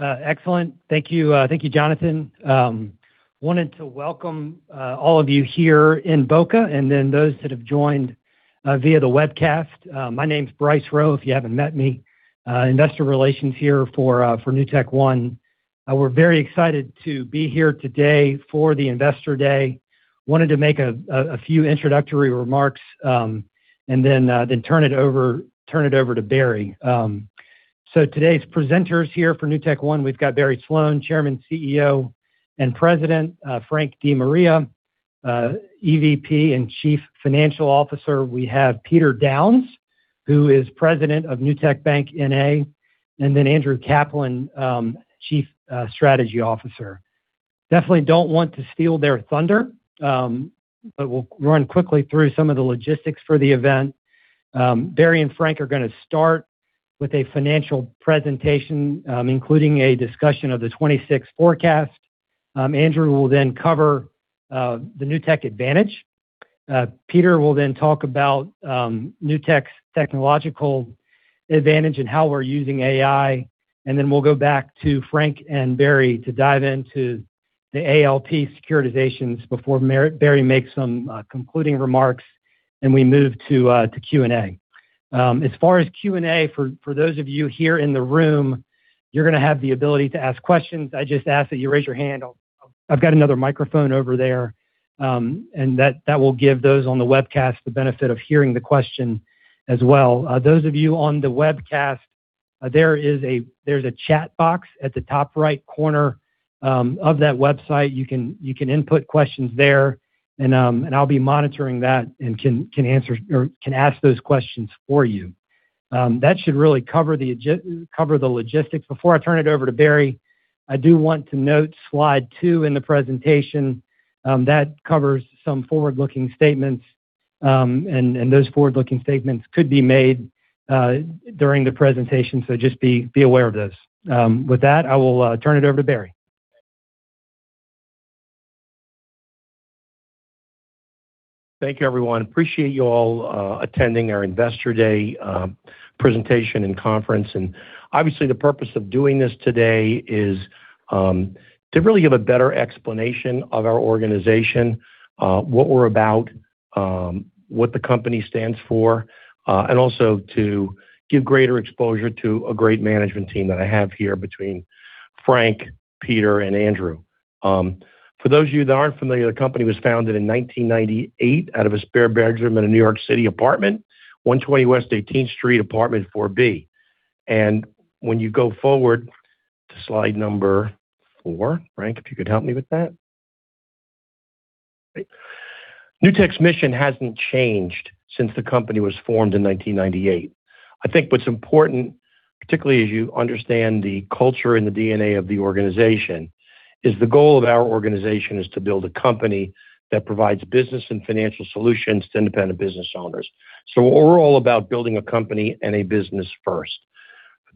Excellent. Thank you, Jonathan. I wanted to welcome all of you here in Boca Raton, and then those that have joined via the webcast. My name's Bryce Rowe, if you haven't met me. Investor Relations here for NewtekOne. We're very excited to be here today for the Investor Day. Wanted to make a few introductory remarks, and then turn it over to Barry. So today's presenters here for NewtekOne, we've got Barry Sloane, Chairman, CEO, and President. Frank DeMaria, EVP and Chief Financial Officer. We have Peter Downs, who is President of Newtek Bank, N.A., and then Andrew Kaplan, Chief Strategy Officer. Definitely don't want to steal their thunder, but we'll run quickly through some of the logistics for the event. Barry and Frank are going to start with a financial presentation, including a discussion of the 2026 forecast. Andrew will then cover the Newtek Advantage. Peter will then talk about Newtek's technological advantage and how we're using AI. Then we'll go back to Frank and Barry to dive into the ALP securitizations before Barry makes some concluding remarks, and we move to Q&A. As far as Q&A, for those of you here in the room, you're going to have the ability to ask questions. I just ask that you raise your hand. I've got another microphone over there, and that will give those on the webcast the benefit of hearing the question as well. Those of you on the webcast, there is a chat box at the top right corner of that website. You can input questions there, and I'll be monitoring that and can ask those questions for you. That should really cover the logistics. Before I turn it over to Barry, I do want to note slide two in the presentation. That covers some forward-looking statements, and those forward-looking statements could be made during the presentation, so just be aware of those. With that, I will turn it over to Barry. Thank you, everyone. Appreciate you all attending our Investor Day presentation and conference. Obviously, the purpose of doing this today is to really give a better explanation of our organization, what we're about, what the company stands for, and also to give greater exposure to a great management team that I have here between Frank, Peter, and Andrew. For those of you that aren't familiar, the company was founded in 1998 out of a spare bedroom in a New York City apartment, 120 West 18th Street, Apartment 4B. When you go forward to slide number four, Frank, if you could help me with that. Newtek's mission hasn't changed since the company was formed in 1998. I think what's important, particularly as you understand the culture and the DNA of the organization, is the goal of our organization is to build a company that provides business and financial solutions to independent business owners. So we're all about building a company and a business first.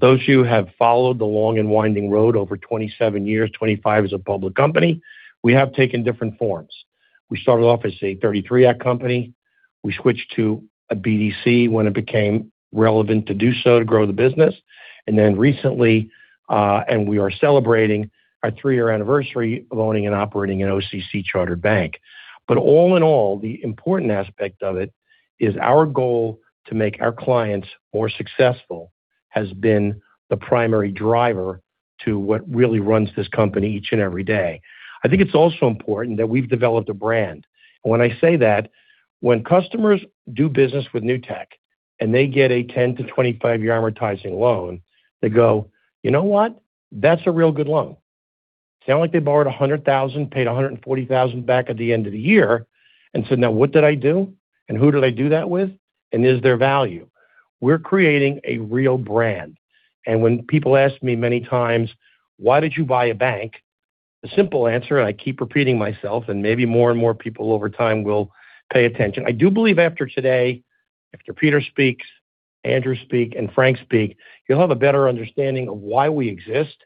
Those of you who have followed the long and winding road over 27 years, 25 as a public company, we have taken different forms. We started off as a '33 Act company. We switched to a BDC when it became relevant to do so to grow the business. And then recently, and we are celebrating our three-year anniversary of owning and operating an OCC-chartered bank. But all in all, the important aspect of it is our goal to make our clients more successful has been the primary driver to what really runs this company each and every day. I think it's also important that we've developed a brand. And when I say that, when customers do business with Newtek and they get a 10-25-year amortizing loan, they go, "You know what? That's a real good loan." Sounds like they borrowed $100,000, paid $140,000 back at the end of the year, and said, "Now, what did I do? And who did I do that with? And is there value?" We're creating a real brand. And when people ask me many times, "Why did you buy a bank?" The simple answer, and I keep repeating myself, and maybe more and more people over time will pay attention. I do believe after today, after Peter speaks, Andrew speaks, and Frank speaks, you'll have a better understanding of why we exist,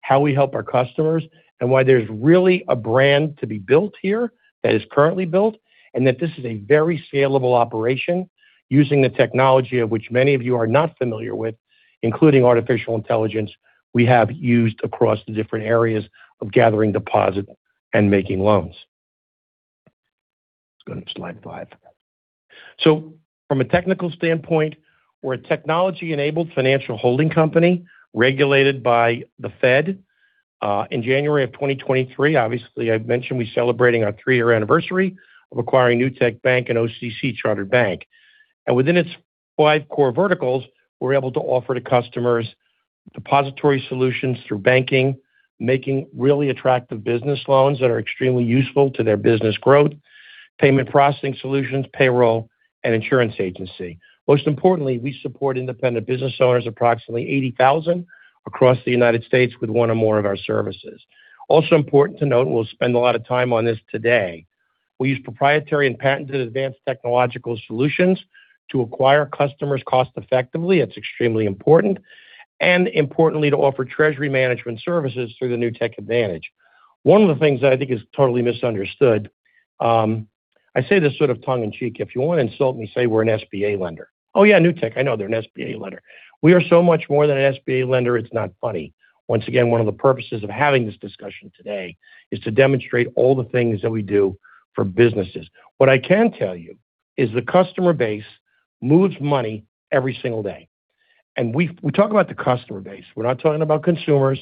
how we help our customers, and why there's really a brand to be built here that is currently built, and that this is a very scalable operation using the technology of which many of you are not familiar with, including artificial intelligence we have used across the different areas of gathering deposit and making loans. Let's go to slide five. So from a technical standpoint, we're a technology-enabled Financial Holding Company regulated by the Fed. In January of 2023, obviously, I mentioned we're celebrating our three-year anniversary of acquiring Newtek Bank and OCC Chartered Bank. Within its five core verticals, we're able to offer to customers depository solutions through banking, making really attractive business loans that are extremely useful to their business growth, payment processing solutions, payroll, and insurance agency. Most importantly, we support independent business owners approximately 80,000 across the United States with one or more of our services. Also important to note, and we'll spend a lot of time on this today, we use proprietary and patented advanced technological solutions to acquire customers cost-effectively. It's extremely important. Importantly, to offer treasury management services through the Newtek Advantage. One of the things that I think is totally misunderstood, I say this sort of tongue-in-cheek, if you want to insult me, say we're an SBA lender. "Oh, yeah, Newtek, I know they're an SBA lender." We are so much more than an SBA lender. It's not funny. Once again, one of the purposes of having this discussion today is to demonstrate all the things that we do for businesses. What I can tell you is the customer base moves money every single day, and we talk about the customer base. We're not talking about consumers.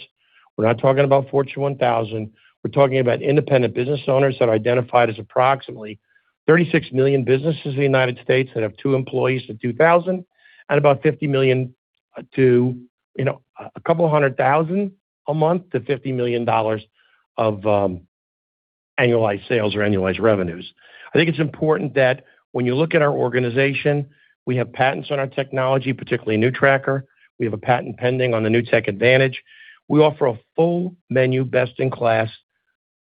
We're not talking about Fortune 1000. We're talking about independent business owners that are identified as approximately 36 million businesses in the United States that have two employees to 2,000, and about $50,000 to a couple hundred thousand a month to $50 million of annualized sales or annualized revenues. I think it's important that when you look at our organization, we have patents on our technology, particularly NewTracker. We have a patent pending on the Newtek Advantage. We offer a full menu, best in class,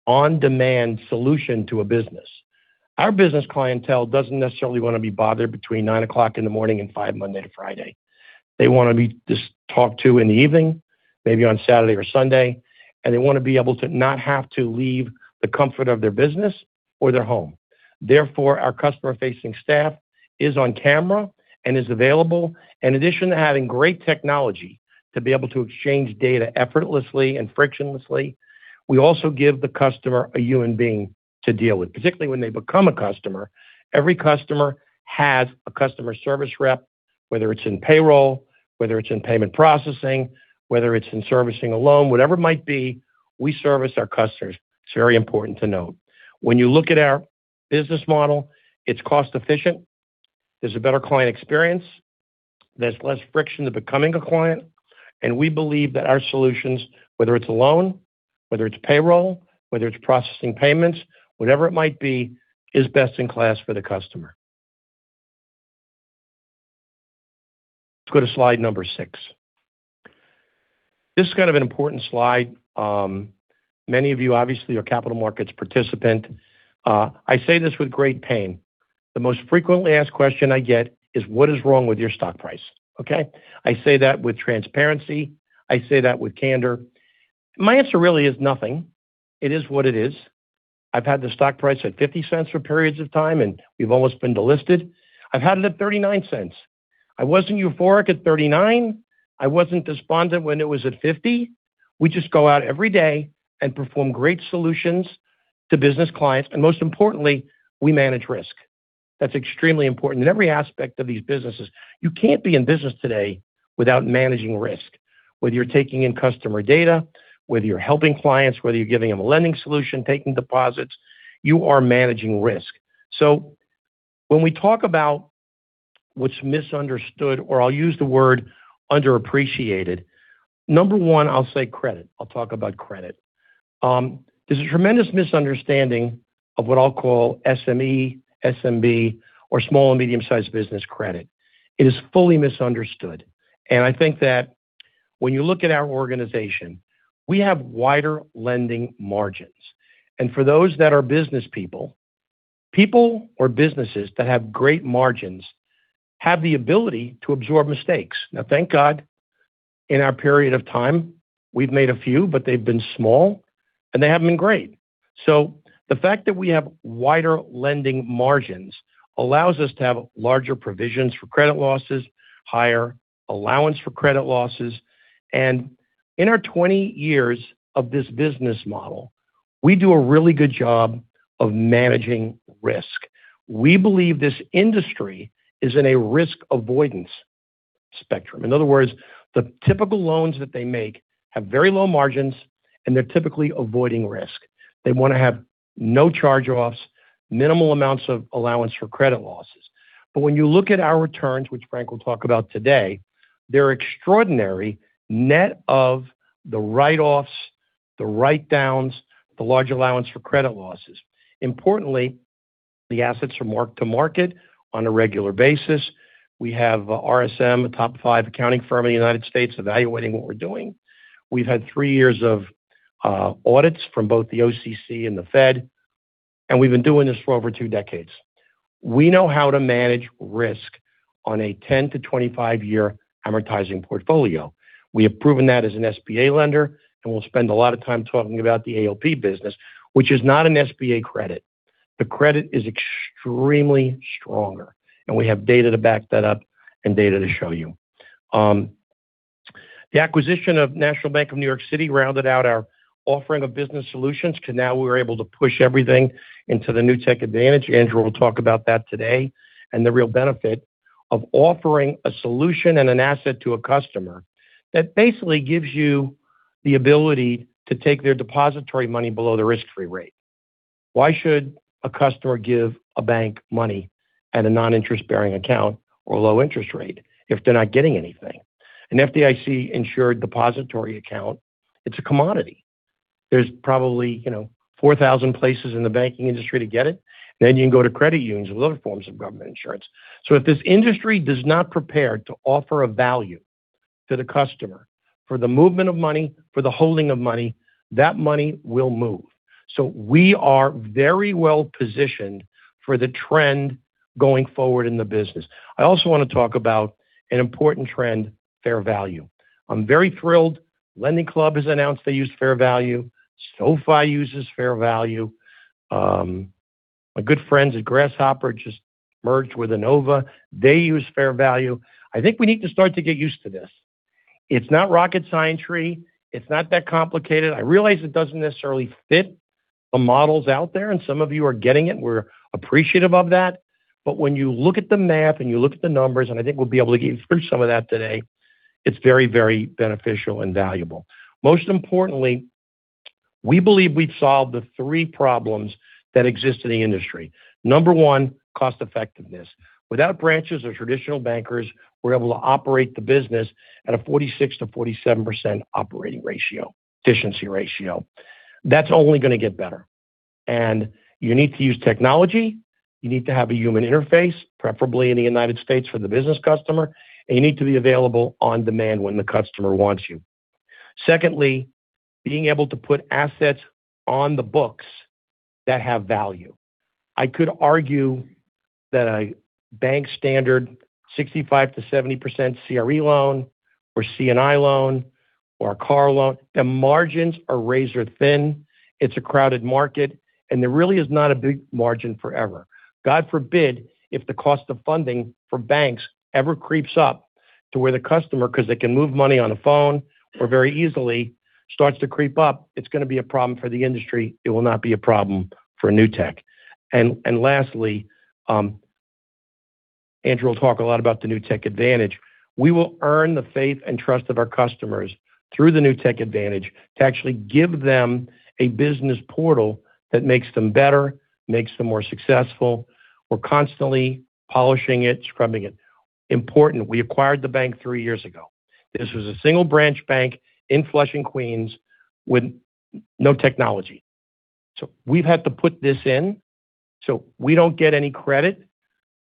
on-demand solution to a business. Our business clientele doesn't necessarily want to be bothered between 9:00 A.M. and 5:00 P.M. Monday to Friday. They want to be talked to in the evening, maybe on Saturday or Sunday, and they want to be able to not have to leave the comfort of their business or their home. Therefore, our customer-facing staff is on camera and is available. In addition to having great technology to be able to exchange data effortlessly and frictionlessly, we also give the customer a human being to deal with, particularly when they become a customer. Every customer has a customer service rep, whether it's in payroll, whether it's in payment processing, whether it's in servicing a loan, whatever it might be, we service our customers. It's very important to note. When you look at our business model, it's cost-efficient. There's a better client experience. There's less friction to becoming a client. And we believe that our solutions, whether it's a loan, whether it's payroll, whether it's processing payments, whatever it might be, is best in class for the customer. Let's go to slide number six. This is kind of an important slide. Many of you obviously are capital markets participant. I say this with great pain. The most frequently asked question I get is, "What is wrong with your stock price?" Okay? I say that with transparency. I say that with candor. My answer really is nothing. It is what it is. I've had the stock price at $0.50 for periods of time, and we've almost been delisted. I've had it at $0.39. I wasn't euphoric at $0.39. I wasn't despondent when it was at $0.50. We just go out every day and perform great solutions to business clients. And most importantly, we manage risk. That's extremely important in every aspect of these businesses. You can't be in business today without managing risk, whether you're taking in customer data, whether you're helping clients, whether you're giving them a lending solution, taking deposits. You are managing risk. So when we talk about what's misunderstood, or I'll use the word underappreciated, number one, I'll say credit. I'll talk about credit. There's a tremendous misunderstanding of what I'll call SME, SMB, or small and medium-sized business credit. It is fully misunderstood. And I think that when you look at our organization, we have wider lending margins. And for those that are business people, people or businesses that have great margins have the ability to absorb mistakes. Now, thank God, in our period of time, we've made a few, but they've been small, and they haven't been great. So the fact that we have wider lending margins allows us to have larger provisions for credit losses, higher allowance for credit losses. And in our 20 years of this business model, we do a really good job of managing risk. We believe this industry is in a risk avoidance spectrum. In other words, the typical loans that they make have very low margins, and they're typically avoiding risk. They want to have no charge-offs, minimal amounts of allowance for credit losses. But when you look at our returns, which Frank will talk about today, they're extraordinary net of the write-offs, the write-downs, the large allowance for credit losses. Importantly, the assets are marked to market on a regular basis. We have RSM, a top five accounting firm in the United States, evaluating what we're doing. We've had three years of audits from both the OCC and the Fed, and we've been doing this for over two decades. We know how to manage risk on a 10-25-year amortizing portfolio. We have proven that as an SBA lender, and we'll spend a lot of time talking about the ALP business, which is not an SBA credit. The credit is extremely stronger, and we have data to back that up and data to show you. The acquisition of National Bank of New York City rounded out our offering of business solutions because now we're able to push everything into the Newtek Advantage. Andrew will talk about that today and the real benefit of offering a solution and an asset to a customer that basically gives you the ability to take their depository money below the risk-free rate. Why should a customer give a bank money at a non-interest-bearing account or low interest rate if they're not getting anything? An FDIC-insured depository account, it's a commodity. There's probably 4,000 places in the banking industry to get it, and then you can go to credit unions with other forms of government insurance. So if this industry does not prepare to offer a value to the customer for the movement of money, for the holding of money, that money will move. So we are very well positioned for the trend going forward in the business. I also want to talk about an important trend, fair value. I'm very thrilled. LendingClub has announced they use fair value. SoFi uses fair value. My good friends at Grasshopper just merged with Enova. They use fair value. I think we need to start to get used to this. It's not rocket science. It's not that complicated. I realize it doesn't necessarily fit the models out there, and some of you are getting it. We're appreciative of that. But when you look at the map and you look at the numbers, and I think we'll be able to get through some of that today, it's very, very beneficial and valuable. Most importantly, we believe we've solved the three problems that exist in the industry. Number one, cost-effectiveness. Without branches or traditional bankers, we're able to operate the business at a 46%-47% operating ratio, efficiency ratio. That's only going to get better. And you need to use technology. You need to have a human interface, preferably in the United States for the business customer, and you need to be available on demand when the customer wants you. Secondly, being able to put assets on the books that have value. I could argue that a bank standard 65%-70% CRE loan or C&I loan or a car loan, the margins are razor thin. It's a crowded market, and there really is not a big margin forever. God forbid if the cost of funding for banks ever creeps up to where the customer, because they can move money on a phone or very easily, starts to creep up, it's going to be a problem for the industry. It will not be a problem for Newtek. And lastly, Andrew will talk a lot about the Newtek Advantage. We will earn the faith and trust of our customers through the Newtek Advantage to actually give them a business portal that makes them better, makes them more successful. We're constantly polishing it, scrubbing it. Important. We acquired the bank three years ago. This was a single-branch bank in Flushing, Queens, with no technology. So we've had to put this in so we don't get any credit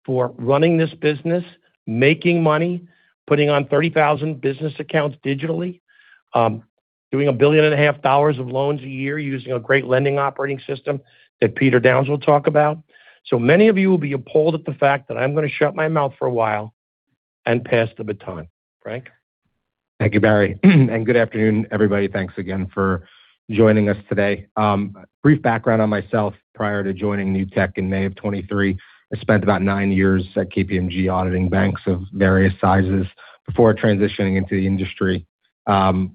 for running this business, making money, putting on 30,000 business accounts digitally, doing $1.5 billion of loans a year using a great lending operating system that Peter Downs will talk about. So many of you will be appalled at the fact that I'm going to shut my mouth for a while and pass the baton. Frank? Thank you, Barry. And good afternoon, everybody. Thanks again for joining us today. Brief background on myself. Prior to joining Newtek in May of 2023, I spent about nine years at KPMG auditing banks of various sizes before transitioning into the industry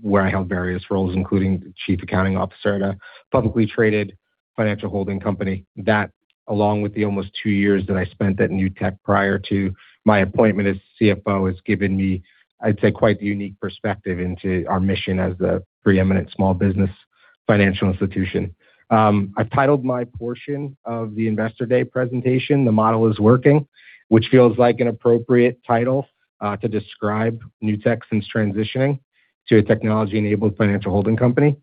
where I held various roles, including Chief Accounting Officer at a publicly traded Financial Holding Company. That, along with the almost two years that I spent at Newtek prior to my appointment as CFO, has given me, I'd say, quite the unique perspective into our mission as a preeminent small business financial institution. I've titled my portion of the Investor Day presentation, "The Model is Working," which feels like an appropriate title to describe Newtek since transitioning to a technology-enabled Financial Holding Company.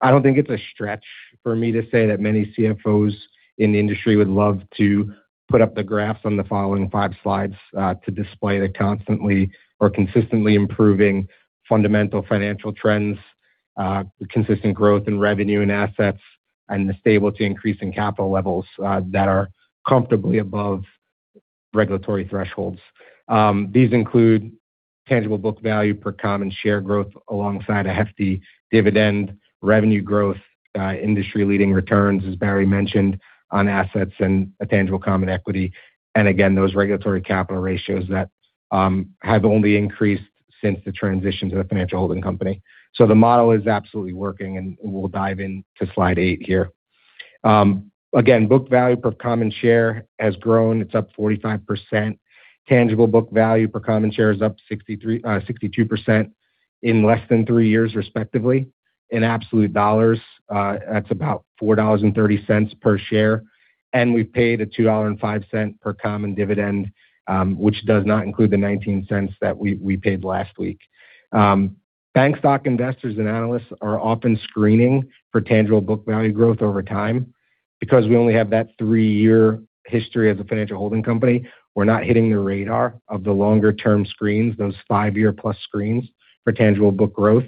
I don't think it's a stretch for me to say that many CFOs in the industry would love to put up the graphs on the following five slides to display the constantly or consistently improving fundamental financial trends, consistent growth in revenue and assets, and the stable to increasing capital levels that are comfortably above regulatory thresholds. These include Tangible Book Value per common share growth alongside a hefty Dividend Revenue growth, industry-leading returns, as Barry mentioned, on Assets and a Tangible Common Equity, and again, those regulatory capital ratios that have only increased since the transition to the Financial Holding Company, so the model is absolutely working, and we'll dive into slide eight here. Again, Book Value per common share has grown. It's up 45%. Tangible Book Value per common share is up 62% in less than three years, respectively. In absolute dollars, that's about $4.30 per share, and we've paid a $2.05 per common dividend, which does not include the $0.19 that we paid last week. Bank stock investors and analysts are often screening for Tangible Book Value growth over time. Because we only have that three-year history as a Financial Holding Company, we're not hitting the radar of the longer-term screens, those five-year-plus screens for Tangible Book Growth.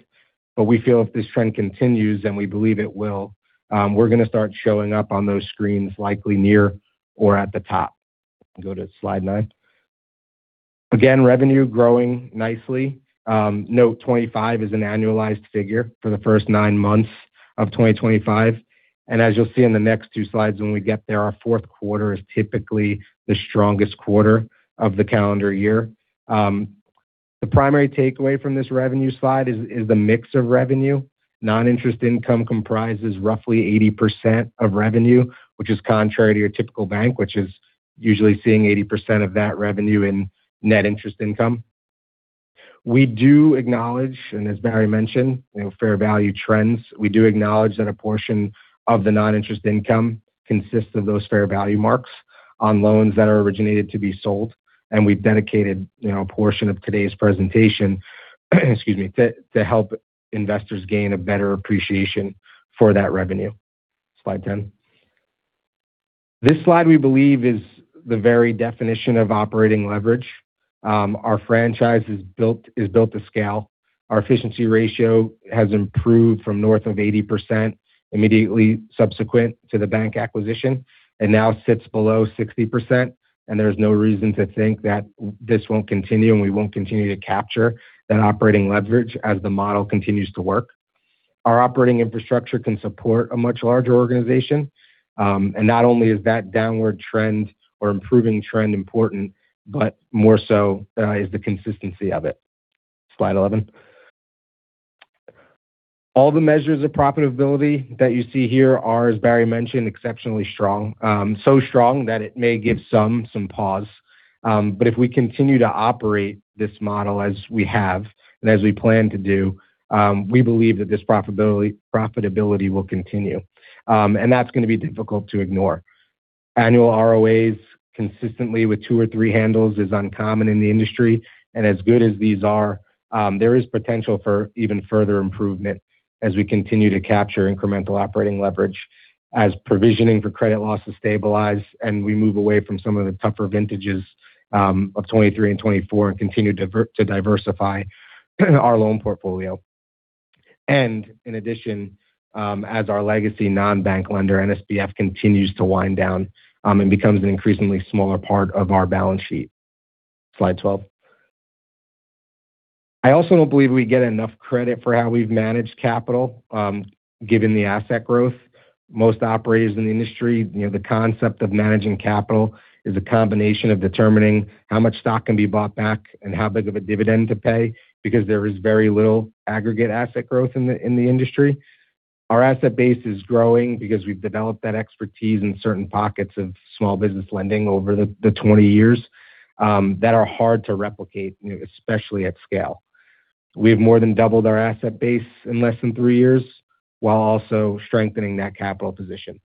But we feel if this trend continues, and we believe it will, we're going to start showing up on those screens likely near or at the top. Go to slide nine. Again, Revenue growing nicely. Note 25 is an annualized figure for the first nine months of 2025. And as you'll see in the next two slides, when we get there, our fourth quarter is typically the strongest quarter of the calendar year. The primary takeaway from this revenue slide is the mix of revenue. Non-interest income comprises roughly 80% of revenue, which is contrary to your typical bank, which is usually seeing 80% of that revenue in Net Interest Income. We do acknowledge, and as Barry mentioned, fair value trends. We do acknowledge that a portion of the non-interest income consists of those fair value marks on loans that are originated to be sold, and we've dedicated a portion of today's presentation to help investors gain a better appreciation for that revenue. Slide 10. This slide, we believe, is the very definition of operating leverage. Our franchise is built to scale. Our efficiency ratio has improved from north of 80% immediately subsequent to the bank acquisition and now sits below 60%, and there's no reason to think that this won't continue and we won't continue to capture that operating leverage as the model continues to work. Our operating infrastructure can support a much larger organization, and not only is that downward trend or improving trend important, but more so is the consistency of it. Slide 11. All the measures of profitability that you see here are, as Barry mentioned, exceptionally strong, so strong that it may give some pause, but if we continue to operate this model as we have and as we plan to do, we believe that this profitability will continue, and that's going to be difficult to ignore. Annual ROAs consistently with two or three handles is uncommon in the industry, and as good as these are, there is potential for even further improvement as we continue to capture incremental operating leverage as provisioning for credit losses stabilize and we move away from some of the tougher vintages of 2023 and 2024 and continue to diversify our loan portfolio, and in addition, as our legacy non-bank lender, NSBF, continues to wind down and becomes an increasingly smaller part of our balance sheet. Slide 12. I also don't believe we get enough credit for how we've managed capital, given the asset growth. Most operators in the industry, the concept of managing capital is a combination of determining how much stock can be bought back and how big of a dividend to pay because there is very little aggregate asset growth in the industry. Our asset base is growing because we've developed that expertise in certain pockets of small business lending over the 20 years that are hard to replicate, especially at scale. We have more than doubled our asset base in less than three years while also strengthening that capital position.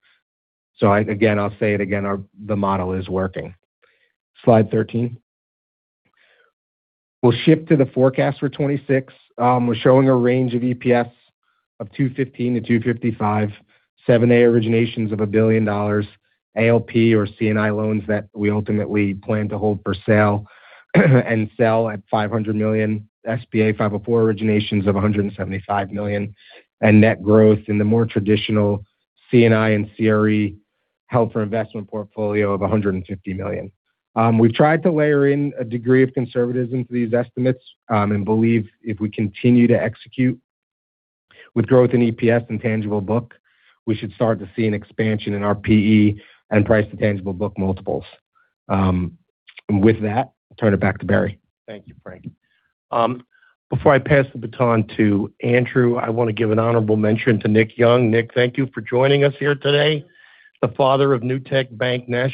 So again, I'll say it again, the model is working. Slide 13. We'll shift to the forecast for 2026. We're showing a range of EPS of $2.15-$2.55, 7(a) originations of $1 billion, ALP or C&I loans that we ultimately plan to hold for sale and sell at $500 million, SBA 504 originations of $175 million, and net growth in the more traditional C&I and CRE held or investment portfolio of $150 million. We've tried to layer in a degree of conservatism to these estimates and believe if we continue to execute with growth in EPS and tangible book, we should start to see an expansion in our PE and price to tangible book multiples. And with that, turn it back to Barry. Thank you, Frank. Before I pass the baton to Andrew, I want to give an honorable mention to Nick Young. Nick, thank you for joining us here today. The father of Newtek Bank, N.A.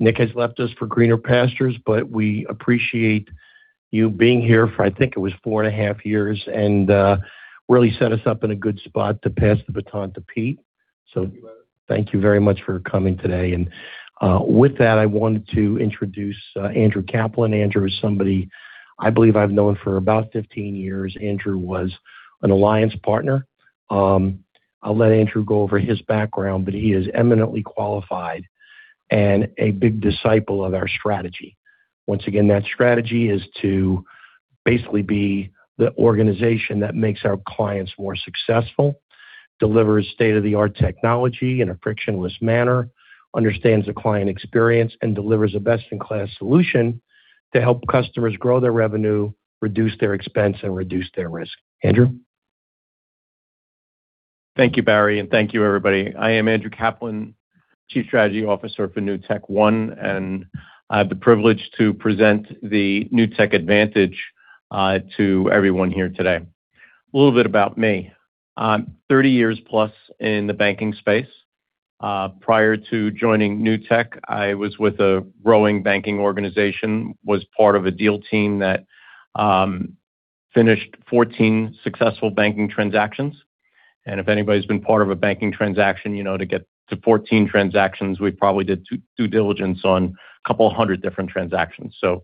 Nick has left us for greener pastures, but we appreciate you being here for, I think it was four and a half years and really set us up in a good spot to pass the baton to Pete. So thank you very much for coming today. And with that, I wanted to introduce Andrew Kaplan. Andrew is somebody I believe I've known for about 15 years. Andrew was an alliance partner. I'll let Andrew go over his background, but he is eminently qualified and a big disciple of our strategy. Once again, that strategy is to basically be the organization that makes our clients more successful, delivers state-of-the-art technology in a frictionless manner, understands the client experience, and delivers a best-in-class solution to help customers grow their revenue, reduce their expense, and reduce their risk. Andrew? Thank you, Barry, and thank you, everybody. I am Andrew Kaplan, Chief Strategy Officer for NewtekOne, and I have the privilege to present the Newtek Advantage to everyone here today. A little bit about me. 30 years plus in the banking space. Prior to joining Newtek, I was with a growing banking organization, was part of a deal team that finished 14 successful banking transactions, and if anybody's been part of a banking transaction, you know to get to 14 transactions, we probably did due diligence on a couple hundred different transactions, so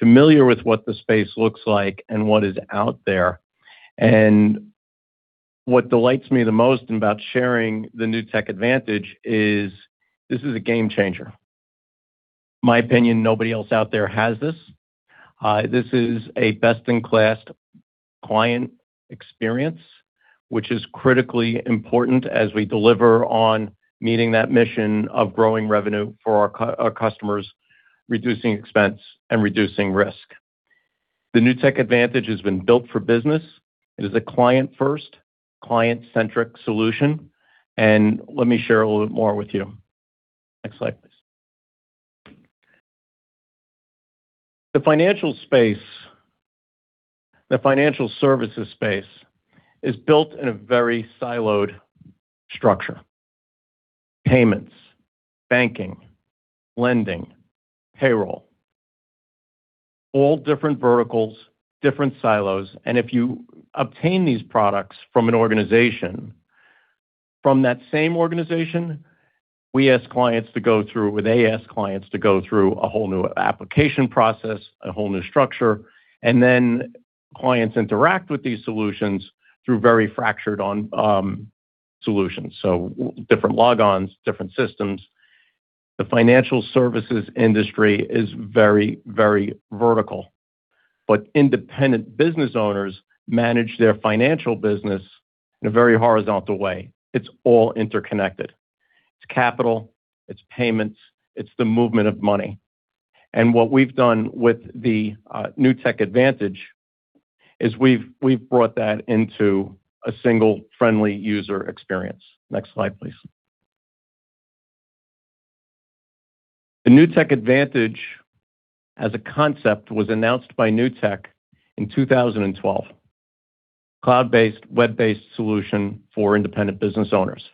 familiar with what the space looks like and what is out there, and what delights me the most about sharing the Newtek Advantage is this is a game changer. In my opinion, nobody else out there has this. This is a best-in-class client experience, which is critically important as we deliver on meeting that mission of growing revenue for our customers, reducing expense, and reducing risk. The Newtek Advantage has been built for business. It is a client-first, client-centric solution, and let me share a little bit more with you. Next slide, please. The financial space, the financial services space is built in a very siloed structure. Payments, banking, lending, payroll, all different verticals, different silos, and if you obtain these products from an organization, from that same organization, we ask clients to go through, or they ask clients to go through a whole new application process, a whole new structure, and then clients interact with these solutions through very fractured solutions, so different logons, different systems. The financial services industry is very, very vertical, but independent business owners manage their financial business in a very horizontal way. It's all interconnected. It's capital, it's payments, it's the movement of money. And what we've done with the Newtek Advantage is we've brought that into a single friendly user experience. Next slide, please. The Newtek Advantage, as a concept, was announced by Newtek in 2012. Cloud-based, web-based solution for independent business owners.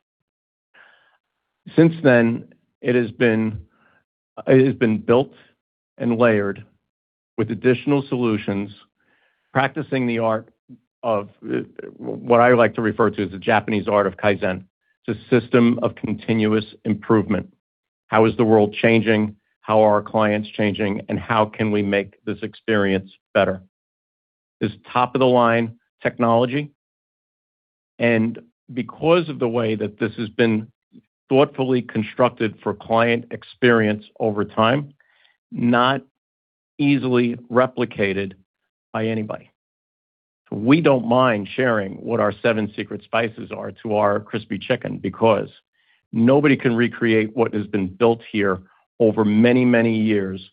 Since then, it has been built and layered with additional solutions, practicing the art of what I like to refer to as the Japanese art of Kaizen. It's a system of continuous improvement. How is the world changing? How are our clients changing? And how can we make this experience better? It's top-of-the-line technology. And because of the way that this has been thoughtfully constructed for client experience over time, not easily replicated by anybody. We don't mind sharing what our seven secret spices are to our crispy chicken because nobody can recreate what has been built here over many, many years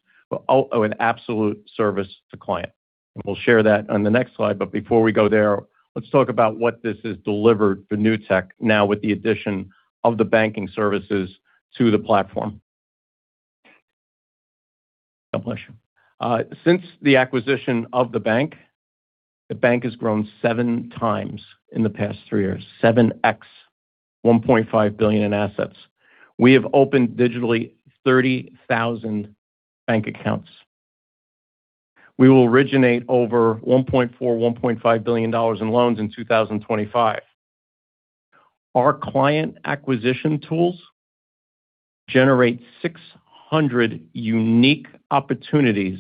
with absolute service to client. And we'll share that on the next slide. But before we go there, let's talk about what this has delivered for Newtek now with the addition of the banking services to the platform. It's a pleasure. Since the acquisition of the bank, the bank has grown seven times in the past three years. 7X, $1.5 billion in assets. We have opened digitally 30,000 bank accounts. We will originate over $1.4-$1.5 billion in loans in 2025. Our client acquisition tools generate 600 unique opportunities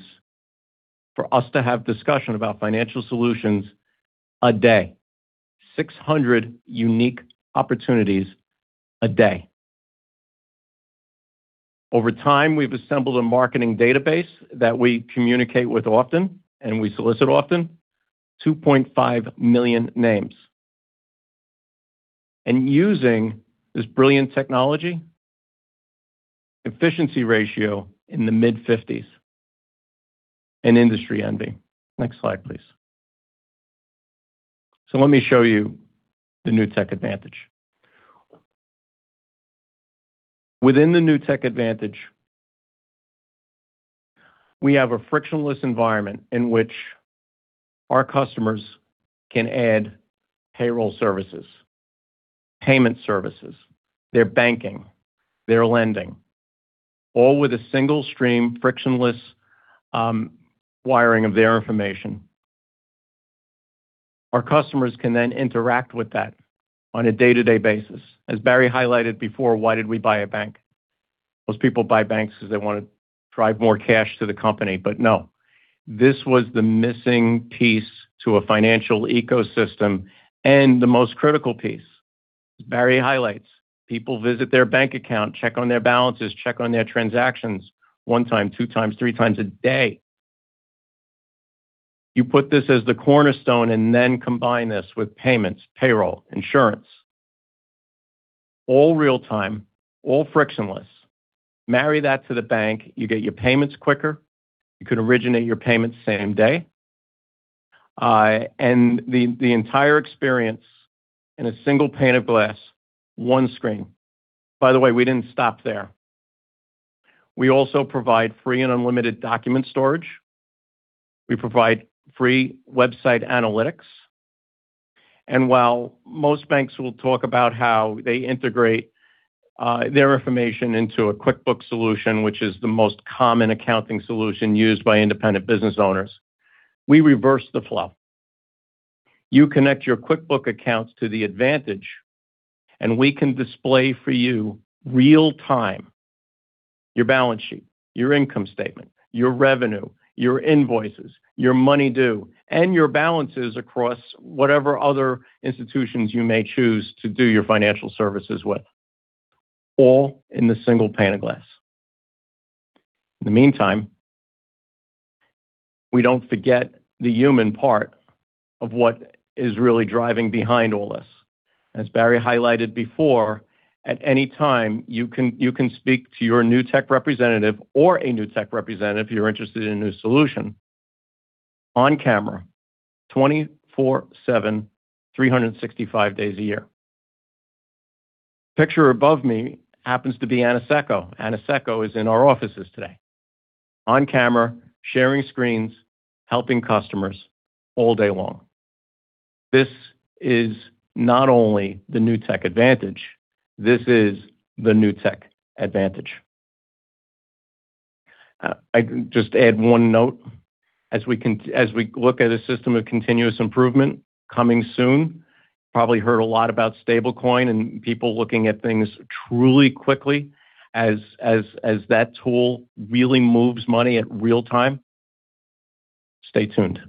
for us to have discussion about financial solutions a day. 600 unique opportunities a day. Over time, we've assembled a marketing database that we communicate with often and we solicit often. 2.5 million names. And using this brilliant technology, efficiency ratio in the mid-50s%. An industry envy. Next slide, please. So let me show you the Newtek Advantage. Within the Newtek Advantage, we have a frictionless environment in which our customers can add payroll services, payment services, their banking, their lending, all with a single stream frictionless wiring of their information. Our customers can then interact with that on a day-to-day basis. As Barry highlighted before, why did we buy a bank? Most people buy banks because they want to drive more cash to the company. But no, this was the missing piece to a financial ecosystem. And the most critical piece, as Barry highlights, people visit their bank account, check on their balances, check on their transactions one time, two times, three times a day. You put this as the cornerstone and then combine this with payments, payroll, insurance. All real-time, all frictionless. Marry that to the bank, you get your payments quicker. You can originate your payments same day, and the entire experience in a single pane of glass, one screen. By the way, we didn't stop there. We also provide free and unlimited document storage. We provide free website analytics, and while most banks will talk about how they integrate their information into a QuickBooks solution, which is the most common accounting solution used by independent business owners, we reverse the flow. You connect your QuickBooks accounts to the Advantage, and we can display for you real-time your balance sheet, your income statement, your revenue, your invoices, your money due, and your balances across whatever other institutions you may choose to do your financial services with. All in the single pane of glass. In the meantime, we don't forget the human part of what is really driving behind all this. As Barry highlighted before, at any time, you can speak to your Newtek representative or a Newtek representative if you're interested in a new solution on camera, 24/7, 365 days a year. The picture above me happens to be Aniseko. Aniseko is in our offices today. On camera, sharing screens, helping customers all day long. This is not only the Newtek Advantage. This is the Newtek Advantage. I can just add one note. As we look at a system of continuous improvement coming soon, you've probably heard a lot about Stablecoin and people looking at things truly quickly as that tool really moves money at real-time. Stay tuned.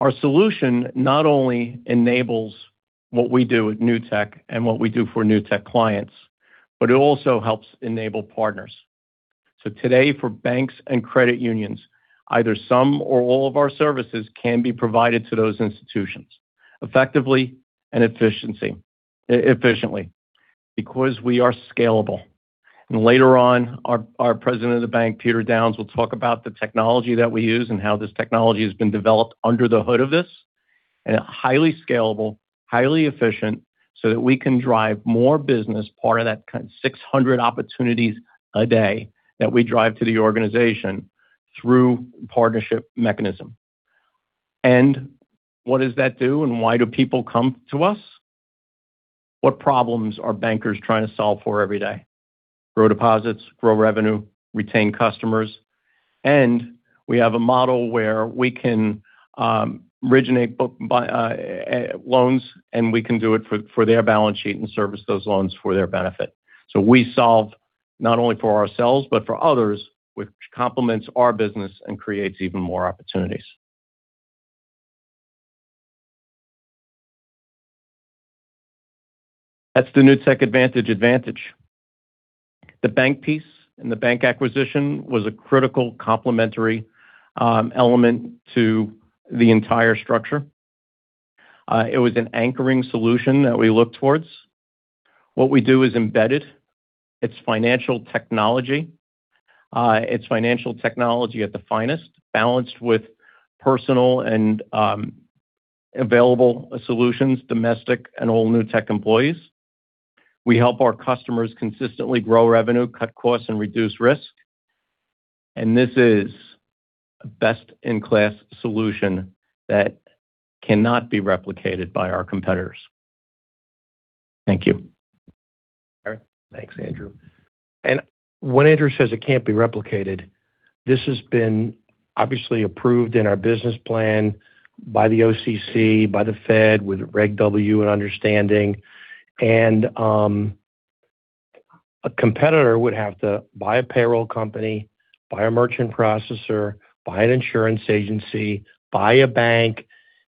Our solution not only enables what we do at Newtek and what we do for Newtek clients, but it also helps enable partners. So today, for banks and credit unions, either some or all of our services can be provided to those institutions effectively and efficiently because we are scalable. And later on, our President of the bank, Peter Downs, will talk about the technology that we use and how this technology has been developed under the hood of this. And it's highly scalable, highly efficient so that we can drive more business, part of that kind of 600 opportunities a day that we drive to the organization through a partnership mechanism. And what does that do and why do people come to us? What problems are bankers trying to solve for every day? Grow deposits, grow revenue, retain customers. And we have a model where we can originate loans, and we can do it for their balance sheet and service those loans for their benefit. So we solve not only for ourselves, but for others, which complements our business and creates even more opportunities. That's the Newtek Advantage advantage. The bank piece and the bank acquisition was a critical complementary element to the entire structure. It was an anchoring solution that we looked towards. What we do is embedded. It's financial technology. It's financial technology at the finest, balanced with personal and available solutions, domestic and all Newtek employees. We help our customers consistently grow revenue, cut costs, and reduce risk. And this is a best-in-class solution that cannot be replicated by our competitors. Thank you. Thanks, Andrew. And when Andrew says it can't be replicated, this has been obviously approved in our business plan by the OCC, by the Fed, with Reg W and understanding. And a competitor would have to buy a payroll company, buy a merchant processor, buy an insurance agency, buy a bank,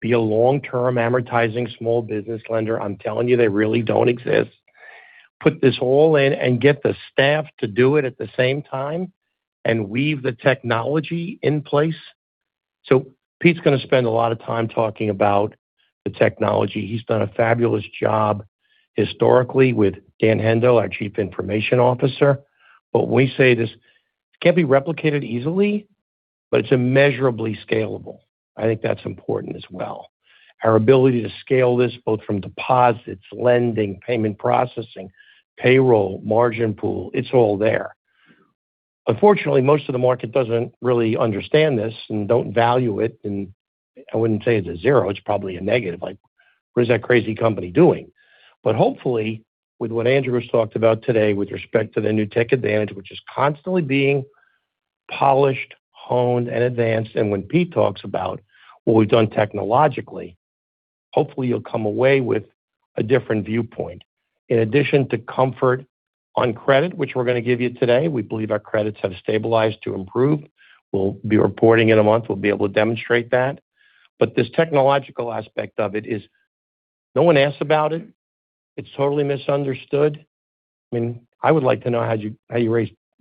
be a long-term amortizing small business lender. I'm telling you, they really don't exist. Put this all in and get the staff to do it at the same time and weave the technology in place. So Pete's going to spend a lot of time talking about the technology. He's done a fabulous job historically with Dan Hendel, our Chief Information Officer. But when we say this, it can't be replicated easily, but it's immeasurably scalable. I think that's important as well. Our ability to scale this, both from deposits, lending, payment processing, payroll, margin pool, it's all there. Unfortunately, most of the market doesn't really understand this and don't value it. And I wouldn't say it's a zero. It's probably a negative. Like, what is that crazy company doing? But hopefully, with what Andrew has talked about today with respect to the Newtek Advantage, which is constantly being polished, honed, and advanced, when Pete talks about what we've done technologically, hopefully, you'll come away with a different viewpoint. In addition to comfort on credit, which we're going to give you today, we believe our credits have stabilized to improve. We'll be reporting in a month. We'll be able to demonstrate that. But this technological aspect of it is, no one asked about it. It's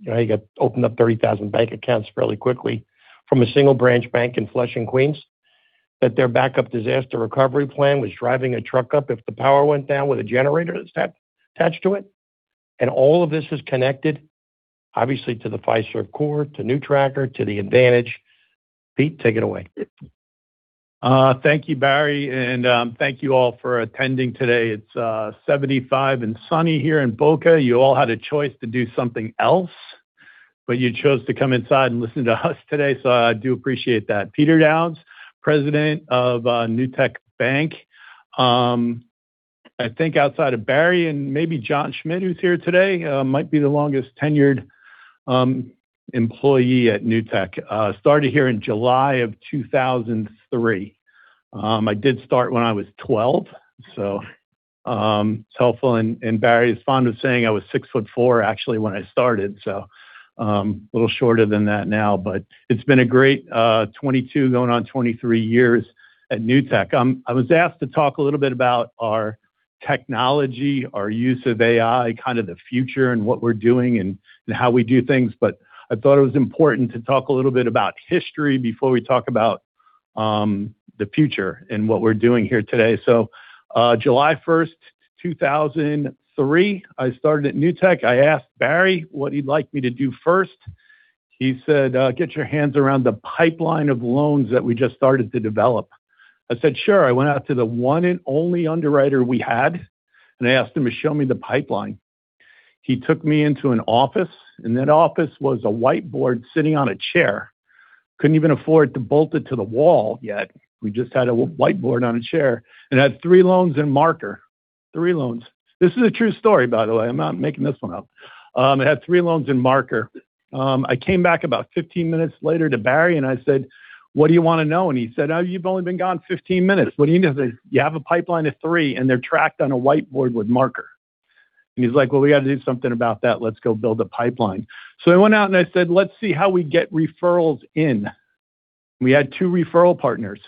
totally misunderstood. I mean, I would like to know how you got to open up 30,000 bank accounts fairly quickly from a single branch bank in Flushing, Queens, that their backup disaster recovery plan was driving a truck up if the power went down with a generator attached to it. And all of this is connected, obviously, to the Fiserv core, to NewTracker, to the Advantage. Pete, take it away. Thank you, Barry. And thank you all for attending today. It's 75 degrees and sunny here in Boca. You all had a choice to do something else, but you chose to come inside and listen to us today. So I do appreciate that. Peter Downs, President of Newtek Bank. I think outside of Barry and maybe John Schmid, who's here today, might be the longest tenured employee at Newtek. Started here in July of 2003. I did start when I was 12. So it's helpful. And Barry is fond of saying I was six foot four, actually, when I started. So a little shorter than that now. But it's been a great 22, going on 23 years at Newtek. I was asked to talk a little bit about our technology, our use of AI, kind of the future and what we're doing and how we do things. But I thought it was important to talk a little bit about history before we talk about the future and what we're doing here today. So July 1st, 2003, I started at Newtek. I asked Barry what he'd like me to do first. He said, "Get your hands around the pipeline of loans that we just started to develop." I said, "Sure." I went out to the one and only underwriter we had, and I asked him to show me the pipeline. He took me into an office, and that office was a whiteboard sitting on a chair. Couldn't even afford to bolt it to the wall yet. We just had a whiteboard on a chair. It had three loans and marker. This is a true story, by the way. I'm not making this one up. I came back about 15 minutes later to Barry, and I said, "What do you want to know?" And he said, "Oh, you've only been gone 15 minutes. What do you need?" I said, "You have a pipeline of three, and they're tracked on a whiteboard with marker." And he's like, "Well, we got to do something about that. Let's go build a pipeline." So I went out and I said, "Let's see how we get referrals in." We had two referral partners.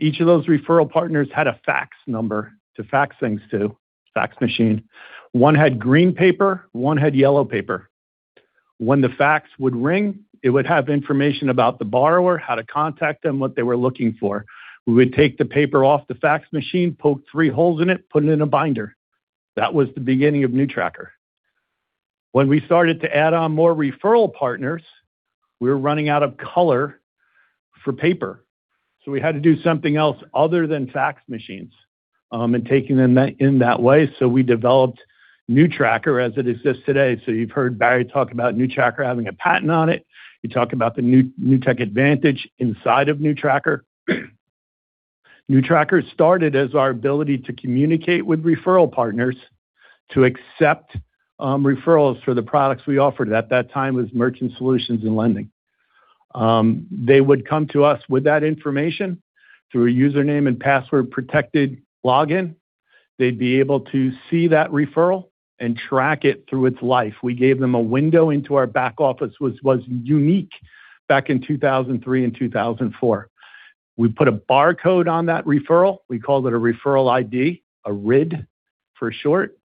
Each of those referral partners had a fax number to fax things to, fax machine. One had green paper, one had yellow paper. When the fax would ring, it would have information about the borrower, how to contact them, what they were looking for. We would take the paper off the fax machine, poke three holes in it, put it in a binder. That was the beginning of NewTracker. When we started to add on more referral partners, we were running out of color for paper. So we had to do something else other than fax machines and taking them in that way. So we developed NewTracker as it exists today. So you've heard Barry talk about NewTracker having a patent on it. You talk about the Newtek Advantage inside of NewTracker. NewTracker started as our ability to communicate with referral partners to accept referrals for the products we offered. At that time was merchant solutions and lending. They would come to us with that information through a username and password-protected login. They'd be able to see that referral and track it through its life. We gave them a window into our back office, was unique back in 2003 and 2004. We put a barcode on that referral. We called it a referral ID, a RID for short.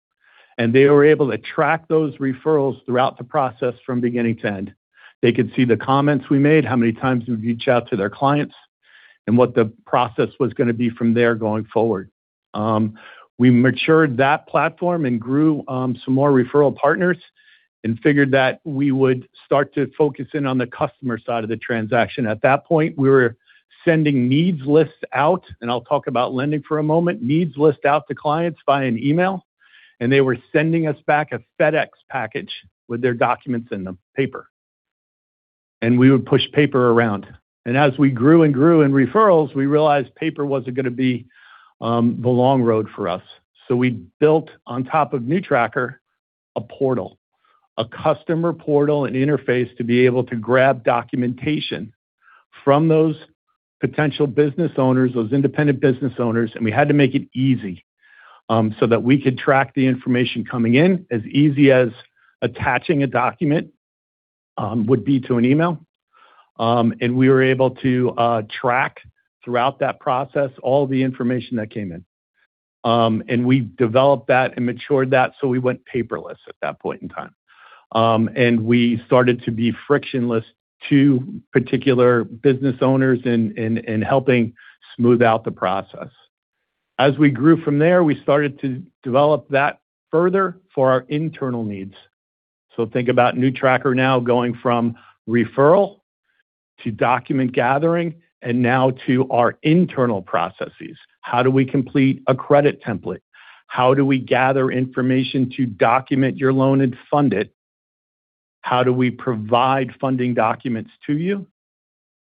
And they were able to track those referrals throughout the process from beginning to end. They could see the comments we made, how many times we reached out to their clients, and what the process was going to be from there going forward. We matured that platform and grew some more referral partners and figured that we would start to focus in on the customer side of the transaction. At that point, we were sending needs lists out, and I'll talk about lending for a moment, needs lists out to clients via an email. They were sending us back a FedEx package with their documents in them, paper. We would push paper around. As we grew and grew in referrals, we realized paper wasn't going to be the long road for us. We built on top of NewTracker a portal, a customer portal, an interface to be able to grab documentation from those potential business owners, those independent business owners. We had to make it easy so that we could track the information coming in as easy as attaching a document would be to an email. We were able to track throughout that process all the information that came in. We developed that and matured that. We went paperless at that point in time. We started to be frictionless to particular business owners in helping smooth out the process. As we grew from there, we started to develop that further for our internal needs so think about NewTracker now going from referral to document gathering and now to our internal processes. How do we complete a credit template? How do we gather information to document your loan and fund it? How do we provide funding documents to you?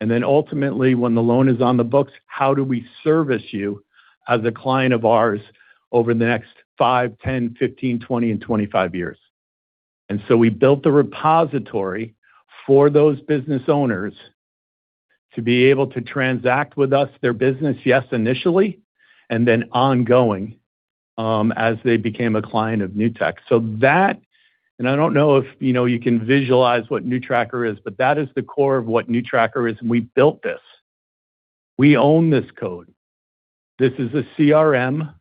And then ultimately, when the loan is on the books, how do we service you as a client of ours over the next 5, 10, 15, 20, and 25 years? And so we built the repository for those business owners to be able to transact with us their business, yes, initially, and then ongoing as they became a client of Newtek so that, and I don't know if you can visualize what NewTracker is, but that is the core of what NewTracker is. And we built this. We own this code. This is a CRM.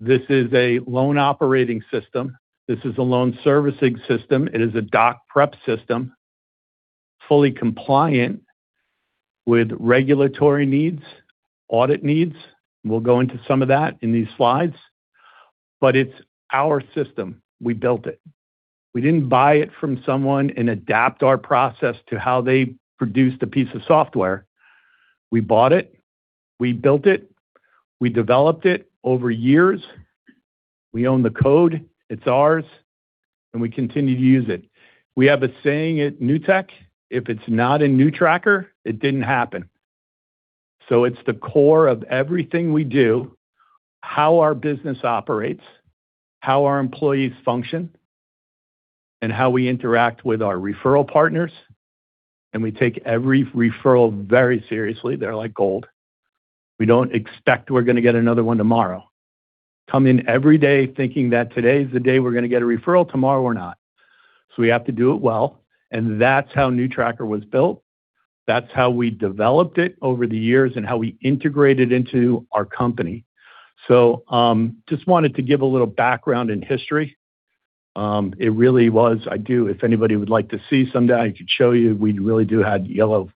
This is a loan operating system. This is a loan servicing system. It is a doc prep system, fully compliant with regulatory needs, audit needs. We'll go into some of that in these slides. But it's our system. We built it. We didn't buy it from someone and adapt our process to how they produced a piece of software. We bought it. We built it. We developed it over years. We own the code. It's ours. And we continue to use it. We have a saying at Newtek, "If it's not in NewTracker, it didn't happen." So it's the core of everything we do, how our business operates, how our employees function, and how we interact with our referral partners. And we take every referral very seriously. They're like gold. We don't expect we're going to get another one tomorrow. Come in every day thinking that today is the day we're going to get a referral. Tomorrow, we're not. So we have to do it well. And that's how NewTracker was built. That's how we developed it over the years and how we integrated into our company. So just wanted to give a little background and history. It really was. If anybody would like to see something, I could show you. We really do have yellow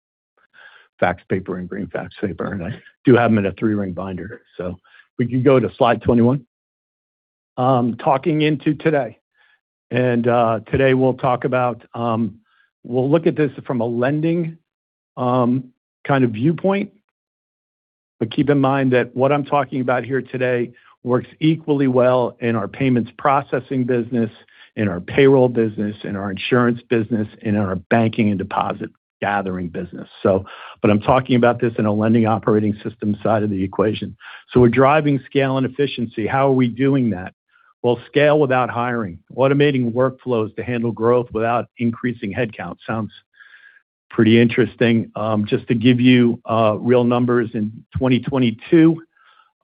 fax paper and green fax paper. And I do have them in a three-ring binder. So we can go to slide 21. Turning to today. Today, we'll talk about. We'll look at this from a lending kind of viewpoint. But keep in mind that what I'm talking about here today works equally well in our payments processing business, in our payroll business, in our insurance business, and in our banking and deposit gathering business. But I'm talking about this in a lending operating system side of the equation. So we're driving scale and efficiency. How are we doing that? Well, scale without hiring, automating workflows to handle growth without increasing headcount. Sounds pretty interesting. Just to give you real numbers, in 2022,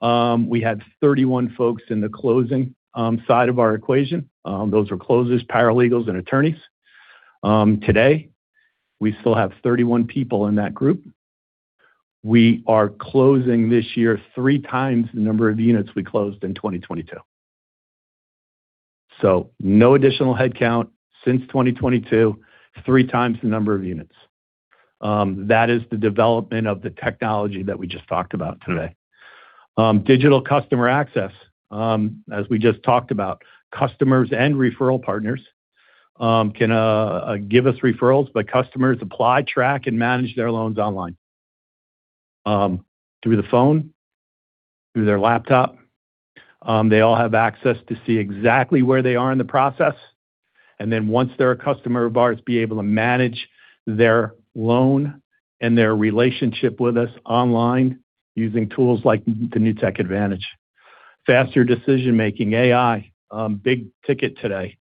we had 31 folks in the closing side of our equation. Those were closers, paralegals, and attorneys. Today, we still have 31 people in that group. We are closing this year three times the number of units we closed in 2022. So no additional headcount since 2022, three times the number of units. That is the development of the technology that we just talked about today. Digital customer access, as we just talked about. Customers and referral partners can give us referrals, but customers apply, track, and manage their loans online through the phone, through their laptop. They all have access to see exactly where they are in the process. And then once they're a customer of ours, be able to manage their loan and their relationship with us online using tools like the Newtek Advantage. Faster decision-making, AI, big ticket today.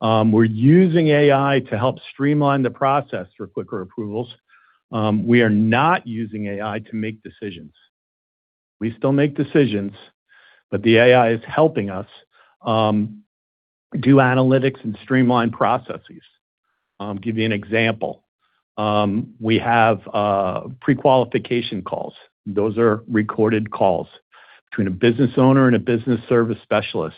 We're using AI to help streamline the process for quicker approvals. We are not using AI to make decisions. We still make decisions, but the AI is helping us do analytics and streamline processes. I'll give you an example. We have pre-qualification calls. Those are recorded calls between a business owner and a business service specialist.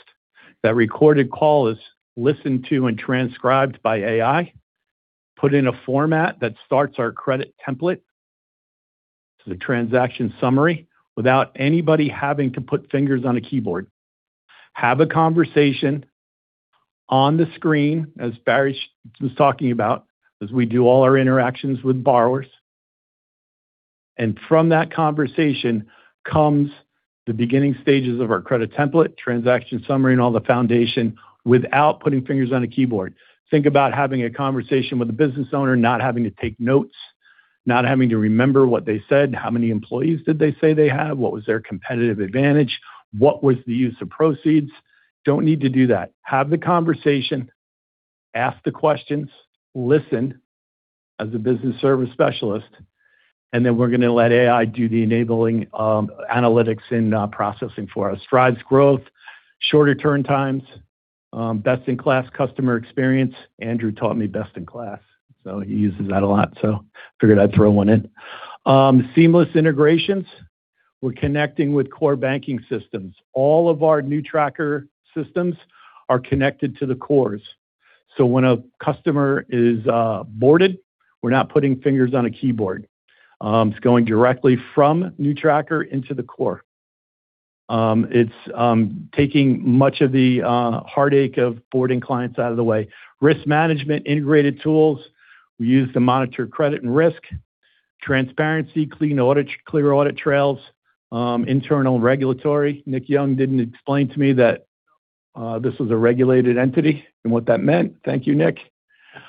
That recorded call is listened to and transcribed by AI, put in a format that starts our credit template as a transaction summary without anybody having to put fingers on a keyboard. Have a conversation on the screen, as Barry was talking about, as we do all our interactions with borrowers, and from that conversation comes the beginning stages of our credit template, transaction summary, and all the foundation without putting fingers on a keyboard. Think about having a conversation with a business owner, not having to take notes, not having to remember what they said, how many employees did they say they have, what was their competitive advantage, what was the use of proceeds. Don't need to do that. Have the conversation, ask the questions, listen as a business service specialist, and then we're going to let AI do the enabling analytics and processing for us. Drives growth, shorter turn times, best-in-class customer experience. Andrew taught me best-in-class. So he uses that a lot. So I figured I'd throw one in. Seamless integrations. We're connecting with core banking systems. All of our NewTracker systems are connected to the cores. So when a customer is boarded, we're not putting fingers on a keyboard. It's going directly from NewTracker into the core. It's taking much of the heartache of boarding clients out of the way. Risk management, integrated tools. We use to monitor credit and risk. Transparency, clear audit trails, internal regulatory. Nick Young didn't explain to me that this was a regulated entity and what that meant. Thank you, Nick.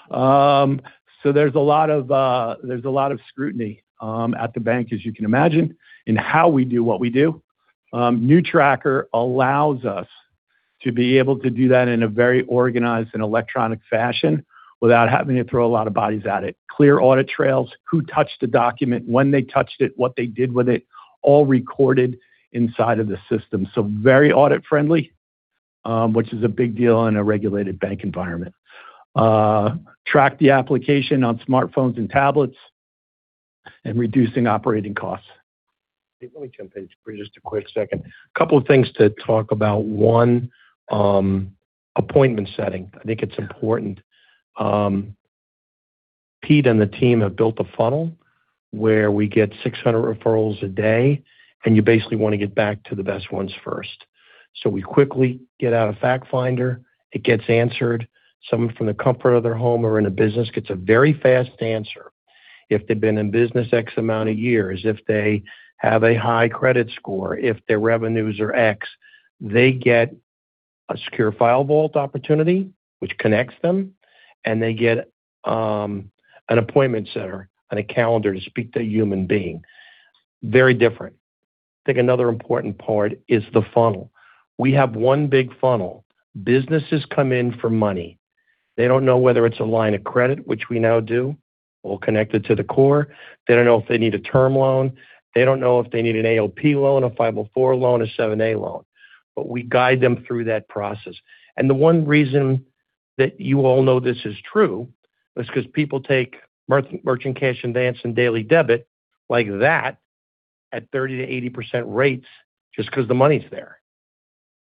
So there's a lot of scrutiny at the bank, as you can imagine, in how we do what we do. NewTracker allows us to be able to do that in a very organized and electronic fashion without having to throw a lot of bodies at it. Clear audit trails, who touched the document, when they touched it, what they did with it, all recorded inside of the system, so very audit-friendly, which is a big deal in a regulated bank environment. Track the application on smartphones and tablets and reducing operating costs. Let me jump in just for a quick second. A couple of things to talk about. One, appointment setting. I think it's important. Pete and the team have built a funnel where we get 600 referrals a day, and you basically want to get back to the best ones first, so we quickly get out of FactFinder. It gets answered. Someone from the comfort of their home or in a business gets a very fast answer. If they've been in business X amount of years, if they have a high credit score, if their revenues are X, they get a secure file vault opportunity, which connects them, and they get an appointment setter and a calendar to speak to a human being. Very different. I think another important part is the funnel. We have one big funnel. Businesses come in for money. They don't know whether it's a line of credit, which we now do. We'll connect it to the core. They don't know if they need a term loan. They don't know if they need an ALP loan, a 504 loan, a 7(a) loan. But we guide them through that process, and the one reason that you all know this is true is because people take merchant cash advance and daily debit like that at 30%-80% rates just because the money's there.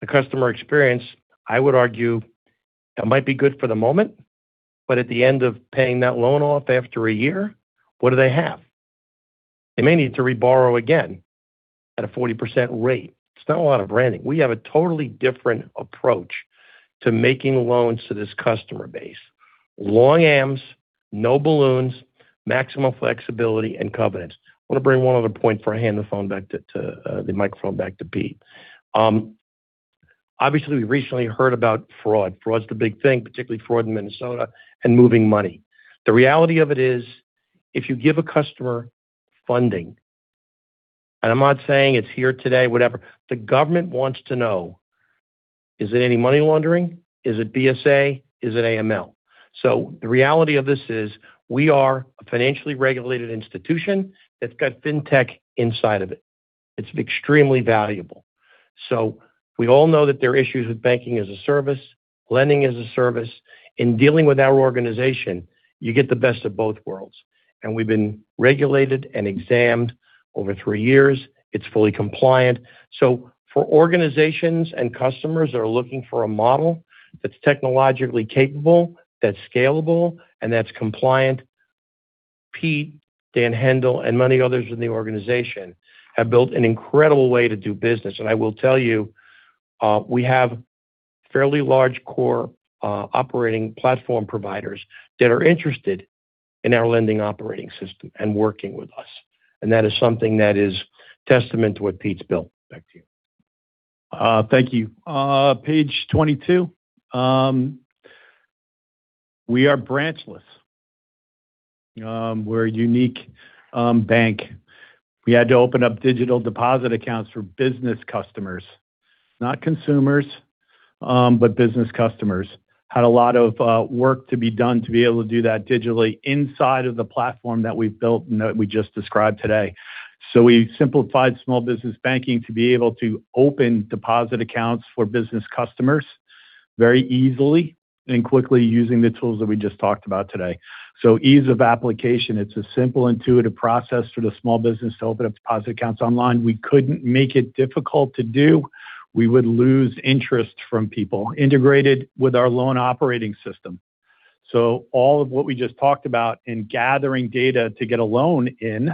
The customer experience, I would argue, it might be good for the moment, but at the end of paying that loan off after a year, what do they have? They may need to reborrow again at a 40% rate. It's not a lot of renting. We have a totally different approach to making loans to this customer base. Long terms, no balloons, maximum flexibility, and covenants. I want to bring one other point up before handing the microphone back to Pete. Obviously, we recently heard about fraud. Fraud's the big thing, particularly fraud in Minnesota and moving money. The reality of it is, if you give a customer funding, and I'm not saying it's here today, whatever, the government wants to know, is it any money laundering? Is it BSA? Is it AML? So the reality of this is we are a financially regulated institution that's got fintech inside of it. It's extremely valuable, so we all know that there are issues with banking as a service, lending as a service. In dealing with our organization, you get the best of both worlds, and we've been regulated and examined over three years. It's fully compliant. So for organizations and customers that are looking for a model that's technologically capable, that's scalable, and that's compliant, Pete, Dan Hendel, and many others in the organization have built an incredible way to do business, and I will tell you, we have fairly large core operating platform providers that are interested in our lending operating system and working with us, and that is something that is testament to what Pete's built. Back to you. Thank you. Page 22. We are branchless. We're a unique bank. We had to open up digital deposit accounts for business customers, not consumers, but business customers. Had a lot of work to be done to be able to do that digitally inside of the platform that we've built and that we just described today. So we simplified small business banking to be able to open deposit accounts for business customers very easily and quickly using the tools that we just talked about today. So ease of application. It's a simple, intuitive process for the small business to open up deposit accounts online. We couldn't make it difficult to do. We would lose interest from people integrated with our loan operating system. So all of what we just talked about in gathering data to get a loan in,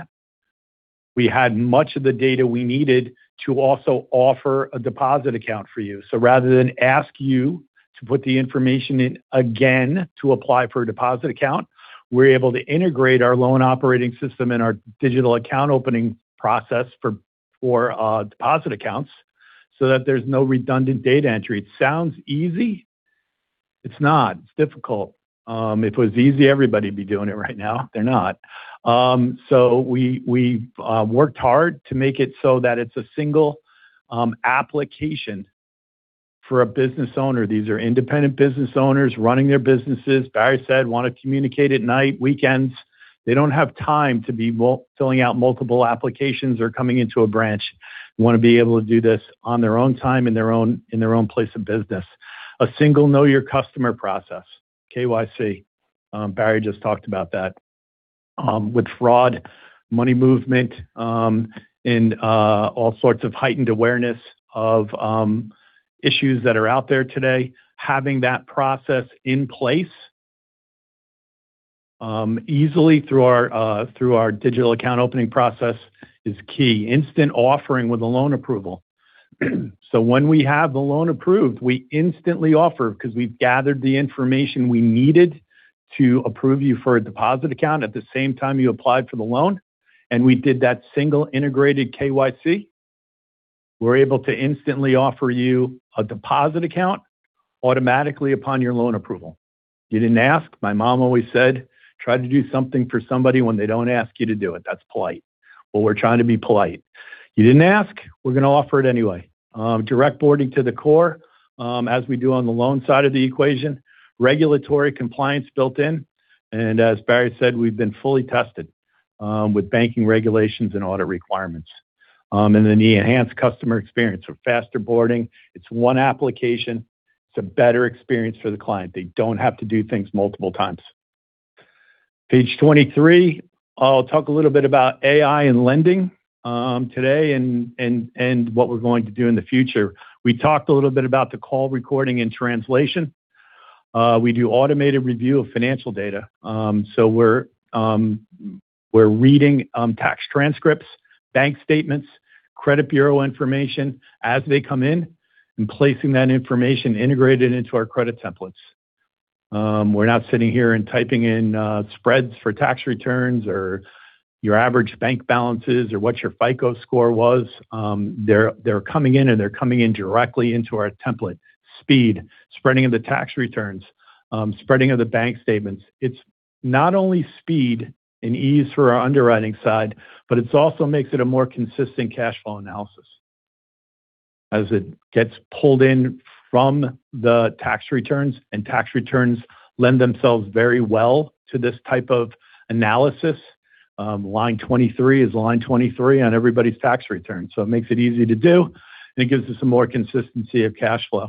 we had much of the data we needed to also offer a deposit account for you. So rather than ask you to put the information in again to apply for a deposit account, we're able to integrate our loan operating system and our digital account opening process for deposit accounts so that there's no redundant data entry. It sounds easy. It's not. It's difficult. If it was easy, everybody would be doing it right now. They're not. So we worked hard to make it so that it's a single application for a business owner. These are independent business owners running their businesses. Barry said [they] want to communicate at night, weekends. They don't have time to be filling out multiple applications or coming into a branch. They want to be able to do this on their own time in their own place of business. A single Know Your Customer process, KYC. Barry just talked about that. With fraud, money movement, and all sorts of heightened awareness of issues that are out there today, having that process in place easily through our digital account opening process is key. Instant offering with a loan approval. So when we have the loan approved, we instantly offer because we've gathered the information we needed to approve you for a deposit account at the same time you applied for the loan. And we did that single integrated KYC. We're able to instantly offer you a deposit account automatically upon your loan approval. You didn't ask. My mom always said, "Try to do something for somebody when they don't ask you to do it." That's polite. Well, we're trying to be polite. You didn't ask. We're going to offer it anyway. Direct onboarding to the core, as we do on the loan side of the equation. Regulatory compliance built in. As Barry said, we've been fully tested with banking regulations and audit requirements. Then the enhanced customer experience for faster boarding. It's one application. It's a better experience for the client. They don't have to do things multiple times. Page 23. I'll talk a little bit about AI and lending today and what we're going to do in the future. We talked a little bit about the call recording and translation. We do automated review of financial data. So we're reading tax transcripts, bank statements, credit bureau information as they come in and placing that information integrated into our credit templates. We're not sitting here and typing in spreads for tax returns or your average bank balances or what your FICO score was. They're coming in, and they're coming in directly into our template. Speed. Spreading of the tax returns. Spreading of the bank statements. It's not only speed and ease for our underwriting side, but it also makes it a more consistent cash flow analysis as it gets pulled in from the tax returns. And tax returns lend themselves very well to this type of analysis. Line 23 is line 23 on everybody's tax return. So it makes it easy to do, and it gives us some more consistency of cash flow.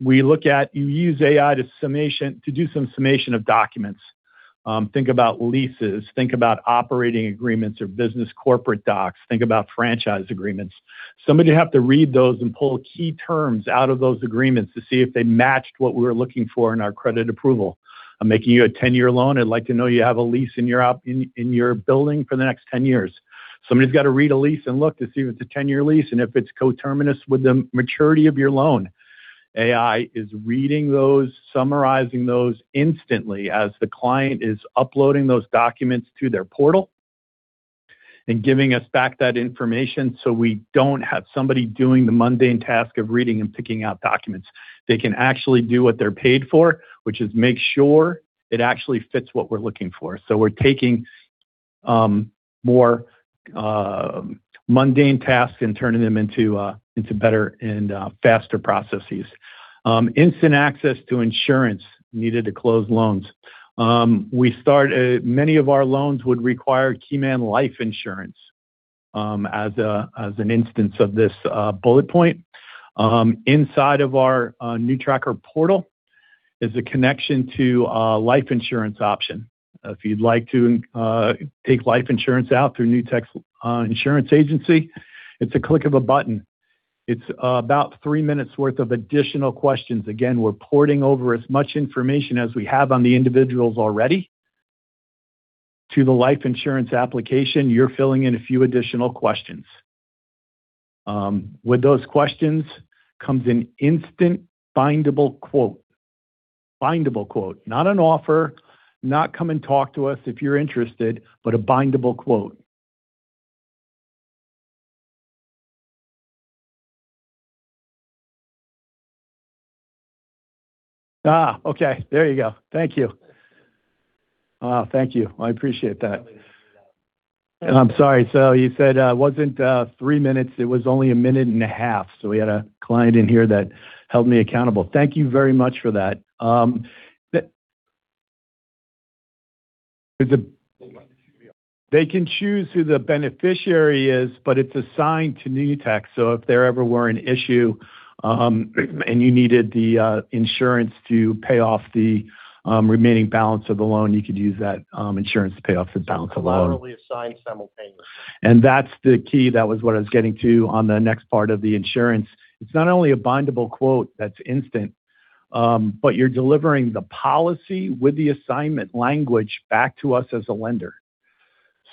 We look at you use AI to do some summation of documents. Think about leases. Think about operating agreements or business corporate docs. Think about franchise agreements. Somebody would have to read those and pull key terms out of those agreements to see if they matched what we were looking for in our credit approval. I'm making you a 10-year loan. I'd like to know you have a lease in your building for the next 10 years. Somebody's got to read a lease and look to see if it's a 10-year lease and if it's coterminous with the maturity of your loan. AI is reading those, summarizing those instantly as the client is uploading those documents to their portal and giving us back that information so we don't have somebody doing the mundane task of reading and picking out documents. They can actually do what they're paid for, which is make sure it actually fits what we're looking for. So we're taking more mundane tasks and turning them into better and faster processes. Instant access to insurance needed to close loans. Many of our loans would require Key Man Life Insurance as an instance of this bullet point. Inside of our NewTracker portal is a connection to a life insurance option. If you'd like to take life insurance out through Newtek Insurance Agency, it's a click of a button. It's about three minutes' worth of additional questions. Again, we're porting over as much information as we have on the individuals already to the life insurance application. You're filling in a few additional questions. With those questions comes an instant bindable quote. Bindable quote. Not an offer. Not come and talk to us if you're interested, but a bindable quote. Okay. There you go. Thank you. Thank you. I appreciate that. I'm sorry. So you said it wasn't three minutes. It was only a minute and a half. So we had a client in here that held me accountable. Thank you very much for that. They can choose who the beneficiary is, but it's assigned to Newtek. So if there ever were an issue and you needed the insurance to pay off the remaining balance of the loan, you could use that insurance to pay off the balance alone. It's not only assigned simultaneously. And that's the key. That was what I was getting to on the next part of the insurance. It's not only a bindable quote that's instant, but you're delivering the policy with the assignment language back to us as a lender.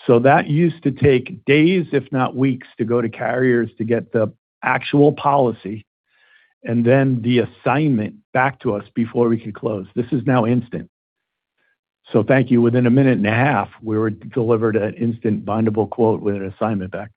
So that used to take days, if not weeks, to go to carriers to get the actual policy and then the assignment back to us before we could close. This is now instant. So thank you. Within a minute and a half, we were delivered an instant bindable quote with an assignment back.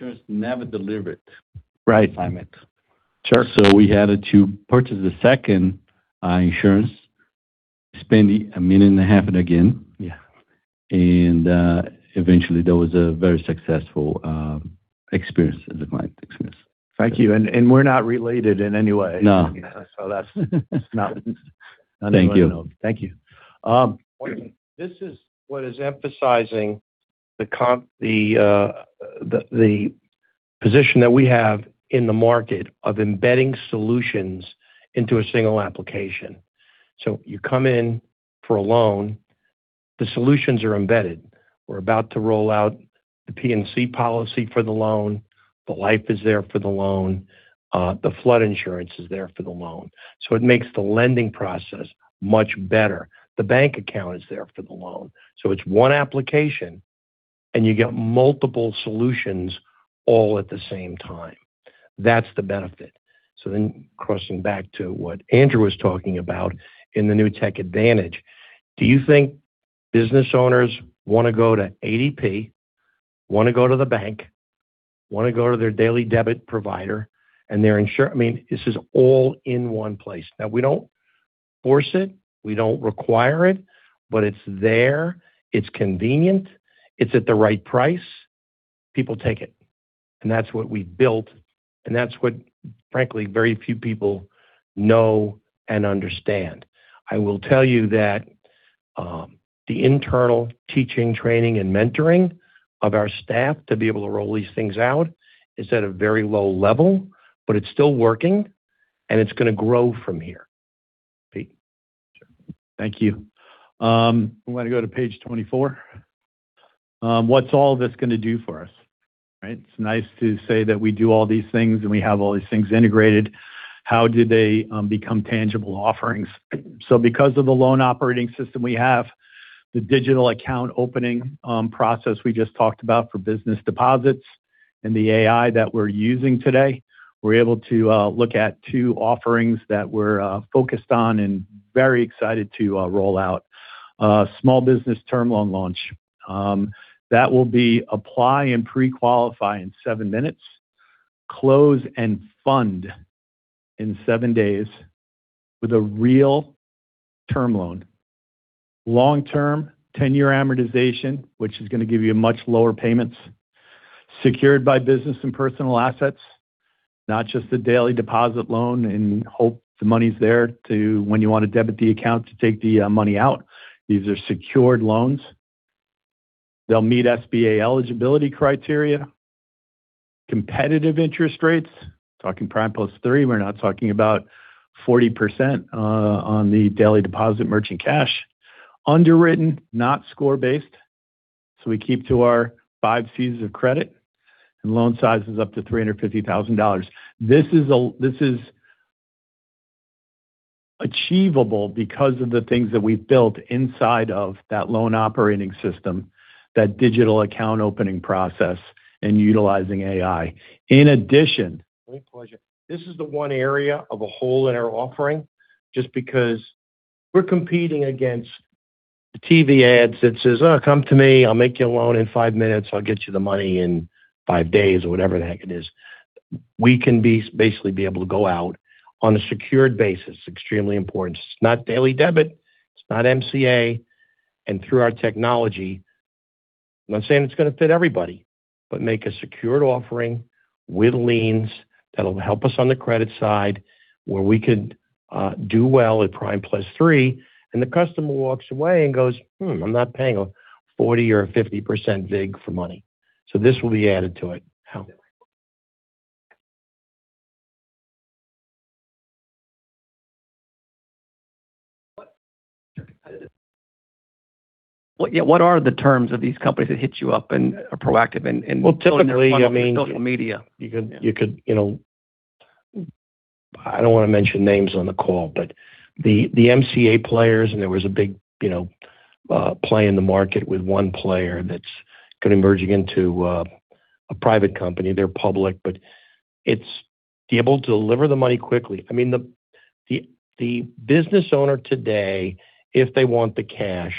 Insurance never delivered assignment. So we had to purchase a second insurance, spend a minute and a half again. And eventually, that was a very successful experience that the client experienced. Thank you. And we're not related in any way. So that's not in the line of. Thank you. Thank you. This is what is emphasizing the position that we have in the market of embedding solutions into a single application. So you come in for a loan, the solutions are embedded. We're about to roll out the P&C policy for the loan. The life is there for the loan. The flood insurance is there for the loan. So it makes the lending process much better. The bank account is there for the loan. So it's one application, and you get multiple solutions all at the same time. That's the benefit. So then crossing back to what Andrew was talking about in the Newtek Advantage, do you think business owners want to go to ADP, want to go to the bank, want to go to their daily debit provider, and their insurance? I mean, this is all in one place. Now, we don't force it. We don't require it, but it's there. It's convenient. It's at the right price. People take it. And that's what we've built. And that's what, frankly, very few people know and understand. I will tell you that the internal teaching, training, and mentoring of our staff to be able to roll these things out is at a very low level, but it's still working, and it's going to grow from here. Pete. Thank you. I want to go to page 24. What's all this going to do for us? Right? It's nice to say that we do all these things, and we have all these things integrated. How do they become tangible offerings? So because of the loan operating system we have, the digital account opening process we just talked about for business deposits, and the AI that we're using today, we're able to look at two offerings that we're focused on and very excited to roll out. Small business term loan launch. That will be apply and pre-qualify in seven minutes, close and fund in seven days with a real term loan. Long-term 10-year amortization, which is going to give you much lower payments. Secured by business and personal assets. Not just a daily deposit loan and hope the money's there to when you want to debit the account to take the money out. These are secured loans. They'll meet SBA eligibility criteria. Competitive interest rates. Talking Prime plus 3, we're not talking about 40% on the daily deposit merchant cash. Underwritten, not score-based. So we keep to our five Cs of credit. And loan size is up to $350,000. This is achievable because of the things that we've built inside of that loan operating system, that digital account opening process, and utilizing AI. In addition. Great pleasure. This is the one area of a hole in our offering just because we're competing against TV ads that says, "Oh, come to me. I'll make you a loan in five minutes. I'll get you the money in five days," or whatever the heck it is. We can basically be able to go out on a secured basis. It's extremely important. It's not daily debit. It's not MCA. And through our technology, I'm not saying it's going to fit everybody, but make a secured offering with liens that'll help us on the credit side where we could do well at Prime Plus 3. And the customer walks away and goes, "I'm not paying a 40% or a 50% VIG for money." So this will be added to it. What are the terms of these companies that hit you up and are proactive and telling us about social media? You could - I don't want to mention names on the call, but the MCA players, and there was a big play in the market with one player that's kind of merging into a private company. They're public, but it's able to deliver the money quickly. I mean, the business owner today, if they want the cash,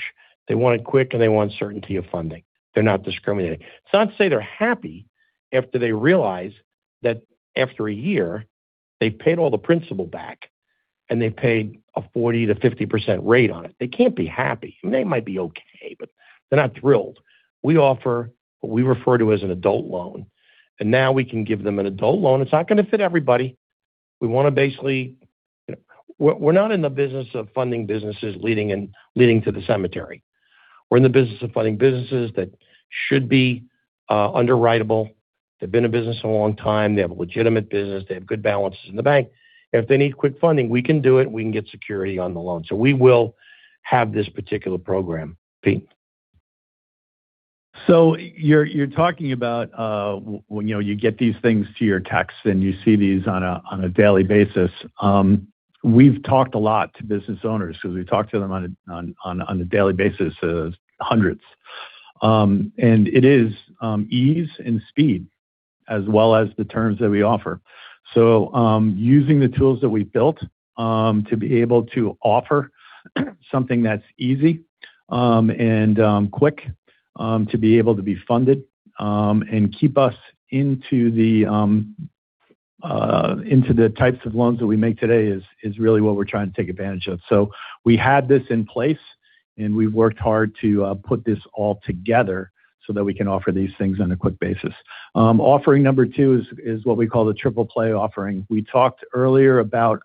they want it quick, and they want certainty of funding. They're not discriminating. It's not to say they're happy after they realize that after a year, they paid all the principal back, and they paid a 40%-50% rate on it. They can't be happy. They might be okay, but they're not thrilled. We offer what we refer to as an adult loan. And now we can give them an adult loan. It's not going to fit everybody. We want to basically, we're not in the business of funding businesses leading to the cemetery. We're in the business of funding businesses that should be underwritable. They've been in business a long time. They have a legitimate business. They have good balances in the bank. If they need quick funding, we can do it. We can get security on the loan. So we will have this particular program. Pete. So you're talking about when you get these things to your desk and you see these on a daily basis. We've talked a lot to business owners because we talk to them on a daily basis, hundreds. And it is ease and speed as well as the terms that we offer. So using the tools that we've built to be able to offer something that's easy and quick to be able to be funded and keep us into the types of loans that we make today is really what we're trying to take advantage of. So we had this in place, and we've worked hard to put this all together so that we can offer these things on a quick basis. Offering number two is what we call the Triple Play offering. We talked earlier about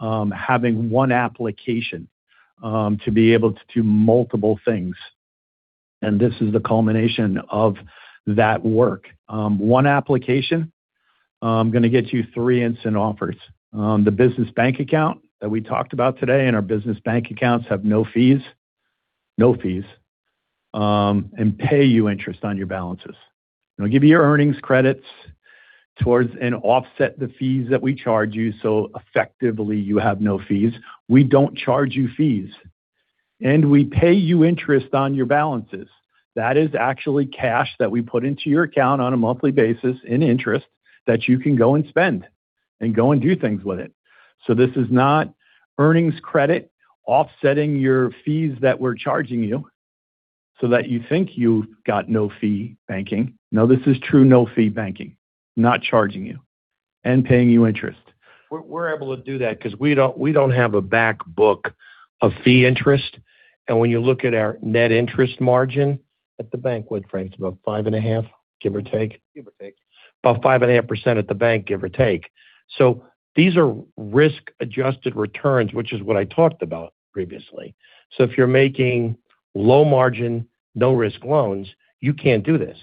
having one application to be able to do multiple things. This is the culmination of that work. One application, I'm going to get you three instant offers. The business bank account that we talked about today and our business bank accounts have no fees, no fees, and pay you interest on your balances. We'll give you your earnings credits towards and offset the fees that we charge you so effectively you have no fees. We don't charge you fees. And we pay you interest on your balances. That is actually cash that we put into your account on a monthly basis in interest that you can go and spend and go and do things with it. So this is not earnings credit offsetting your fees that we're charging you so that you think you've got no fee banking. No, this is true no fee banking. Not charging you and paying you interest. We're able to do that because we don't have a back book of fee interest. And when you look at our net interest margin at the bank, what Frank's about, 5.5%, give or take? Give or take. About 5.5% at the bank, give or take. So these are risk-adjusted returns, which is what I talked about previously. So if you're making low-margin, no-risk loans, you can't do this.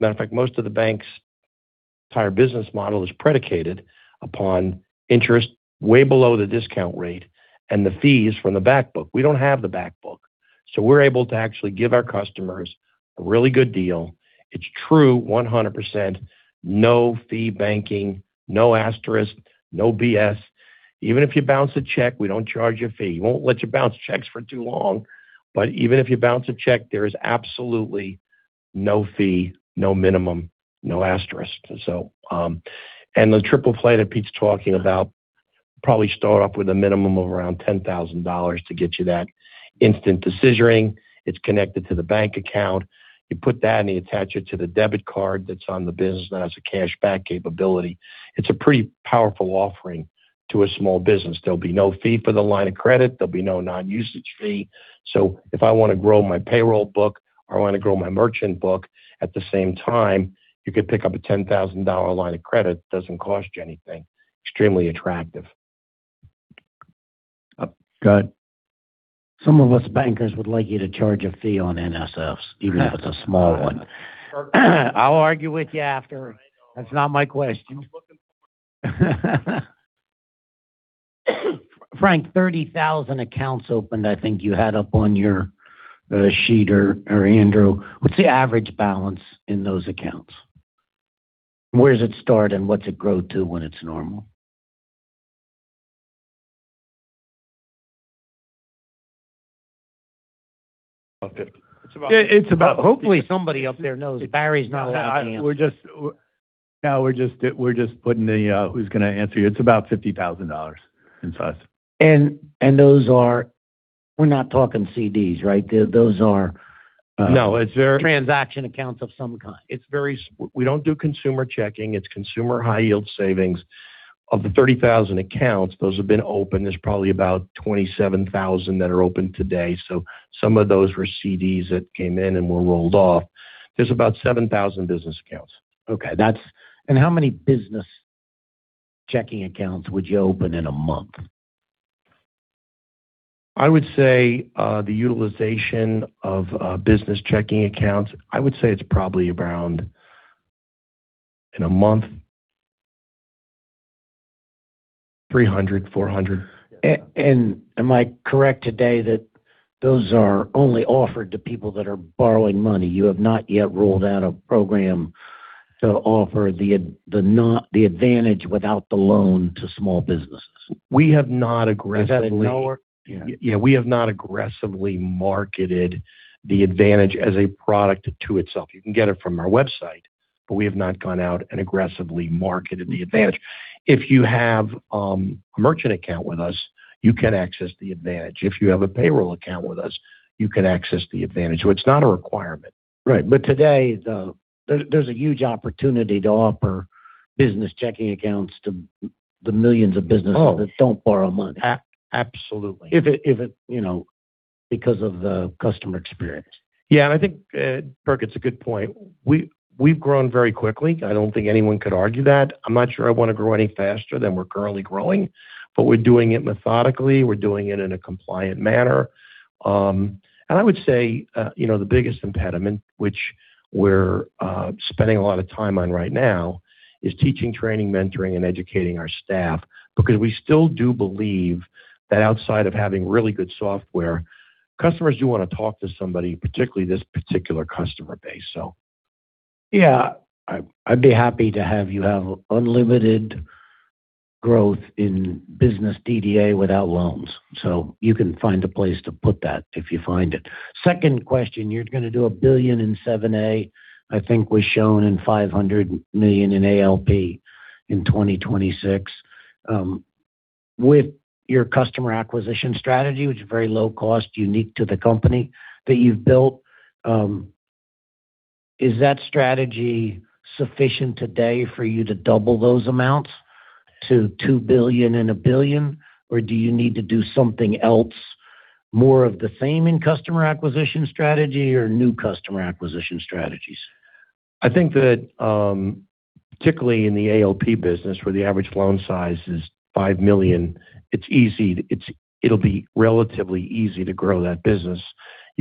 Matter of fact, most of the bank's entire business model is predicated upon interest way below the discount rate and the fees from the back book. We don't have the back book. So we're able to actually give our customers a really good deal. It's true 100%, no fee banking, no asterisk, no BS. Even if you bounce a check, we don't charge you a fee. We won't let you bounce checks for too long. But even if you bounce a check, there is absolutely no fee, no minimum, no asterisk. And the Triple Play that Pete's talking about probably starts off with a minimum of around $10,000 to get you that instant decision. It's connected to the bank account. You put that and you attach it to the debit card that's on the business that has a cashback capability. It's a pretty powerful offering to a small business. There'll be no fee for the line of credit. There'll be no non-usage fee. So if I want to grow my payroll book or I want to grow my merchant book, at the same time, you could pick up a $10,000 line of credit. It doesn't cost you anything. Extremely attractive. Got it. Some of us bankers would like you to charge a fee on NSFs, even if it's a small one. I'll argue with you after. That's not my question. Frank, 30,000 accounts opened, I think you had up on your sheet or Andrew. What's the average balance in those accounts? Where does it start and what's it grow to when it's normal? It's about 50. Hopefully, somebody up there knows. Barry's not allowed to answer. No, we're just putting the—who's going to answer you? It's about $50,000 in size. And we're not talking CDs, right? Those are transaction accounts of some kind. We don't do consumer checking. It's consumer high-yield savings. Of the 30,000 accounts, those have been open. There's probably about 27,000 that are open today. So some of those were CDs that came in and were rolled off. There's about 7,000 business accounts. Okay. And how many business checking accounts would you open in a month? I would say the utilization of business checking accounts. I would say it's probably around 300-400 in a month. And am I correct today that those are only offered to people that are borrowing money? You have not yet rolled out a program to offer the advantage without the loan to small businesses. We have not aggressively. Yeah. We have not aggressively marketed the advantage as a product to itself. You can get it from our website, but we have not gone out and aggressively marketed the advantage. If you have a merchant account with us, you can access the advantage. If you have a payroll account with us, you can access the advantage. So it's not a requirement. Right. But today, there's a huge opportunity to offer business checking accounts to the millions of businesses that don't borrow money. Absolutely. If it's because of the customer experience. Yeah. And I think, Kirk, it's a good point. We've grown very quickly. I don't think anyone could argue that. I'm not sure I want to grow any faster than we're currently growing, but we're doing it methodically. We're doing it in a compliant manner. And I would say the biggest impediment, which we're spending a lot of time on right now, is teaching, training, mentoring, and educating our staff because we still do believe that outside of having really good software, customers do want to talk to somebody, particularly this particular customer base, so. Yeah. I'd be happy to have you have unlimited growth in business DDA without loans. So you can find a place to put that if you find it. Second question, you're going to do $1 billion in 7A. I think we're shown in $500 million in ALP in 2026. With your customer acquisition strategy, which is very low-cost, unique to the company that you've built, is that strategy sufficient today for you to double those amounts to 2 billion and a billion, or do you need to do something else? More of the same in customer acquisition strategy or new customer acquisition strategies? I think that particularly in the ALP business, where the average loan size is 5 million, it's easy. It'll be relatively easy to grow that business.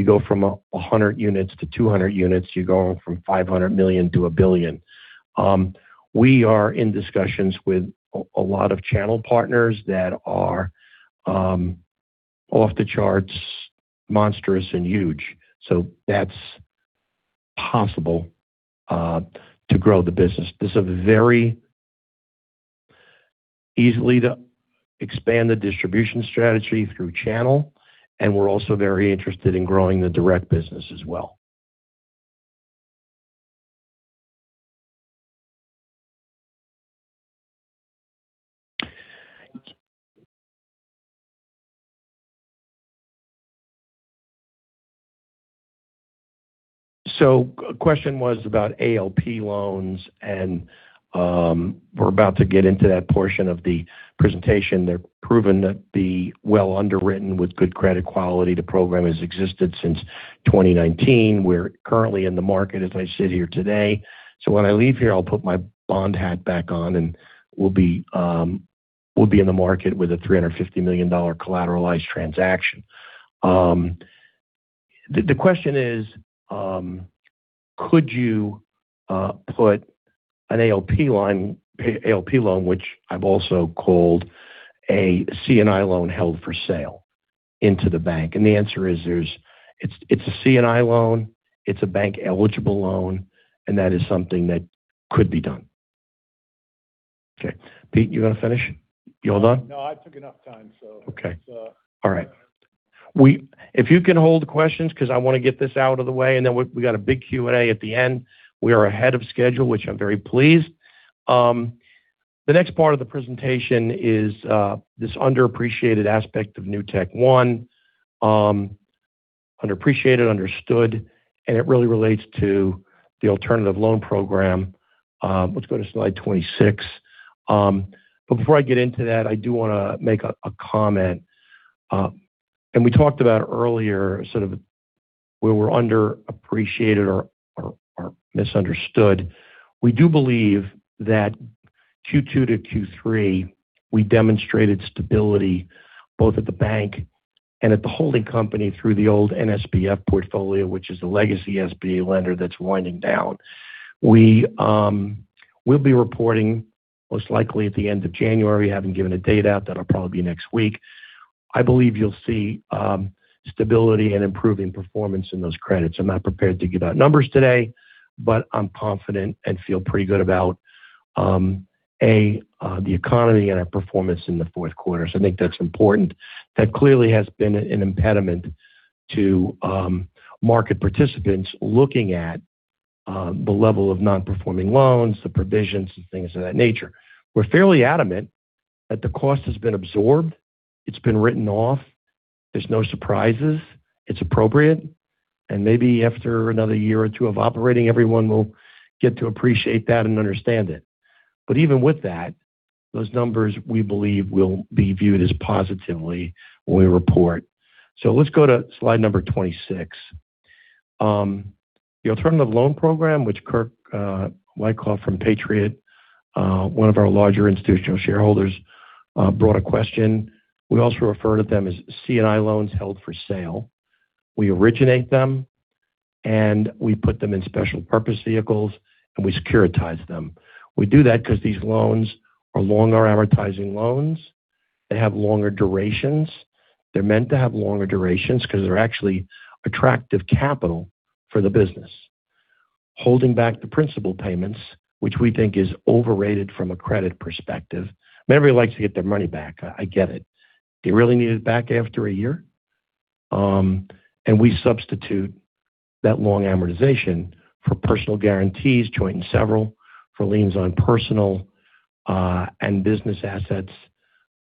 You go from 100 units to 200 units. You go from 500 million to a billion. We are in discussions with a lot of channel partners that are off the charts, monstrous, and huge. So that's possible to grow the business. It's very easy to expand the distribution strategy through channel, and we're also very interested in growing the direct business as well. So the question was about ALP loans, and we're about to get into that portion of the presentation. They're proven to be well underwritten with good credit quality. The program has existed since 2019. We're currently in the market, as I sit here today. So when I leave here, I'll put my bond hat back on, and we'll be in the market with a $350 million collateralized transaction. The question is, could you put an ALP loan, which I've also called a C&I loan held for sale, into the bank? And the answer is it's a C&I loan. It's a bank-eligible loan, and that is something that could be done. Okay. Pete, you want to finish? You're all done? No, I took enough time, so. Okay. All right. If you can hold questions because I want to get this out of the way, and then we've got a big Q&A at the end. We are ahead of schedule, which I'm very pleased. The next part of the presentation is this underappreciated aspect of NewtekOne. Underappreciated, understood, and it really relates to the alternative loan program. Let's go to slide 26. But before I get into that, I do want to make a comment, and we talked about earlier sort of where we're underappreciated or misunderstood. We do believe that Q2 to Q3, we demonstrated stability both at the bank and at the holding company through the old NSBF portfolio, which is a legacy SBA lender that's winding down. We'll be reporting most likely at the end of January. We haven't given a date out. That'll probably be next week. I believe you'll see stability and improving performance in those credits. I'm not prepared to give out numbers today, but I'm confident and feel pretty good about the economy and our performance in the fourth quarter. So I think that's important. That clearly has been an impediment to market participants looking at the level of non-performing loans, the provisions, and things of that nature. We're fairly adamant that the cost has been absorbed. It's been written off. There's no surprises. It's appropriate. And maybe after another year or two of operating, everyone will get to appreciate that and understand it. But even with that, those numbers we believe will be viewed as positively when we report. So let's go to slide number 26. The alternative loan program, which Kirk Wycoff from Patriot, one of our larger institutional shareholders, brought a question. We also refer to them as C&I loans held for sale. We originate them, and we put them in special purpose vehicles, and we securitize them. We do that because these loans are longer amortizing loans. They have longer durations. They're meant to have longer durations because they're actually attractive capital for the business. Holding back the principal payments, which we think is overrated from a credit perspective. Everybody likes to get their money back. I get it. They really need it back after a year. And we substitute that long amortization for personal guarantees, joint and several, for liens on personal and business assets.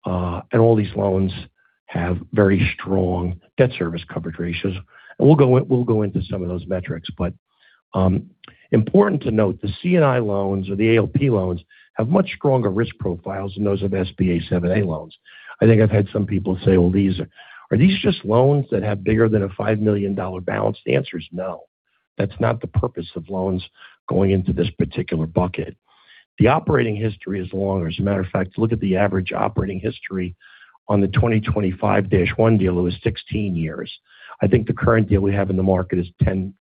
And all these loans have very strong debt service coverage ratios. And we'll go into some of those metrics. But important to note, the C&I loans or the ALP loans have much stronger risk profiles than those of SBA 7(a) loans. I think I've had some people say, "Well, are these just loans that have bigger than a $5 million balance?" The answer is no. That's not the purpose of loans going into this particular bucket. The operating history is longer. As a matter of fact, look at the average operating history on the 2025-1 deal. It was 16 years. I think the current deal we have in the market is 10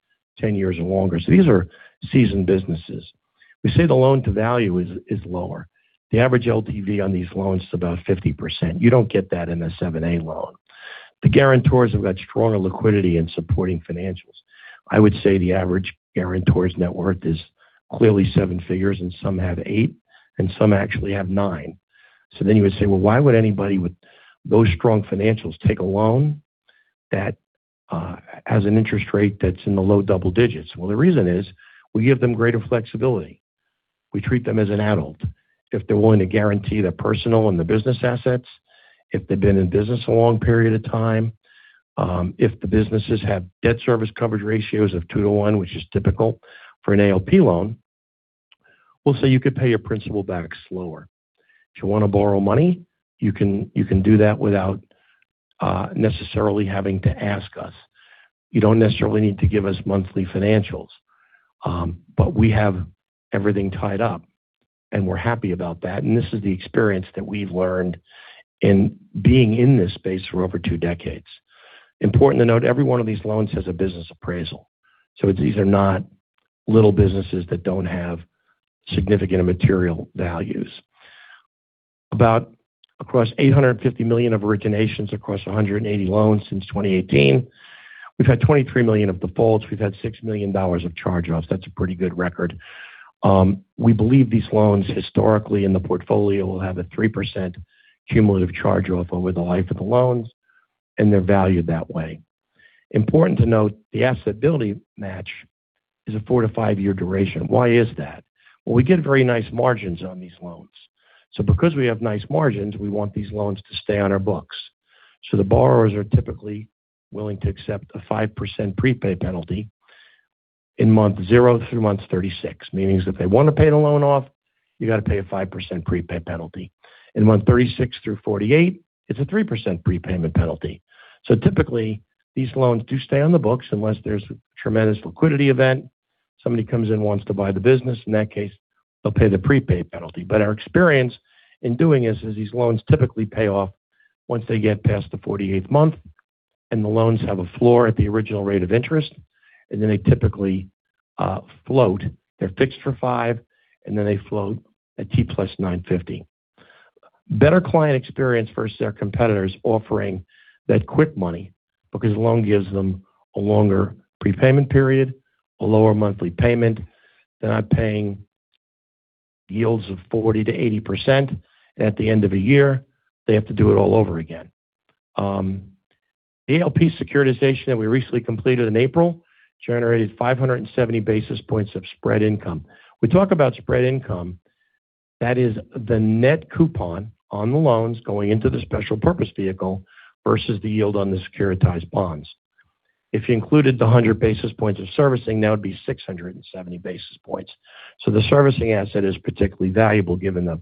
years or longer. So these are seasoned businesses. We say the loan-to-value is lower. The average LTV on these loans is about 50%. You don't get that in a 7A loan. The guarantors have got stronger liquidity and supporting financials. I would say the average guarantor's net worth is clearly seven figures, and some have eight, and some actually have nine. So then you would say, "Well, why would anybody with those strong financials take a loan as an interest rate that's in the low double digits?" Well, the reason is we give them greater flexibility. We treat them as an adult if they're willing to guarantee their personal and the business assets, if they've been in business a long period of time, if the businesses have debt service coverage ratios of 2 to 1, which is typical for an ALP loan. We'll say you could pay your principal back slower. If you want to borrow money, you can do that without necessarily having to ask us. You don't necessarily need to give us monthly financials, but we have everything tied up, and we're happy about that, and this is the experience that we've learned in being in this space for over two decades. Important to note, every one of these loans has a business appraisal. So these are not little businesses that don't have significant material values. About $850 million of originations across 180 loans since 2018, we've had $23 million of defaults. We've had $6 million of charge-offs. That's a pretty good record. We believe these loans historically in the portfolio will have a 3% cumulative charge-off over the life of the loans, and they're valued that way. Important to note, the asset-liability match is a four- to five-year duration. Why is that? Well, we get very nice margins on these loans. So because we have nice margins, we want these loans to stay on our books. The borrowers are typically willing to accept a 5% prepay penalty in month zero through month 36, meaning if they want to pay the loan off, you got to pay a 5% prepay penalty. In month 36 through 48, it's a 3% prepayment penalty. Typically, these loans do stay on the books unless there's a tremendous liquidity event. Somebody comes in and wants to buy the business. In that case, they'll pay the prepay penalty. But our experience in doing this is these loans typically pay off once they get past the 48th month, and the loans have a floor at the original rate of interest, and then they typically float. They're fixed for five, and then they float at T plus 950. Better client experience versus their competitors offering that quick money because the loan gives them a longer prepayment period, a lower monthly payment. They're not paying yields of 40%-80%. At the end of a year, they have to do it all over again. The ALP securitization that we recently completed in April generated 570 basis points of spread income. We talk about spread income. That is the net coupon on the loans going into the special purpose vehicle versus the yield on the securitized bonds. If you included the 100 basis points of servicing, that would be 670 basis points. So the servicing asset is particularly valuable given the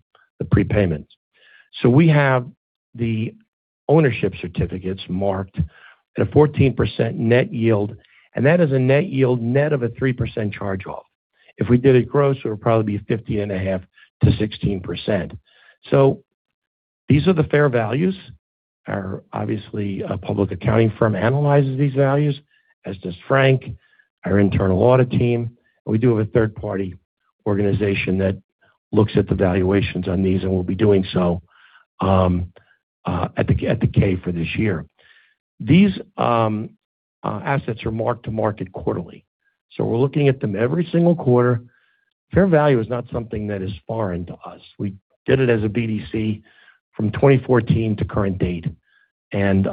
prepayment. So we have the ownership certificates marked at a 14% net yield, and that is a net yield net of a 3% charge-off. If we did it gross, it would probably be 15.5%-16%. So these are the fair values. Obviously, a public accounting firm analyzes these values, as does Frank, our internal audit team. We do have a third-party organization that looks at the valuations on these and will be doing so at the K for this year. These assets are marked to market quarterly, so we're looking at them every single quarter. Fair value is not something that is foreign to us. We did it as a BDC from 2014 to current date, and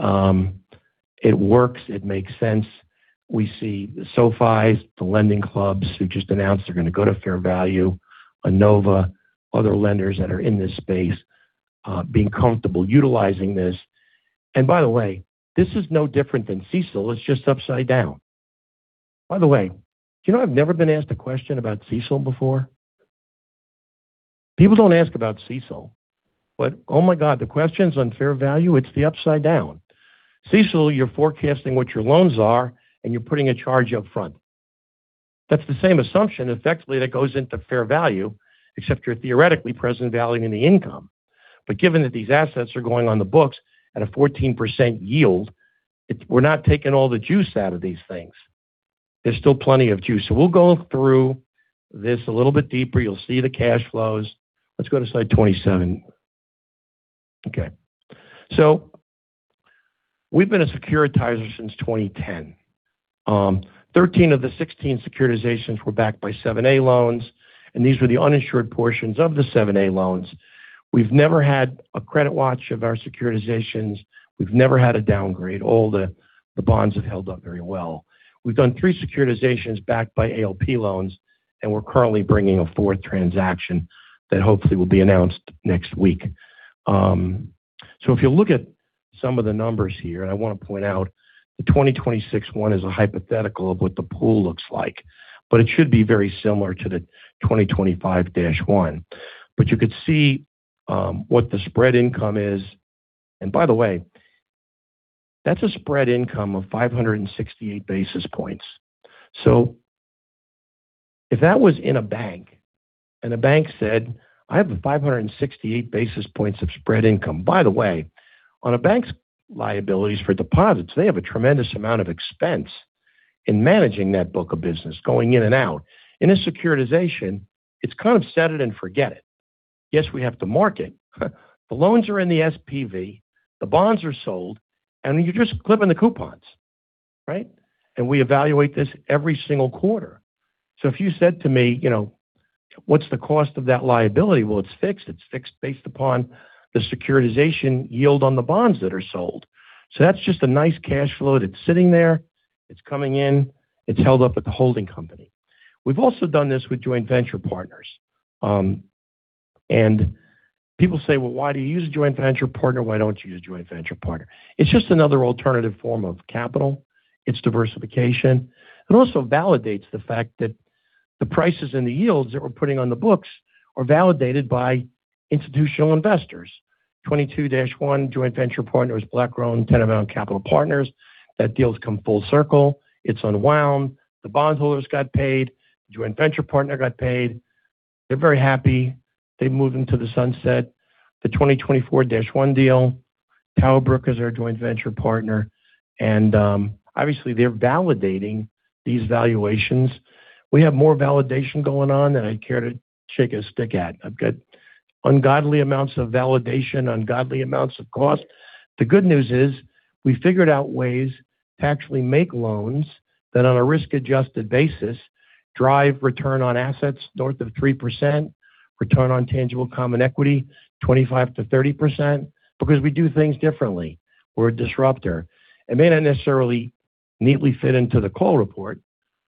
it works. It makes sense. We see the SoFi's, the LendingClubs who just announced they're going to go to fair value, Enova, other lenders that are in this space being comfortable utilizing this. And by the way, this is no different than CECL. It's just upside down. By the way, you know I've never been asked a question about CECL before? People don't ask about CECL. But oh my God, the question's on fair value. It's the upside down. CECL, you're forecasting what your loans are, and you're putting a charge upfront. That's the same assumption. Effectively, that goes into fair value, except you're theoretically present valuing the income. But given that these assets are going on the books at a 14% yield, we're not taking all the juice out of these things. There's still plenty of juice. So we'll go through this a little bit deeper. You'll see the cash flows. Let's go to slide 27. Okay. So we've been a securitizer since 2010. 13 of the 16 securitizations were backed by 7A loans, and these were the uninsured portions of the 7A loans. We've never had a credit watch of our securitizations. We've never had a downgrade. All the bonds have held up very well. We've done three securitizations backed by ALP loans, and we're currently bringing a fourth transaction that hopefully will be announced next week. If you look at some of the numbers here, and I want to point out the 2026 one is a hypothetical of what the pool looks like, but it should be very similar to the 2025-1. But you could see what the spread income is. And by the way, that's a spread income of 568 basis points. So if that was in a bank, and a bank said, "I have 568 basis points of spread income." By the way, on a bank's liabilities for deposits, they have a tremendous amount of expense in managing that book of business going in and out. In a securitization, it's kind of set it and forget it. Yes, we have to market. The loans are in the SPV. The bonds are sold, and you're just clipping the coupons, right? And we evaluate this every single quarter. So if you said to me, "What's the cost of that liability?" Well, it's fixed. It's fixed based upon the securitization yield on the bonds that are sold. So that's just a nice cash flow that's sitting there. It's coming in. It's held up at the holding company. We've also done this with joint venture partners. And people say, "Well, why do you use a joint venture partner? Why don't you use a joint venture partner?" It's just another alternative form of capital. It's diversification. It also validates the fact that the prices and the yields that we're putting on the books are validated by institutional investors. 2022-1 joint venture partners, BlackRock, Tennenbaum Capital Partners, that deal's come full circle. It's unwound. The bondholders got paid. The joint venture partner got paid. They're very happy. They've moved into the sunset. The 2024-1 deal, TowerBrook are a joint venture partner. And obviously, they're validating these valuations. We have more validation going on than I care to shake a stick at. I've got ungodly amounts of validation, ungodly amounts of cost. The good news is we figured out ways to actually make loans that, on a risk-adjusted basis, drive return on assets north of 3%, return on tangible common equity 25%-30% because we do things differently. We're a disruptor. It may not necessarily neatly fit into the call report,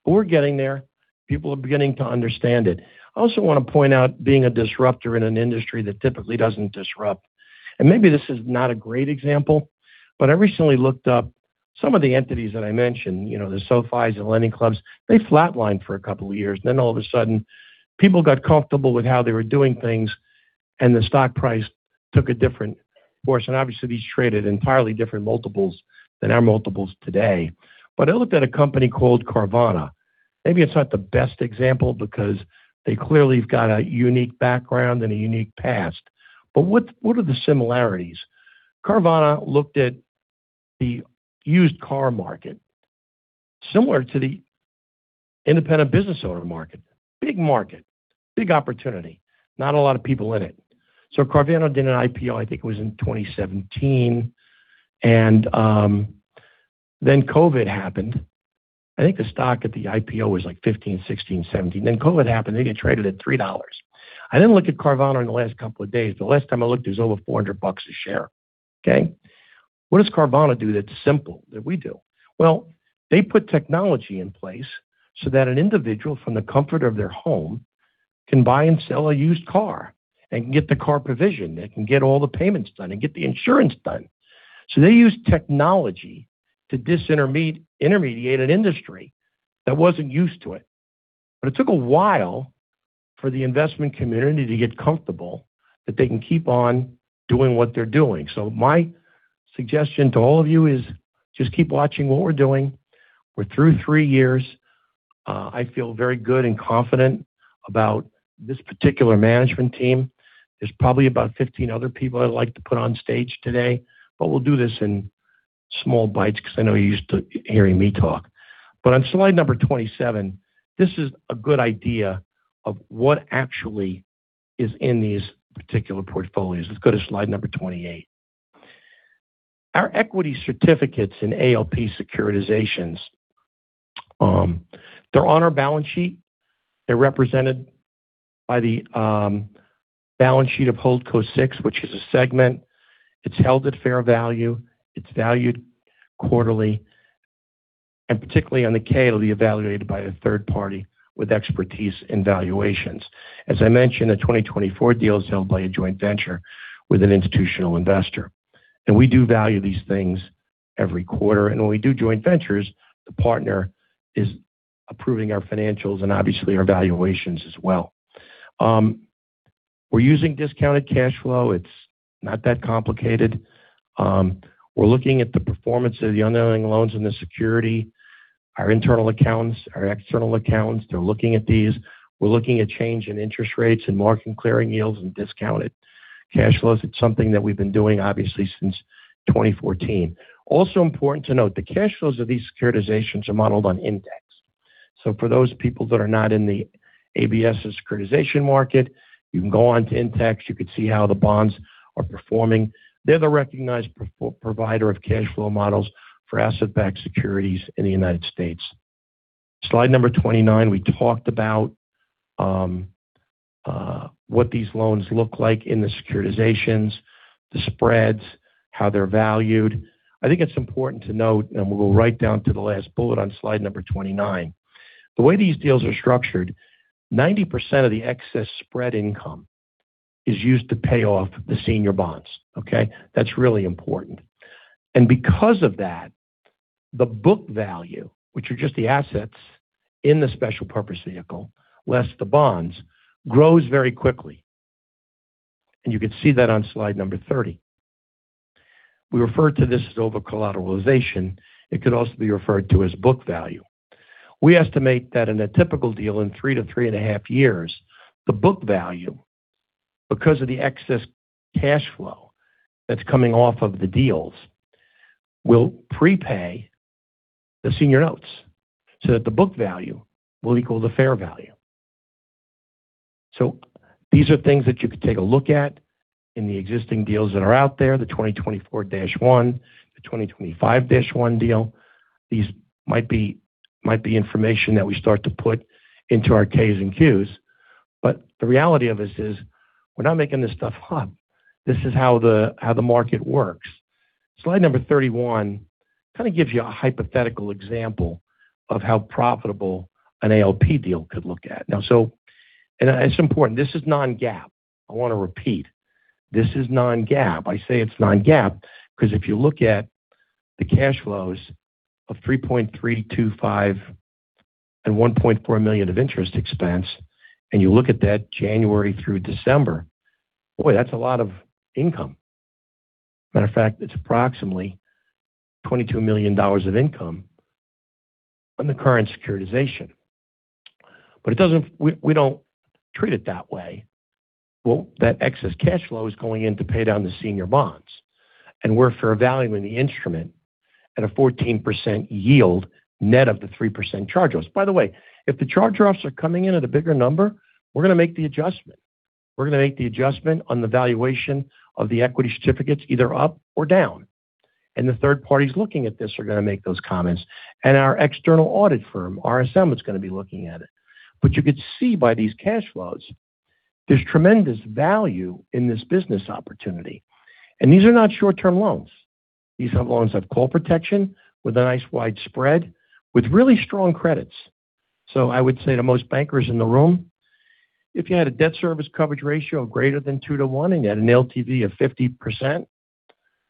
but we're getting there. People are beginning to understand it. I also want to point out being a disruptor in an industry that typically doesn't disrupt. And maybe this is not a great example, but I recently looked up some of the entities that I mentioned, the SoFi's and LendingClubs. They flatlined for a couple of years, and then all of a sudden, people got comfortable with how they were doing things, and the stock price took a different course. And obviously, these traded entirely different multiples than our multiples today. But I looked at a company called Carvana. Maybe it's not the best example because they clearly have got a unique background and a unique past. But what are the similarities? Carvana looked at the used car market, similar to the independent business owner market. Big market, big opportunity, not a lot of people in it. So Carvana did an IPO, I think it was in 2017, and then COVID happened. I think the stock at the IPO was like 15, 16, 17. Then COVID happened. They get traded at $3. I didn't look at Carvana in the last couple of days. The last time I looked, it was over $400 a share. Okay? What does Carvana do that's simple that we do? Well, they put technology in place so that an individual from the comfort of their home can buy and sell a used car and get the car provision and can get all the payments done and get the insurance done. So they use technology to disintermediate an industry that wasn't used to it. But it took a while for the investment community to get comfortable that they can keep on doing what they're doing. So my suggestion to all of you is just keep watching what we're doing. We're through three years. I feel very good and confident about this particular management team. There's probably about 15 other people I'd like to put on stage today, but we'll do this in small bites because I know you're used to hearing me talk. But on slide number 27, this is a good idea of what actually is in these particular portfolios. Let's go to slide number 28. Our equity certificates in ALP securitizations, they're on our balance sheet. They're represented by the balance sheet of Holdco 6, which is a segment. It's held at fair value. It's valued quarterly. And particularly on the 10-K, it'll be evaluated by a third party with expertise in valuations. As I mentioned, the 2024 deal is held by a joint venture with an institutional investor. And we do value these things every quarter. And when we do joint ventures, the partner is approving our financials and obviously our valuations as well. We're using discounted cash flow. It's not that complicated. We're looking at the performance of the underlying loans and the security, our internal accounts, our external accounts. They're looking at these. We're looking at change in interest rates and margin clearing yields and discounted cash flows. It's something that we've been doing, obviously, since 2014. Also important to note, the cash flows of these securitizations are modeled on Intex. So for those people that are not in the ABS securitization market, you can go on to Intex. You could see how the bonds are performing. They're the recognized provider of cash flow models for asset-backed securities in the United States. Slide number 29, we talked about what these loans look like in the securitizations, the spreads, how they're valued. I think it's important to note, and we'll drill down to the last bullet on slide number 29. The way these deals are structured, 90% of the excess spread income is used to pay off the senior bonds. Okay? That's really important. And because of that, the book value, which are just the assets in the special purpose vehicle, less the bonds, grows very quickly. And you can see that on slide number 30. We refer to this as over-collateralization. It could also be referred to as book value. We estimate that in a typical deal in three to three and a half years, the book value, because of the excess cash flow that's coming off of the deals, will prepay the senior notes so that the book value will equal the fair value. So these are things that you could take a look at in the existing deals that are out there, the 2024-1, the 2025-1 deal. These might be information that we start to put into our Ks and Qs, but the reality of this is we're not making this stuff up. This is how the market works. Slide number 31 kind of gives you a hypothetical example of how profitable an ALP deal could look at. Now, so it's important. This is non-GAAP. I want to repeat. This is non-GAAP. I say it's non-GAAP because if you look at the cash flows of $3.325 million and $1.4 million of interest expense, and you look at that January through December, boy, that's a lot of income. Matter of fact, it's approximately $22 million of income on the current securitization, but we don't treat it that way, that excess cash flow is going in to pay down the senior bonds, and we're fair valuing the instrument at a 14% yield net of the 3% charge-offs. By the way, if the charge-offs are coming in at a bigger number, we're going to make the adjustment. We're going to make the adjustment on the valuation of the equity certificates either up or down. And the third parties looking at this are going to make those comments. And our external audit firm, RSM, is going to be looking at it. But you could see by these cash flows, there's tremendous value in this business opportunity. And these are not short-term loans. These loans have call protection with a nice wide spread with really strong credits. So I would say to most bankers in the room, if you had a debt service coverage ratio greater than 2 to 1 and you had an LTV of 50%, isn't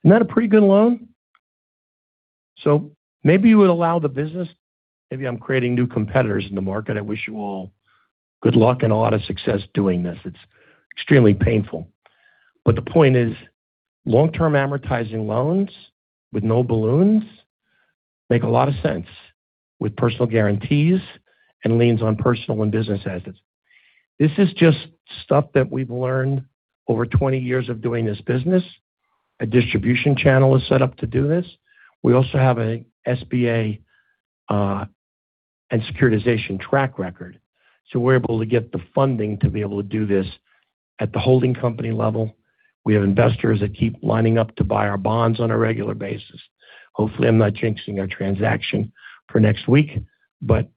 that a pretty good loan? So maybe you would allow the business. Maybe I'm creating new competitors in the market. I wish you all good luck and a lot of success doing this. It's extremely painful. But the point is, long-term amortizing loans with no balloons make a lot of sense with personal guarantees and liens on personal and business assets. This is just stuff that we've learned over 20 years of doing this business. A distribution channel is set up to do this. We also have an SBA and securitization track record. So we're able to get the funding to be able to do this at the holding company level. We have investors that keep lining up to buy our bonds on a regular basis. Hopefully, I'm not jinxing our transaction for next week, but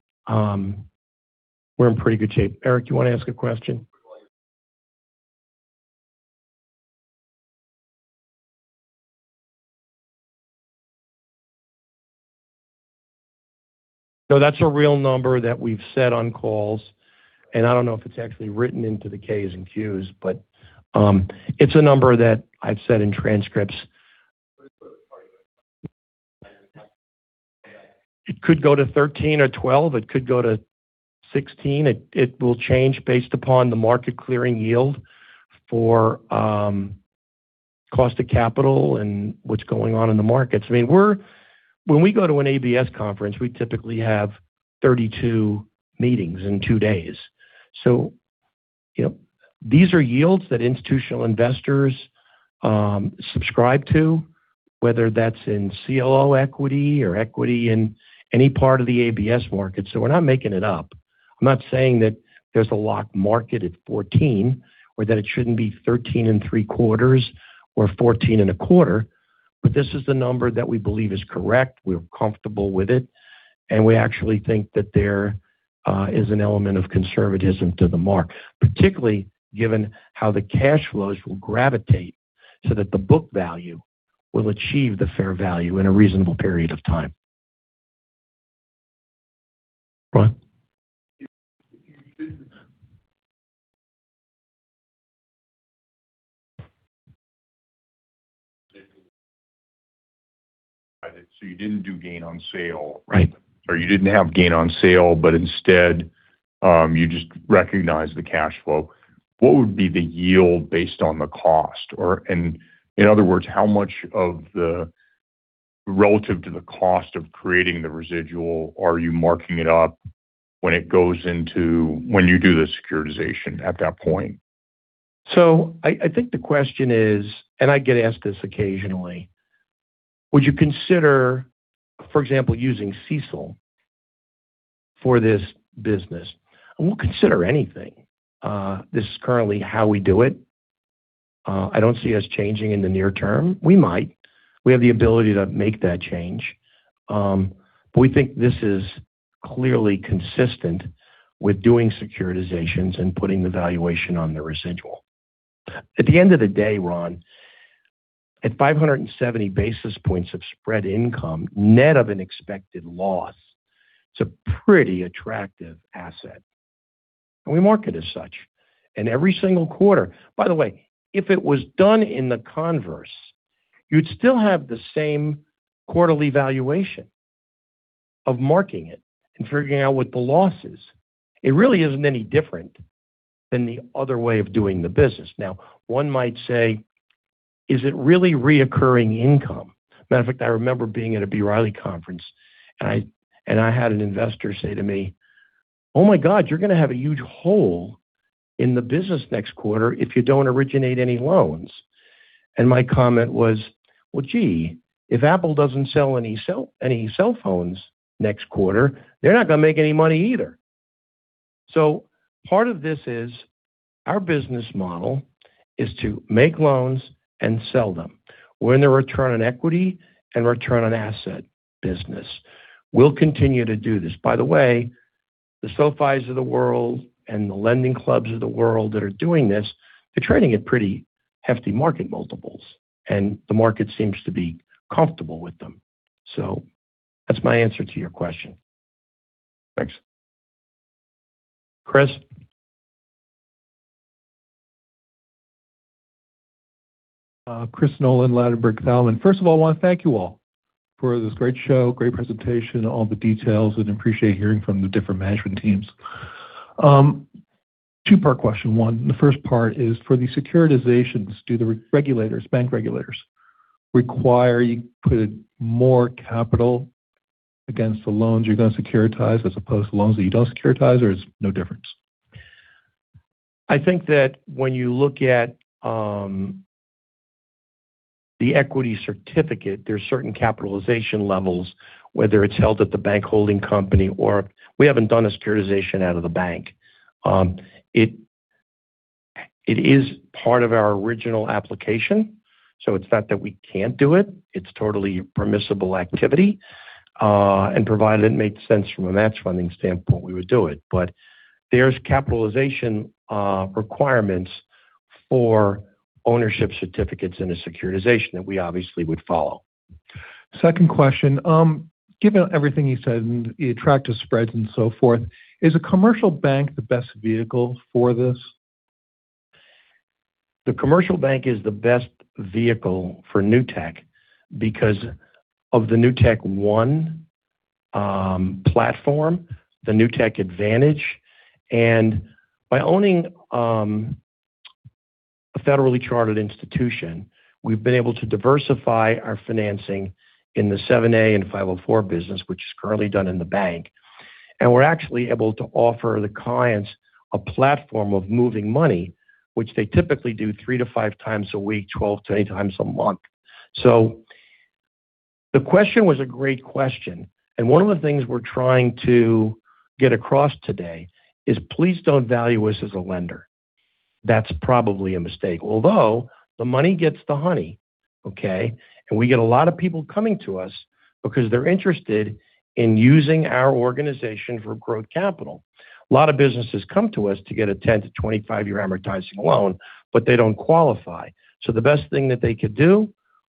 we're in pretty good shape. Eric, you want to ask a question? So that's a real number that we've said on calls. And I don't know if it's actually written into the Ks and Qs, but it's a number that I've said in transcripts. It could go to 13 or 12. It could go to 16. It will change based upon the market clearing yield for cost of capital and what's going on in the markets. I mean, when we go to an ABS conference, we typically have 32 meetings in two days. So these are yields that institutional investors subscribe to, whether that's in CLO equity or equity in any part of the ABS market. So we're not making it up. I'm not saying that there's a locked market at 14 or that it shouldn't be 13 and three quarters or 14 and a quarter. But this is the number that we believe is correct. We're comfortable with it. and we actually think that there is an element of conservatism to the mark, particularly given how the cash flows will gravitate so that the book value will achieve the fair value in a reasonable period of time. Right. So you didn't do gain on sale, right? Or you didn't have gain on sale, but instead, you just recognize the cash flow. What would be the yield based on the cost? And in other words, how much of the relative to the cost of creating the residual are you marking it up when it goes into when you do the securitization at that point? So I think the question is, and I get asked this occasionally, would you consider, for example, using CECL for this business? We'll consider anything. This is currently how we do it. I don't see us changing in the near term. We might. We have the ability to make that change. But we think this is clearly consistent with doing securitizations and putting the valuation on the residual. At the end of the day, Ron, at 570 basis points of spread income net of an expected loss, it's a pretty attractive asset. And we mark it as such. And every single quarter, by the way, if it was done in the converse, you'd still have the same quarterly valuation of marking it and figuring out what the loss is. It really isn't any different than the other way of doing the business. Now, one might say, is it really recurring income? Matter of fact, I remember being at a B. Riley conference, and I had an investor say to me, "Oh my God, you're going to have a huge hole in the business next quarter if you don't originate any loans." And my comment was, "Well, gee, if Apple doesn't sell any cell phones next quarter, they're not going to make any money either." So part of this is our business model is to make loans and sell them. We're in the return on equity and return on asset business. We'll continue to do this. By the way, the SoFis of the world and the LendingClubs of the world that are doing this, they're trading at pretty hefty market multiples. And the market seems to be comfortable with them. So that's my answer to your question. Thanks. Chris. Chris Nolan, Ladenburg Thalmann. And first of all, I want to thank you all for this great show, great presentation, all the details, and appreciate hearing from the different management teams. Two-part question. One, the first part is for the securitizations, do the regulators, bank regulators, require you to put more capital against the loans you're going to securitize as opposed to loans that you don't securitize, or it's no difference? I think that when you look at the equity certificate, there's certain capitalization levels, whether it's held at the bank holding company or we haven't done a securitization out of the bank. It is part of our original application. So it's not that we can't do it. It's totally permissible activity. And provided it made sense from a match funding standpoint, we would do it. But there's capitalization requirements for ownership certificates in a securitization that we obviously would follow. Second question. Given everything you said, the attractive spreads and so forth, is a commercial bank the best vehicle for this? The commercial bank is the best vehicle for Newtek because of the NewtekOne platform, the Newtek Advantage. And by owning a federally chartered institution, we've been able to diversify our financing in the 7(a) and 504 business, which is currently done in the bank. And we're actually able to offer the clients a platform of moving money, which they typically do three to five times a week, 12 to 20 times a month. So the question was a great question. And one of the things we're trying to get across today is please don't value us as a lender. That's probably a mistake. Although the money gets the honey, okay? We get a lot of people coming to us because they're interested in using our organization for growth capital. A lot of businesses come to us to get a 10-25-year amortizing loan, but they don't qualify. The best thing that they could do,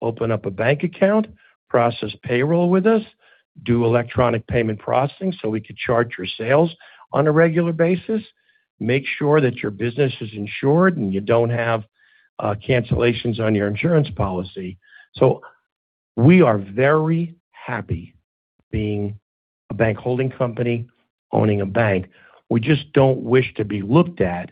open up a bank account, process payroll with us, do electronic payment processing so we could charge your sales on a regular basis, make sure that your business is insured and you don't have cancellations on your insurance policy. We are very happy being a bank holding company, owning a bank. We just don't wish to be looked at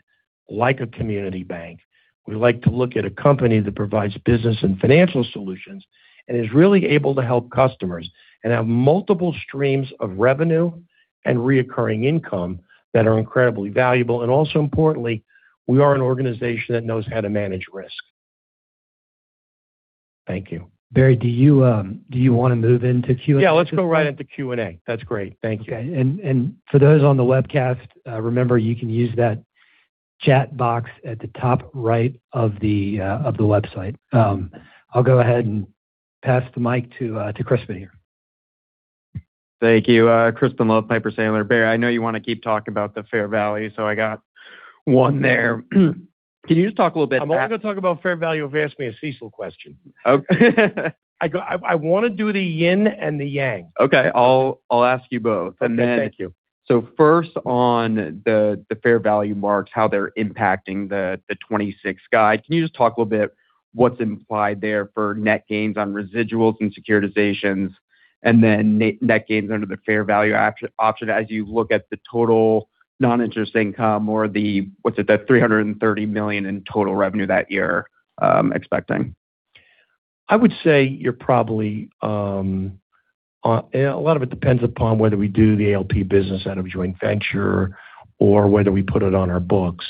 like a community bank. We like to look at a company that provides business and financial solutions and is really able to help customers and have multiple streams of revenue and recurring income that are incredibly valuable. Also importantly, we are an organization that knows how to manage risk. Thank you. Barry, do you want to move into Q&A? Yeah, let's go right into Q&A. That's great. Thank you. Okay. For those on the webcast, remember you can use that chat box at the top right of the website. I'll go ahead and pass the mic to Crispin Love. Thank you. Crispin Love, Piper Sandler. Barry, I know you want to keep talking about the fair value, so I got one there. Can you just talk a little bit about it? I'm only going to talk about fair value if you ask me a CECL question. I want to do the yin and the yang. Okay. I'll ask you both, and then. Thank you. So first on the fair value mark, how they're impacting the 26 guide, can you just talk a little bit what's implied there for net gains on residuals and securitizations, and then net gains under the fair value option as you look at the total non-interest income or the, what's it, that $330 million in total revenue that you're expecting? I would say you're probably a lot of it depends upon whether we do the ALP business out of joint venture or whether we put it on our books.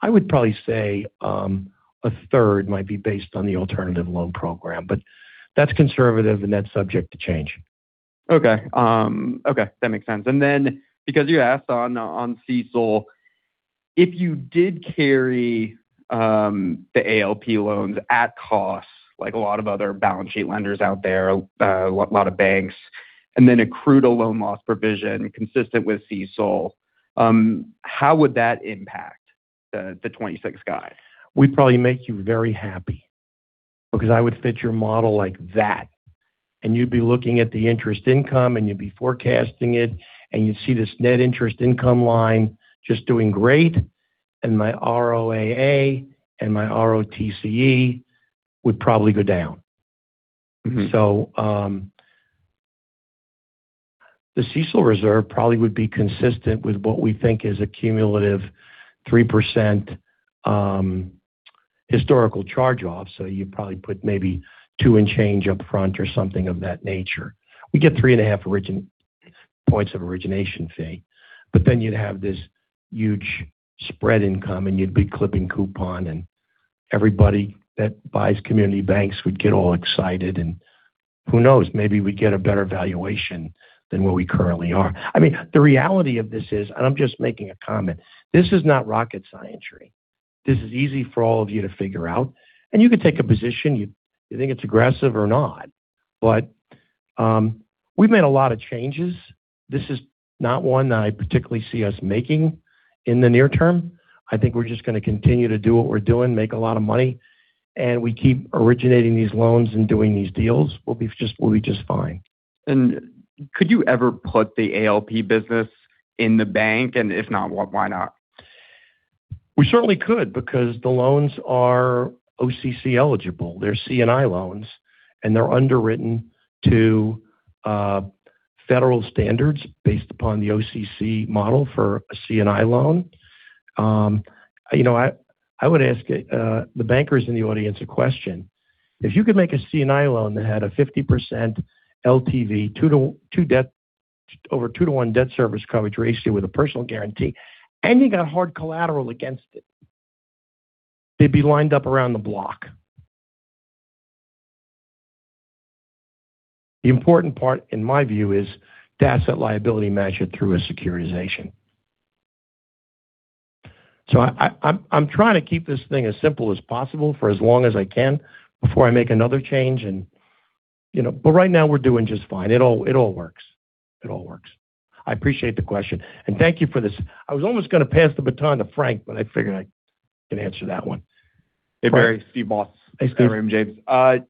I would probably say a third might be based on the alternative loan program, but that's conservative and that's subject to change. Okay. Okay. That makes sense. And then because you asked on CECL, if you did carry the ALP loans at cost, like a lot of other balance sheet lenders out there, a lot of banks, and then accrued a loan loss provision consistent with CEC, how would that impact the 26 guide? We'd probably make you very happy because it would fit your model like that. And you'd be looking at the interest income and you'd be forecasting it and you'd see this net interest income line just doing great. And my ROAA and my ROTCE would probably go down. So the CECL reserve probably would be consistent with what we think is a cumulative 3% historical charge-off. So you'd probably put maybe two and change upfront or something of that nature. We get 3.5 points of origination fee. But then you'd have this huge spread income and you'd be clipping coupon and everybody that buys community banks would get all excited. And who knows, maybe we'd get a better valuation than where we currently are. I mean, the reality of this is, and I'm just making a comment, this is not rocket science. This is easy for all of you to figure out. And you could take a position, you think it's aggressive or not. But we've made a lot of changes. This is not one that I particularly see us making in the near term. I think we're just going to continue to do what we're doing, make a lot of money, and we keep originating these loans and doing these deals. We'll be just fine. And could you ever put the ALP business in the bank? And if not, why not? We certainly could because the loans are OCC eligible. They're C&I loans and they're underwritten to federal standards based upon the OCC model for a C&I loan. I would ask the bankers in the audience a question. If you could make a C&I loan that had a 50% LTV, over two-to-one debt service coverage ratio with a personal guarantee, and you got hard collateral against it, they'd be lined up around the block. The important part, in my view, is the asset liability match it through a securitization. So I'm trying to keep this thing as simple as possible for as long as I can before I make another change. But right now, we're doing just fine. It all works. It all works. I appreciate the question, and thank you for this. I was almost going to pass the baton to Frank, but I figured I can answer that one. Hey, Barry. Steve Moss. Hey, Steve. Raymond James. A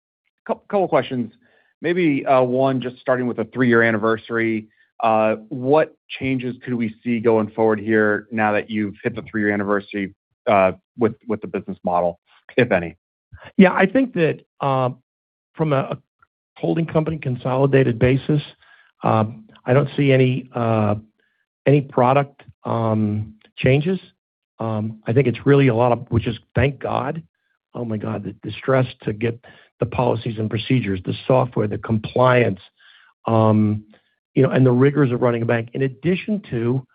couple of questions. Maybe one just starting with a three-year anniversary. What changes could we see going forward here now that you've hit the three-year anniversary with the business model, if any? Yeah. I think that from a holding company consolidated basis, I don't see any product changes. I think it's really a lot of, which is thank God. Oh my God, the stress to get the policies and procedures, the software, the compliance, and the rigors of running a bank, in addition to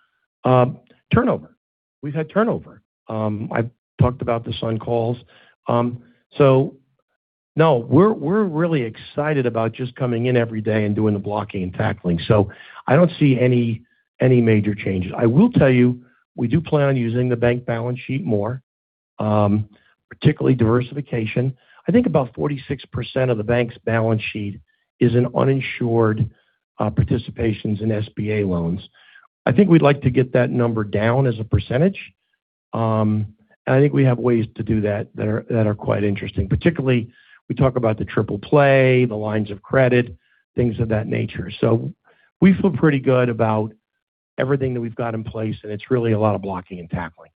turnover. We've had turnover. I've talked about this on calls. So no, we're really excited about just coming in every day and doing the blocking and tackling. So I don't see any major changes. I will tell you, we do plan on using the bank balance sheet more, particularly diversification. I think about 46% of the bank's balance sheet is in uninsured participations in SBA loans. I think we'd like to get that number down as a percentage, and I think we have ways to do that that are quite interesting. Particularly, we talk about the triple play, the lines of credit, things of that nature, so we feel pretty good about everything that we've got in place, and it's really a lot of blocking and tackling.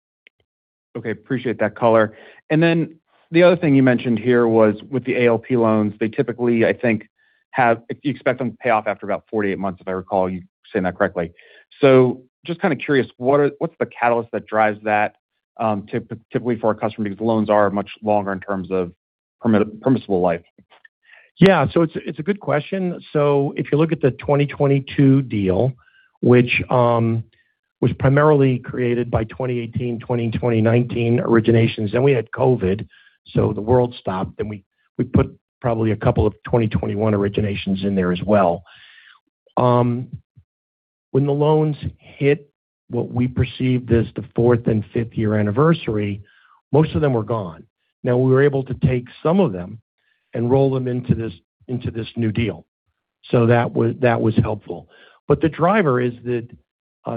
Okay. Appreciate that color, and then the other thing you mentioned here was with the ALP loans, they typically, I think, you expect them to pay off after about 48 months, if I recall you saying that correctly. So just kind of curious, what's the catalyst that drives that typically for our customer because loans are much longer in terms of permissible life? Yeah, so it's a good question. So if you look at the 2022 deal, which was primarily created by 2018, 2019 originations, then we had COVID. So the world stopped. And we put probably a couple of 2021 originations in there as well. When the loans hit what we perceived as the fourth and fifth-year anniversary, most of them were gone. Now, we were able to take some of them and roll them into this new deal. So that was helpful. But the driver is that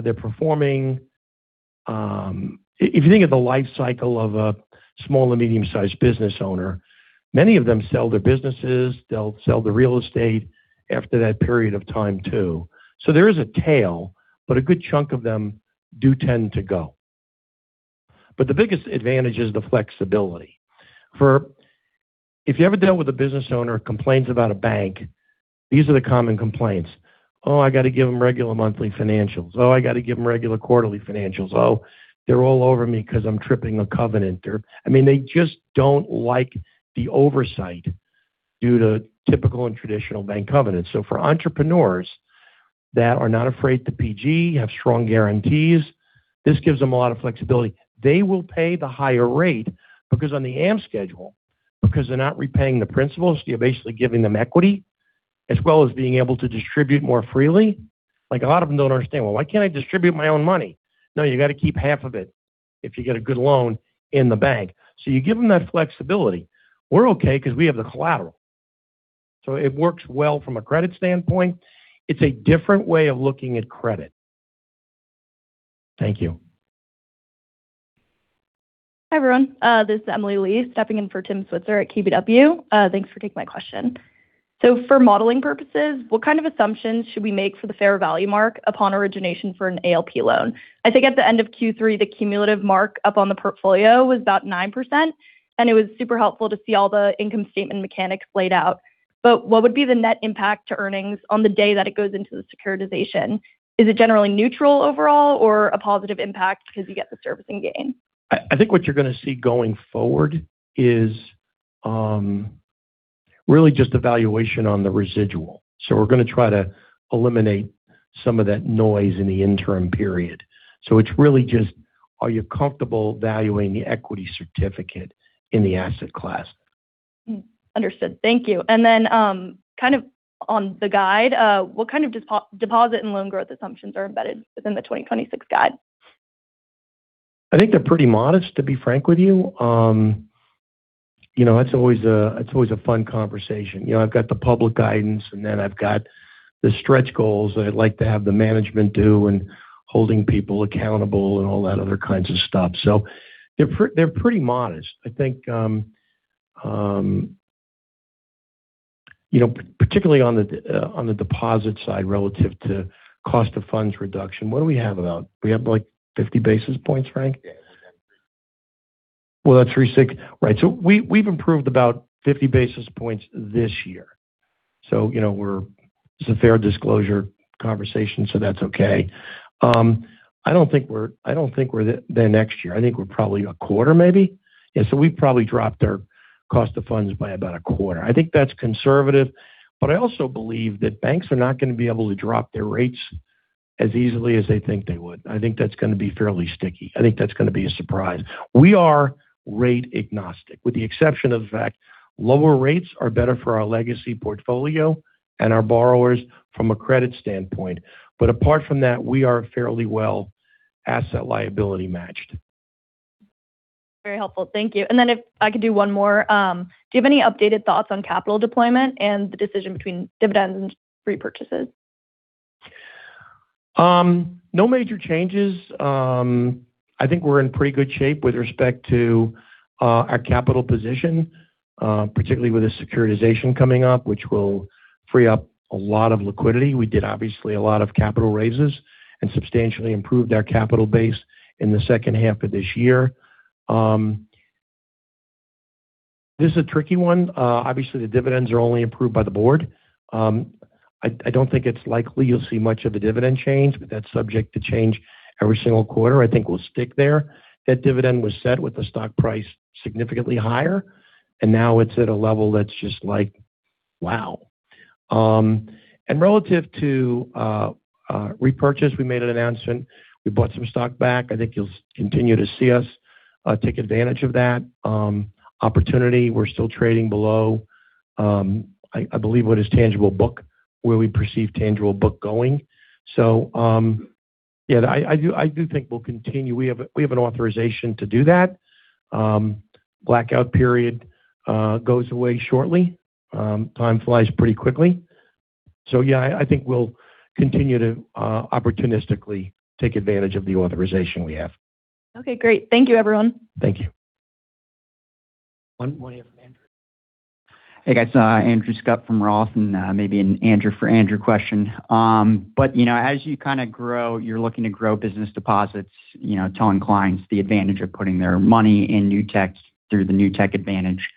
they're performing. If you think of the life cycle of a small and medium-sized business owner, many of them sell their businesses. They'll sell the real estate after that period of time too. So there is a tail, but a good chunk of them do tend to go. But the biggest advantage is the flexibility. If you ever dealt with a business owner who complains about a bank, these are the common complaints. Oh, I got to give them regular monthly financials. Oh, I got to give them regular quarterly financials. Oh, they're all over me because I'm tripping a covenant. I mean, they just don't like the oversight due to typical and traditional bank covenants. So for entrepreneurs that are not afraid to PG, have strong guarantees, this gives them a lot of flexibility. They will pay the higher rate because on the AM schedule, because they're not repaying the principals, you're basically giving them equity as well as being able to distribute more freely. A lot of them don't understand, well, why can't I distribute my own money? No, you got to keep half of it if you get a good loan in the bank. So you give them that flexibility. We're because we have the collateral. So it works well from a credit standpoint. It's a different way of looking at credit. Thank you. Hi, everyone. This is Emily Lee stepping in for Tim Switzer at KBW. Thanks for taking my question. So for modeling purposes, what kind of assumptions should we make for the fair value mark upon origination for an ALP loan? I think at the end of Q3, the cumulative mark up on the portfolio was about 9%. And it was super helpful to see all the income statement mechanics laid out. But what would be the net impact to earnings on the day that it goes into the securitization? Is it generally neutral overall or a positive impact because you get the servicing gain? I think what you're going to see going forward is really just valuation on the residual. So we're going to try to eliminate some of that noise in the interim period. So it's really just, are you comfortable valuing the equity certificate in the asset class? Understood. Thank you. And then kind of on the guide, what kind of deposit and loan growth assumptions are embedded within the 2026 guide? I think they're pretty modest, to be frank with you. That's always a fun conversation. I've got the public guidance, and then I've got the stretch goals that I'd like to have the management do and holding people accountable and all that other kinds of stuff. So they're pretty modest, I think, particularly on the deposit side relative to cost of funds reduction. What do we have about? We have like 50 basis points, Frank? Well, that's really sick. Right. So we've improved about 50 basis points this year. So it's a fair disclosure conversation, so that's okay. I don't think we're there next year. I think we're probably a quarter, maybe. And so we've probably dropped our cost of funds by about a quarter. I think that's conservative. But I also believe that banks are not going to be able to drop their rates as easily as they think they would. I think that's going to be fairly sticky. I think that's going to be a surprise. We are rate agnostic, with the exception of the fact lower rates are better for our legacy portfolio and our borrowers from a credit standpoint. But apart from that, we are fairly well asset liability matched. Very helpful. Thank you. And then if I could do one more, do you have any updated thoughts on capital deployment and the decision between dividends and repurchases? No major changes. I think we're in pretty good shape with respect to our capital position, particularly with the securitization coming up, which will free up a lot of liquidity. We did obviously a lot of capital raises and substantially improved our capital base in the second half of this year. This is a tricky one. Obviously, the dividends are only approved by the board. I don't think it's likely you'll see much of the dividend change, but that's subject to change every single quarter. I think we'll stick there. That dividend was set with the stock price significantly higher, and now it's at a level that's just like, wow, and relative to repurchase, we made an announcement. We bought some stock back. I think you'll continue to see us take advantage of that opportunity. We're still trading below, I believe, what is tangible book, where we perceive tangible book going. So yeah, I do think we'll continue. We have an authorization to do that. Blackout period goes away shortly. Time flies pretty quickly. So yeah, I think we'll continue to opportunistically take advantage of the authorization we have. Okay. Great. Thank you, everyone. Thank you. One here from Andrew. Hey, guys. Andrew Scott from Roth and maybe an Andrew for Andrew question. But as you kind of grow, you're looking to grow business deposits, telling clients the advantage of putting their money in Newtek through the Newtek Advantage.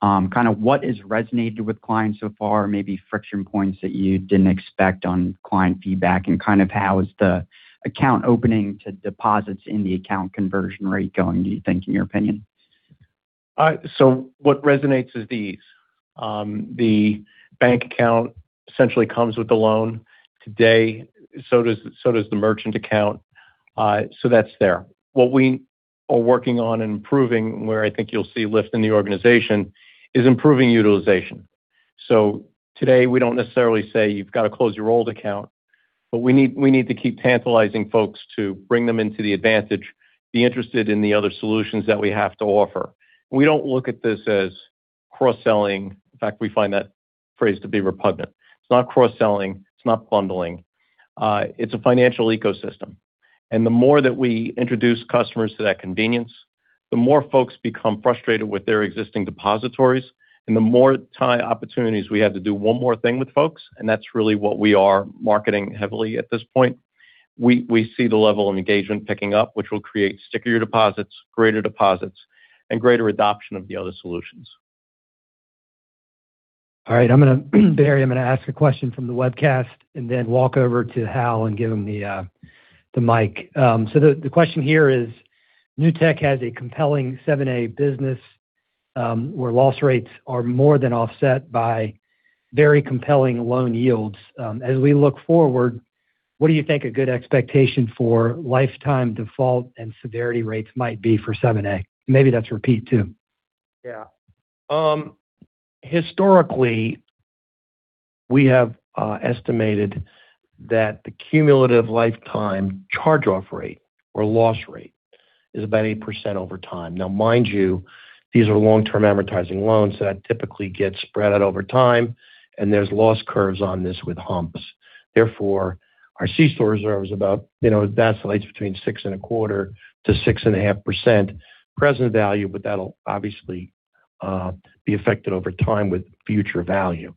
Kind of what has resonated with clients so far, maybe friction points that you didn't expect on client feedback, and kind of how is the account opening to deposits in the account conversion rate going, do you think, in your opinion? So what resonates is these. The bank account essentially comes with the loan today. So does the merchant account. So that's there. What we are working on and improving, where I think you'll see lift in the organization, is improving utilization. So today, we don't necessarily say you've got to close your old account, but we need to keep tantalizing folks to bring them into the advantage, be interested in the other solutions that we have to offer. We don't look at this as cross-selling. In fact, we find that phrase to be repugnant. It's not cross-selling. It's not bundling. It's a financial ecosystem. And the more that we introduce customers to that convenience, the more folks become frustrated with their existing depositories, and the more opportunities we have to do one more thing with folks. And that's really what we are marketing heavily at this point. We see the level of engagement picking up, which will create stickier deposits, greater deposits, and greater adoption of the other solutions. All right. I'm going to, Barry, I'm going to ask a question from the webcast and then walk over to Hal and give him the mic. So the question here is, Newtek has a compelling 7A business where loss rates are more than offset by very compelling loan yields. As we look forward, what do you think a good expectation for lifetime default and severity rates might be for 7A? Maybe that's repeat too. Yeah. Historically, we have estimated that the cumulative lifetime charge-off rate or loss rate is about 8% over time. Now, mind you, these are long-term amortizing loans, so that typically gets spread out over time, and there's loss curves on this with humps. Therefore, our CECL reserve is about that's the latest between 6.25%-6.5% present value, but that'll obviously be affected over time with fair value.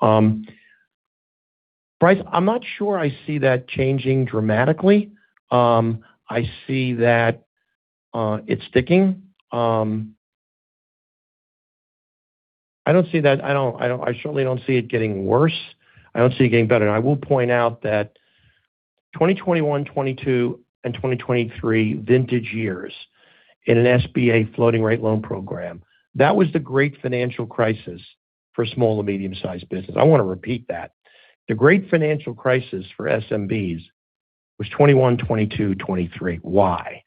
Price, I'm not sure I see that changing dramatically. I see that it's sticking. I don't see that. I certainly don't see it getting worse. I don't see it getting better. And I will point out that 2021, 2022, and 2023 vintage years in an SBA floating rate loan program, that was the great financial crisis for small and medium-sized businesses. I want to repeat that. The great financial crisis for SMBs was 2021, 2022, 2023. Why?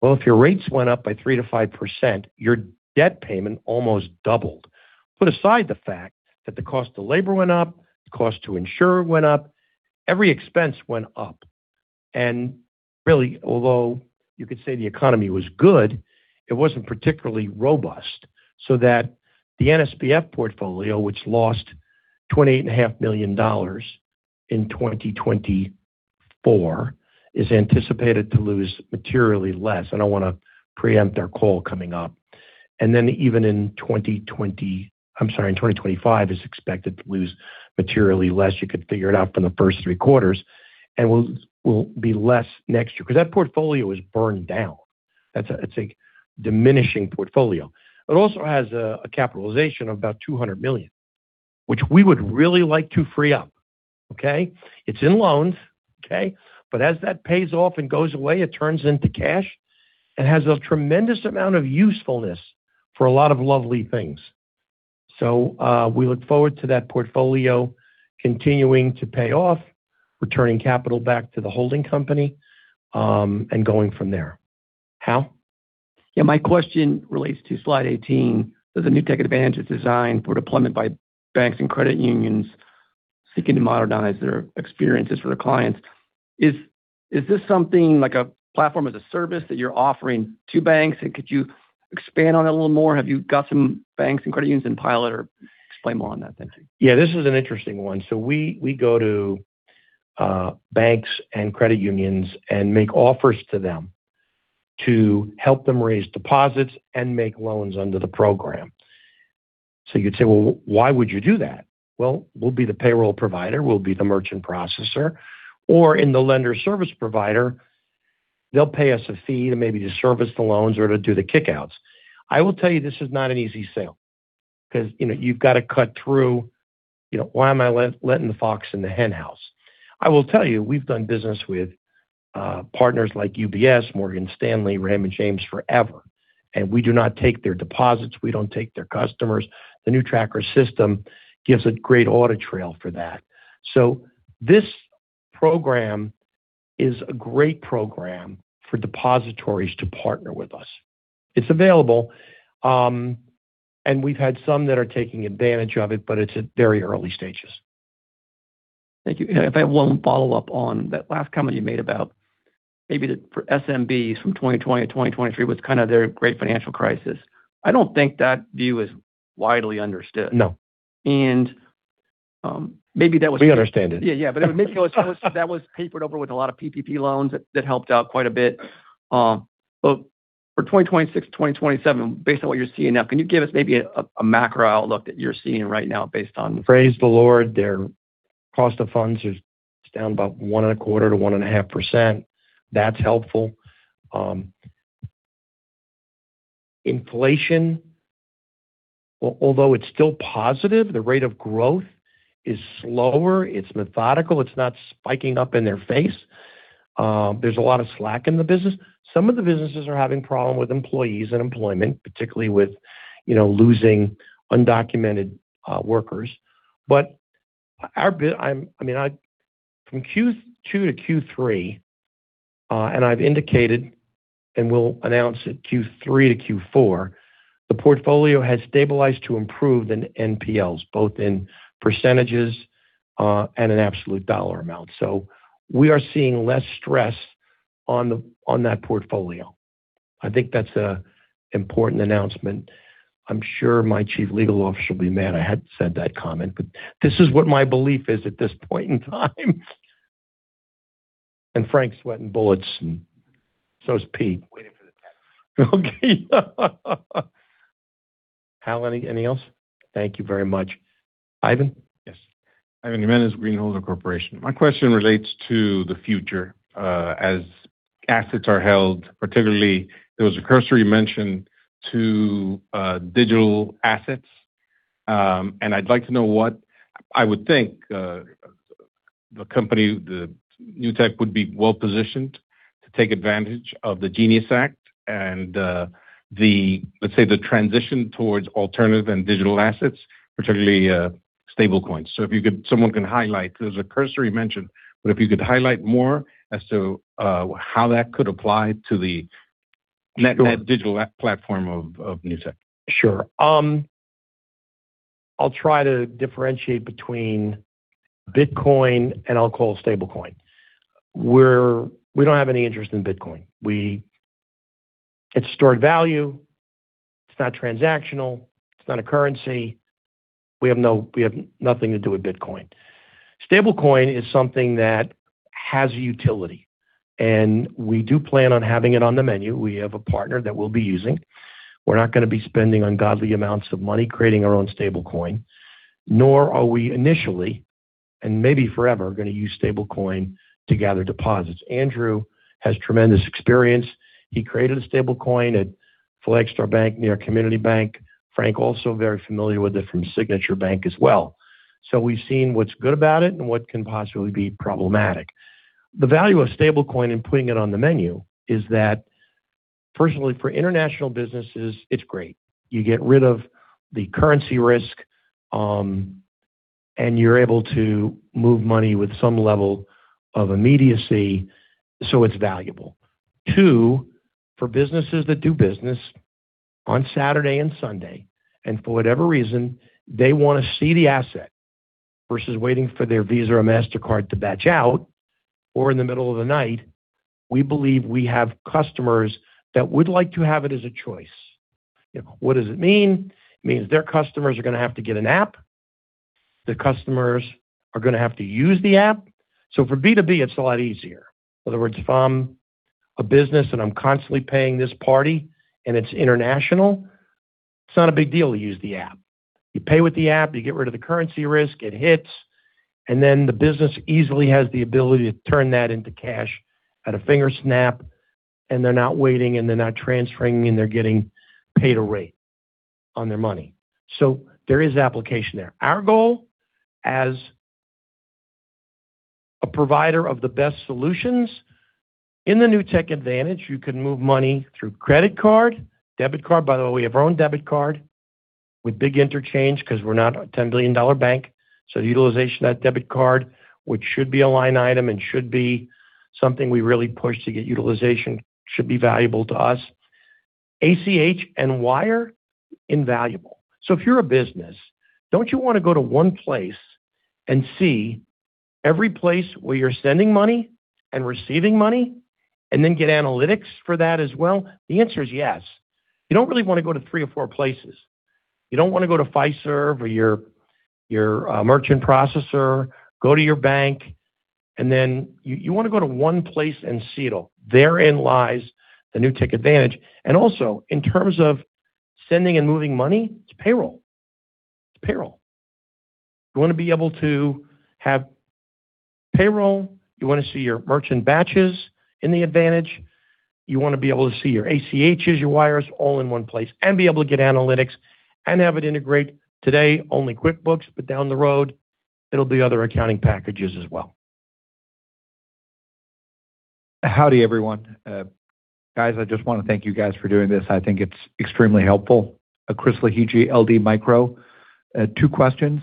Well, if your rates went up by 3%-5%, your debt payment almost doubled. Put aside the fact that the cost of labor went up, the cost to insure went up, every expense went up. And really, although you could say the economy was good, it wasn't particularly robust. So that the NSBF portfolio, which lost $28.5 million in 2024, is anticipated to lose materially less. I don't want to preempt our call coming up. Then even in 2020, I'm sorry, in 2025, is expected to lose materially less. You could figure it out from the first three quarters. We'll be less next year because that portfolio is burned down. It's a diminishing portfolio. It also has a capitalization of about $200 million, which we would really like to free up. Okay? It's in loans. Okay? But as that pays off and goes away, it turns into cash and has a tremendous amount of usefulness for a lot of lovely things. We look forward to that portfolio continuing to pay off, returning capital back to the holding company, and going from there. How? Yeah. My question relates to slide 18. Does the Newtek Advantage design for deployment by banks and credit unions seeking to modernize their experiences for their clients? Is this something like a platform as a service that you're offering to banks? And could you expand on it a little more? Have you got some banks and credit unions in pilot or explain more on that? Thank you. Yeah. This is an interesting one. So we go to banks and credit unions and make offers to them to help them raise deposits and make loans under the program. So you could say, well, why would you do that? Well, we'll be the payroll provider. We'll be the merchant processor. Or in the lender service provider, they'll pay us a fee to maybe service the loans or to do the kickouts. I will tell you, this is not an easy sale because you've got to cut through. Why am I letting the fox in the henhouse? I will tell you, we've done business with partners like UBS, Morgan Stanley, Raymond James forever, and we do not take their deposits. We don't take their customers. The NewTracker system gives a great audit trail for that. So this program is a great program for depositories to partner with us. It's available, and we've had some that are taking advantage of it, but it's at very early stages. Thank you. If I have one follow-up on that last comment you made about maybe the SMBs from 2020 to 2023 was kind of their great financial crisis, I don't think that view is widely understood. No, and maybe that was. We understand it. Yeah. Yeah. But maybe that was papered over with a lot of PPP loans that helped out quite a bit. But for 2026, 2027, based on what you're seeing now, can you give us maybe a macro outlook that you're seeing right now based on. Praise the Lord, their cost of funds is down about 1.25% to 1.5%. That's helpful. Inflation, although it's still positive, the rate of growth is slower. It's methodical. It's not spiking up in their face. There's a lot of slack in the business. Some of the businesses are having problems with employees and employment, particularly with losing undocumented workers. But I mean, from Q2 to Q3, and I've indicated and will announce it Q3 to Q4, the portfolio has stabilized to improve in NPLs, both in percentages and in absolute dollar amounts. So we are seeing less stress on that portfolio. I think that's an important announcement. I'm sure my chief legal officer will be mad I had said that comment, but this is what my belief is at this point in time. Frank's sweating bullets, and so is Pete. Waiting for the text. Okay. How many? Any else? Thank you very much. Ivan? Yes. Ivan Jimenez, Greenholder Corporation. My question relates to the future as assets are held, particularly there was a cursory mention to digital assets. I'd like to know what I would think the company, the Newtek, would be well-positioned to take advantage of the Genius Act and, let's say, the transition towards alternative and digital assets, particularly stablecoins. So if you could, someone can highlight. There's a cursory mention, but if you could highlight more as to how that could apply to the digital platform of Newtek. Sure. I'll try to differentiate between Bitcoin and I'll call stablecoin. We don't have any interest in Bitcoin. It's stored value. It's not transactional. It's not a currency. We have nothing to do with Bitcoin. Stablecoin is something that has utility. We do plan on having it on the menu. We have a partner that we'll be using. We're not going to be spending ungodly amounts of money creating our own stablecoin, nor are we initially, and maybe forever, going to use stablecoin to gather deposits. Andrew has tremendous experience. He created a stablecoin at Flagstar Bank near Community Bank. Frank also very familiar with it from Signature Bank as well. So we've seen what's good about it and what can possibly be problematic. The value of stablecoin and putting it on the menu is that, personally, for international businesses, it's great. You get rid of the currency risk, and you're able to move money with some level of immediacy, so it's valuable. Two, for businesses that do business on Saturday and Sunday, and for whatever reason, they want to see the asset versus waiting for their Visa or Mastercard to batch out or in the middle of the night, we believe we have customers that would like to have it as a choice. What does it mean? It means their customers are going to have to get an app. The customers are going to have to use the app. So for B2B, it's a lot easier. In other words, if I'm a business and I'm constantly paying this party and it's international, it's not a big deal to use the app. You pay with the app. You get rid of the currency risk. It hits. And then the business easily has the ability to turn that into cash at a finger snap, and they're not waiting, and they're not transferring, and they're getting paid a rate on their money. So there is application there. Our goal, as a provider of the best solutions in the Newtek Advantage, you can move money through credit card, debit card. By the way, we have our own debit card with big interchange because we're not a $10 billion bank. So the utilization of that debit card, which should be a line item and should be something we really push to get utilization, should be valuable to us. ACH and wire, invaluable. So if you're a business, don't you want to go to one place and see every place where you're sending money and receiving money and then get analytics for that as well? The answer is yes. You don't really want to go to three or four places. You don't want to go to Fiserv or your merchant processor. Go to your bank, and then you want to go to one place and see it all. Therein lies the Newtek Advantage. And also, in terms of sending and moving money, it's payroll. It's payroll. You want to be able to have payroll. You want to see your merchant batches in the Advantage. You want to be able to see your ACHs, your wires, all in one place, and be able to get analytics and have it integrate. Today, only QuickBooks, but down the road, it'll be other accounting packages as well. Howdy, everyone. Guys, I just want to thank you guys for doing this. I think it's extremely helpful. Chris Lahiji, LD Micro. Two questions.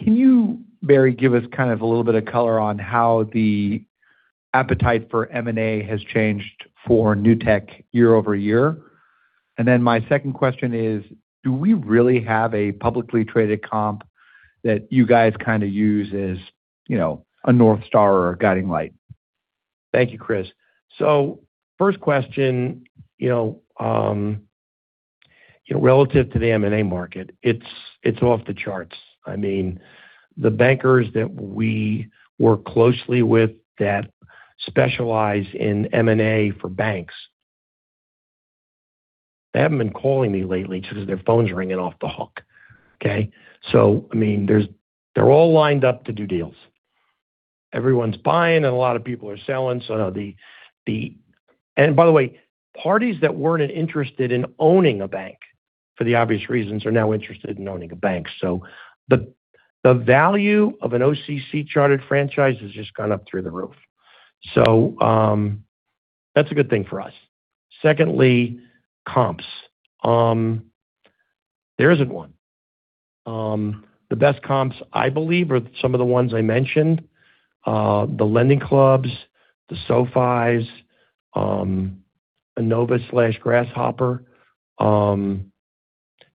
First, can you, Barry, give us kind of a little bit of color on how the appetite for M&A has changed for Newtek year over year? And then my second question is, do we really have a publicly traded comp that you guys kind of use as a North Star or a guiding light? Thank you, Chris. So first question, relative to the M&A market, it's off the charts. I mean, the bankers that we work closely with that specialize in M&A for banks, they haven't been calling me lately just because their phones are ringing off the hook. Okay? So I mean, they're all lined up to do deals. Everyone's buying, and a lot of people are selling. And by the way, parties that weren't interested in owning a bank, for the obvious reasons, are now interested in owning a bank. The value of an OCC chartered franchise has just gone up through the roof. That's a good thing for us. Secondly, comps. There isn't one. The best comps, I believe, are some of the ones I mentioned: the LendingClubs, the SoFis, Enova/Grasshopper,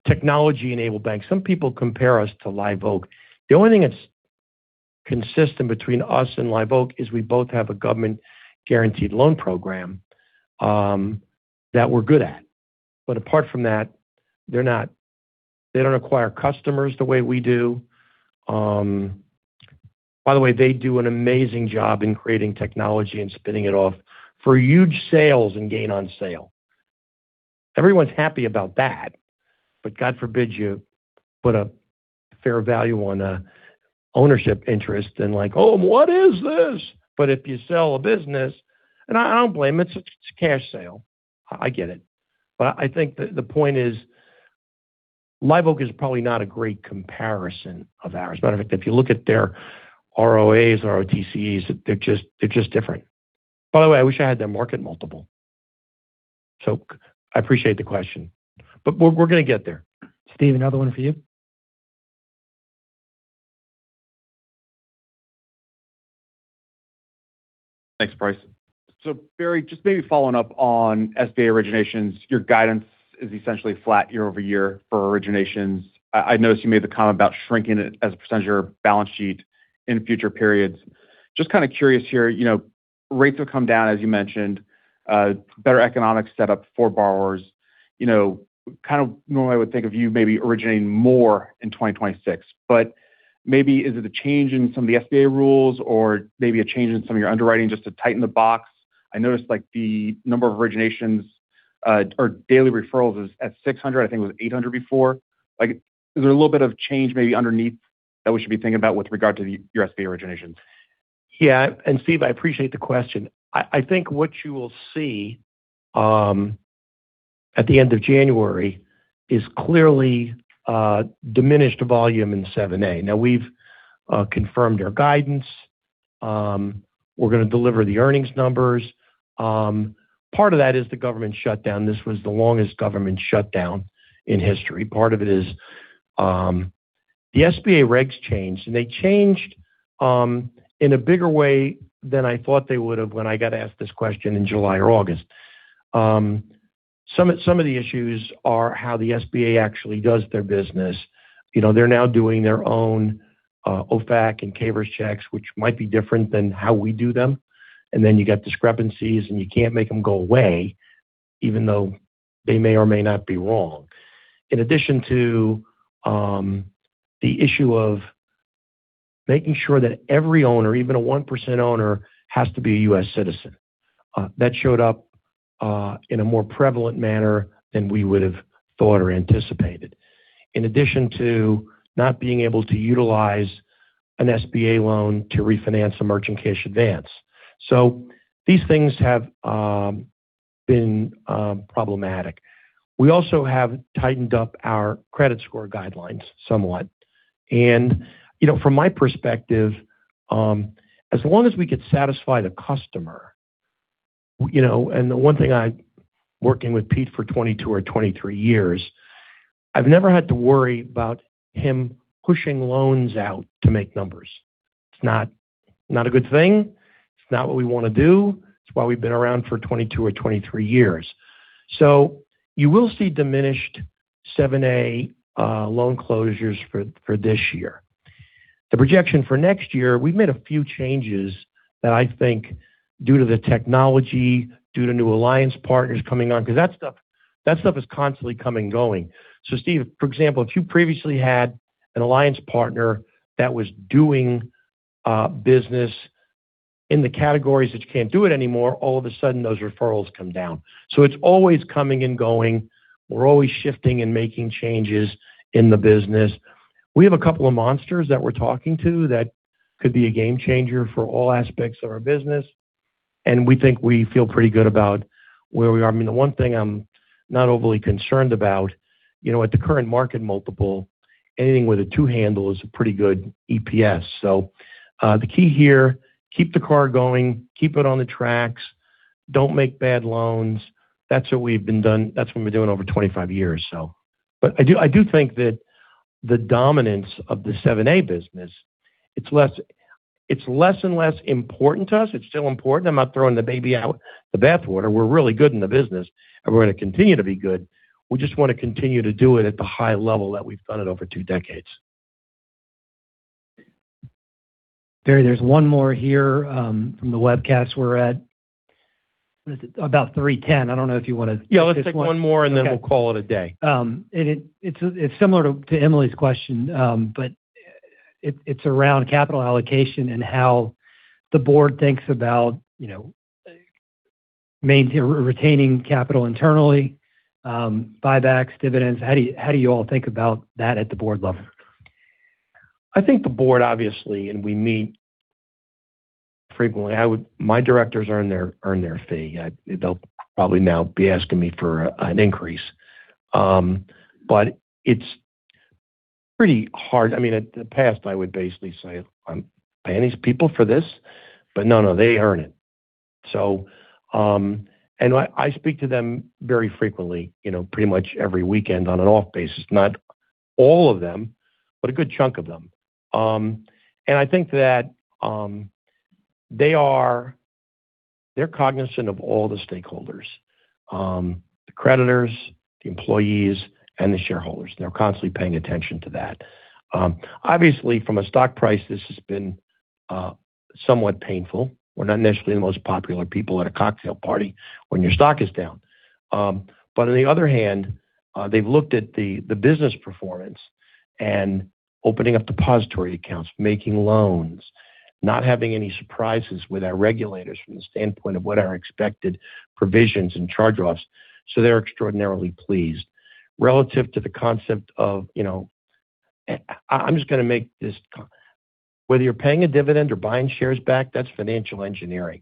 technology-enabled banks. Some people compare us to Live Oak. The only thing that's consistent between us and Live Oak is we both have a government-guaranteed loan program that we're good at. But apart from that, they don't acquire customers the way we do. By the way, they do an amazing job in creating technology and spinning it off for huge sales and gain on sale. Everyone's happy about that, but God forbid you put a fair value on an ownership interest and like, "Oh, what is this?" But if you sell a business, and I don't blame it. It's a cash sale. I get it. But I think the point is Live Oak is probably not a great comparison of ours. Matter of fact, if you look at their ROAs, ROTCEs, they're just different. By the way, I wish I had their market multiple. So I appreciate the question, but we're going to get there. Steve, another one for you. Thanks, Bryce. So Barry, just maybe following up on SBA originations, your guidance is essentially flat year over year for originations. I noticed you made the comment about shrinking it as a percentage of your balance sheet in future periods. Just kind of curious here, rates have come down, as you mentioned, better economic setup for borrowers. Kind of normally I would think of you maybe originating more in 2026, but maybe is it a change in some of the SBA rules or maybe a change in some of your underwriting just to tighten the box? I noticed the number of originations or daily referrals is at 600. I think it was 800 before. Is there a little bit of change maybe underneath that we should be thinking about with regard to your SBA originations? Yeah. And Steve, I appreciate the question. I think what you will see at the end of January is clearly diminished volume in 7A. Now, we've confirmed our guidance. We're going to deliver the earnings numbers. Part of that is the government shutdown. This was the longest government shutdown in history. Part of it is the SBA regs changed, and they changed in a bigger way than I thought they would have when I got asked this question in July or August. Some of the issues are how the SBA actually does their business. They're now doing their own OFAC and CAIVRS checks, which might be different than how we do them. And then you get discrepancies, and you can't make them go away, even though they may or may not be wrong. In addition to the issue of making sure that every owner, even a 1% owner, has to be a U.S. citizen. That showed up in a more prevalent manner than we would have thought or anticipated, in addition to not being able to utilize an SBA loan to refinance a merchant cash advance. So these things have been problematic. We also have tightened up our credit score guidelines somewhat. And from my perspective, as long as we can satisfy the customer, and the one thing I'm working with Pete for 22 or 23 years, I've never had to worry about him pushing loans out to make numbers. It's not a good thing. It's not what we want to do. It's why we've been around for 22 or 23 years. So you will see diminished 7A loan closures for this year. The projection for next year, we've made a few changes that I think, due to the technology, due to new alliance partners coming on, because that stuff is constantly coming and going. So Steve, for example, if you previously had an alliance partner that was doing business in the categories that you can't do it anymore, all of a sudden, those referrals come down. So it's always coming and going. We're always shifting and making changes in the business. We have a couple of monsters that we're talking to that could be a game changer for all aspects of our business, and we think we feel pretty good about where we are. I mean, the one thing I'm not overly concerned about, at the current market multiple, anything with a two handle is a pretty good EPS. So the key here, keep the car going, keep it on the tracks, don't make bad loans. That's what we've been doing. That's what we've been doing over 25 years, so. But I do think that the dominance of the 7(a) business, it's less and less important to us. It's still important. I'm not throwing the baby out with the bathwater. We're really good in the business, and we're going to continue to be good. We just want to continue to do it at the high level that we've done it over two decades. Barry, there's one more here from the webcast we're at. About 3:10. I don't know if you want to take one. Yeah, let's take one more, and then we'll call it a day. It's similar to Emily's question, but it's around capital allocation and how the board thinks about retaining capital internally, buybacks, dividends. How do you all think about that at the board level? I think the board, obviously, and we meet frequently. My directors earn their fee. They'll probably now be asking me for an increase. But it's pretty hard. I mean, in the past, I would basically say, "I'm paying these people for this." But no, no, they earn it. And I speak to them very frequently, pretty much every weekend on an off basis. Not all of them, but a good chunk of them, and I think that they're cognizant of all the stakeholders: the creditors, the employees, and the shareholders. They're constantly paying attention to that. Obviously, from a stock price, this has been somewhat painful. We're not necessarily the most popular people at a cocktail party when your stock is down. But on the other hand, they've looked at the business performance and opening up depository accounts, making loans, not having any surprises with our regulators from the standpoint of what our expected provisions and charge-offs, so they're extraordinarily pleased. Relative to the concept of, I'm just going to make this, whether you're paying a dividend or buying shares back, that's financial engineering.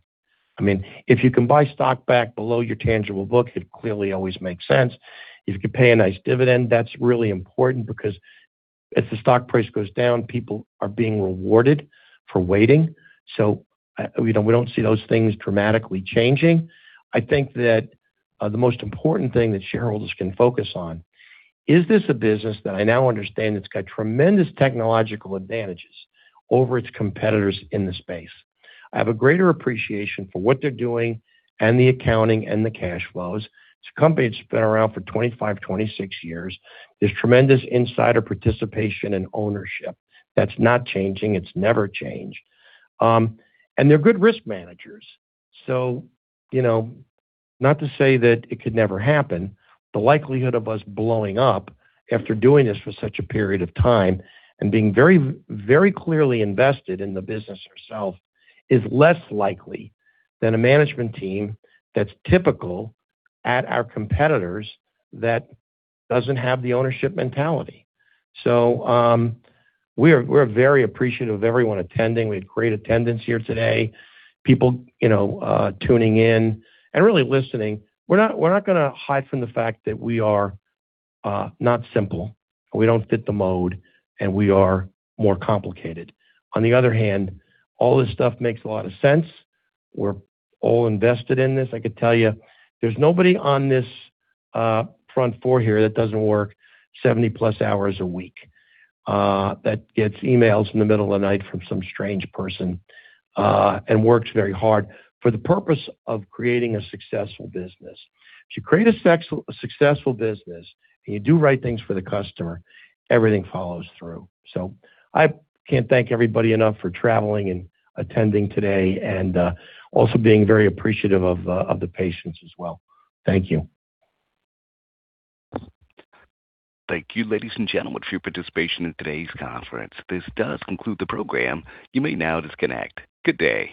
I mean, if you can buy stock back below your tangible book, it clearly always makes sense. If you can pay a nice dividend, that's really important because if the stock price goes down, people are being rewarded for waiting. So we don't see those things dramatically changing. I think that the most important thing that shareholders can focus on is this a business that I now understand that's got tremendous technological advantages over its competitors in the space. I have a greater appreciation for what they're doing and the accounting and the cash flows. It's a company that's been around for 25, 26 years. There's tremendous insider participation and ownership. That's not changing. It's never changed. And they're good risk managers. So not to say that it could never happen, but the likelihood of us blowing up after doing this for such a period of time and being very, very clearly invested in the business ourselves is less likely than a management team that's typical at our competitors that doesn't have the ownership mentality. So we're very appreciative of everyone attending. We had great attendance here today. People tuning in and really listening. We're not going to hide from the fact that we are not simple. We don't fit the mold, and we are more complicated. On the other hand, all this stuff makes a lot of sense. We're all invested in this. I could tell you there's nobody on this front four here that doesn't work 70-plus hours a week, that gets emails in the middle of the night from some strange person, and works very hard for the purpose of creating a successful business. If you create a successful business and you do right things for the customer, everything follows through. So I can't thank everybody enough for traveling and attending today and also being very appreciative of the patience as well. Thank you. Thank you, ladies and gentlemen, for your participation in today's conference. This does conclude the program. You may now disconnect. Good day.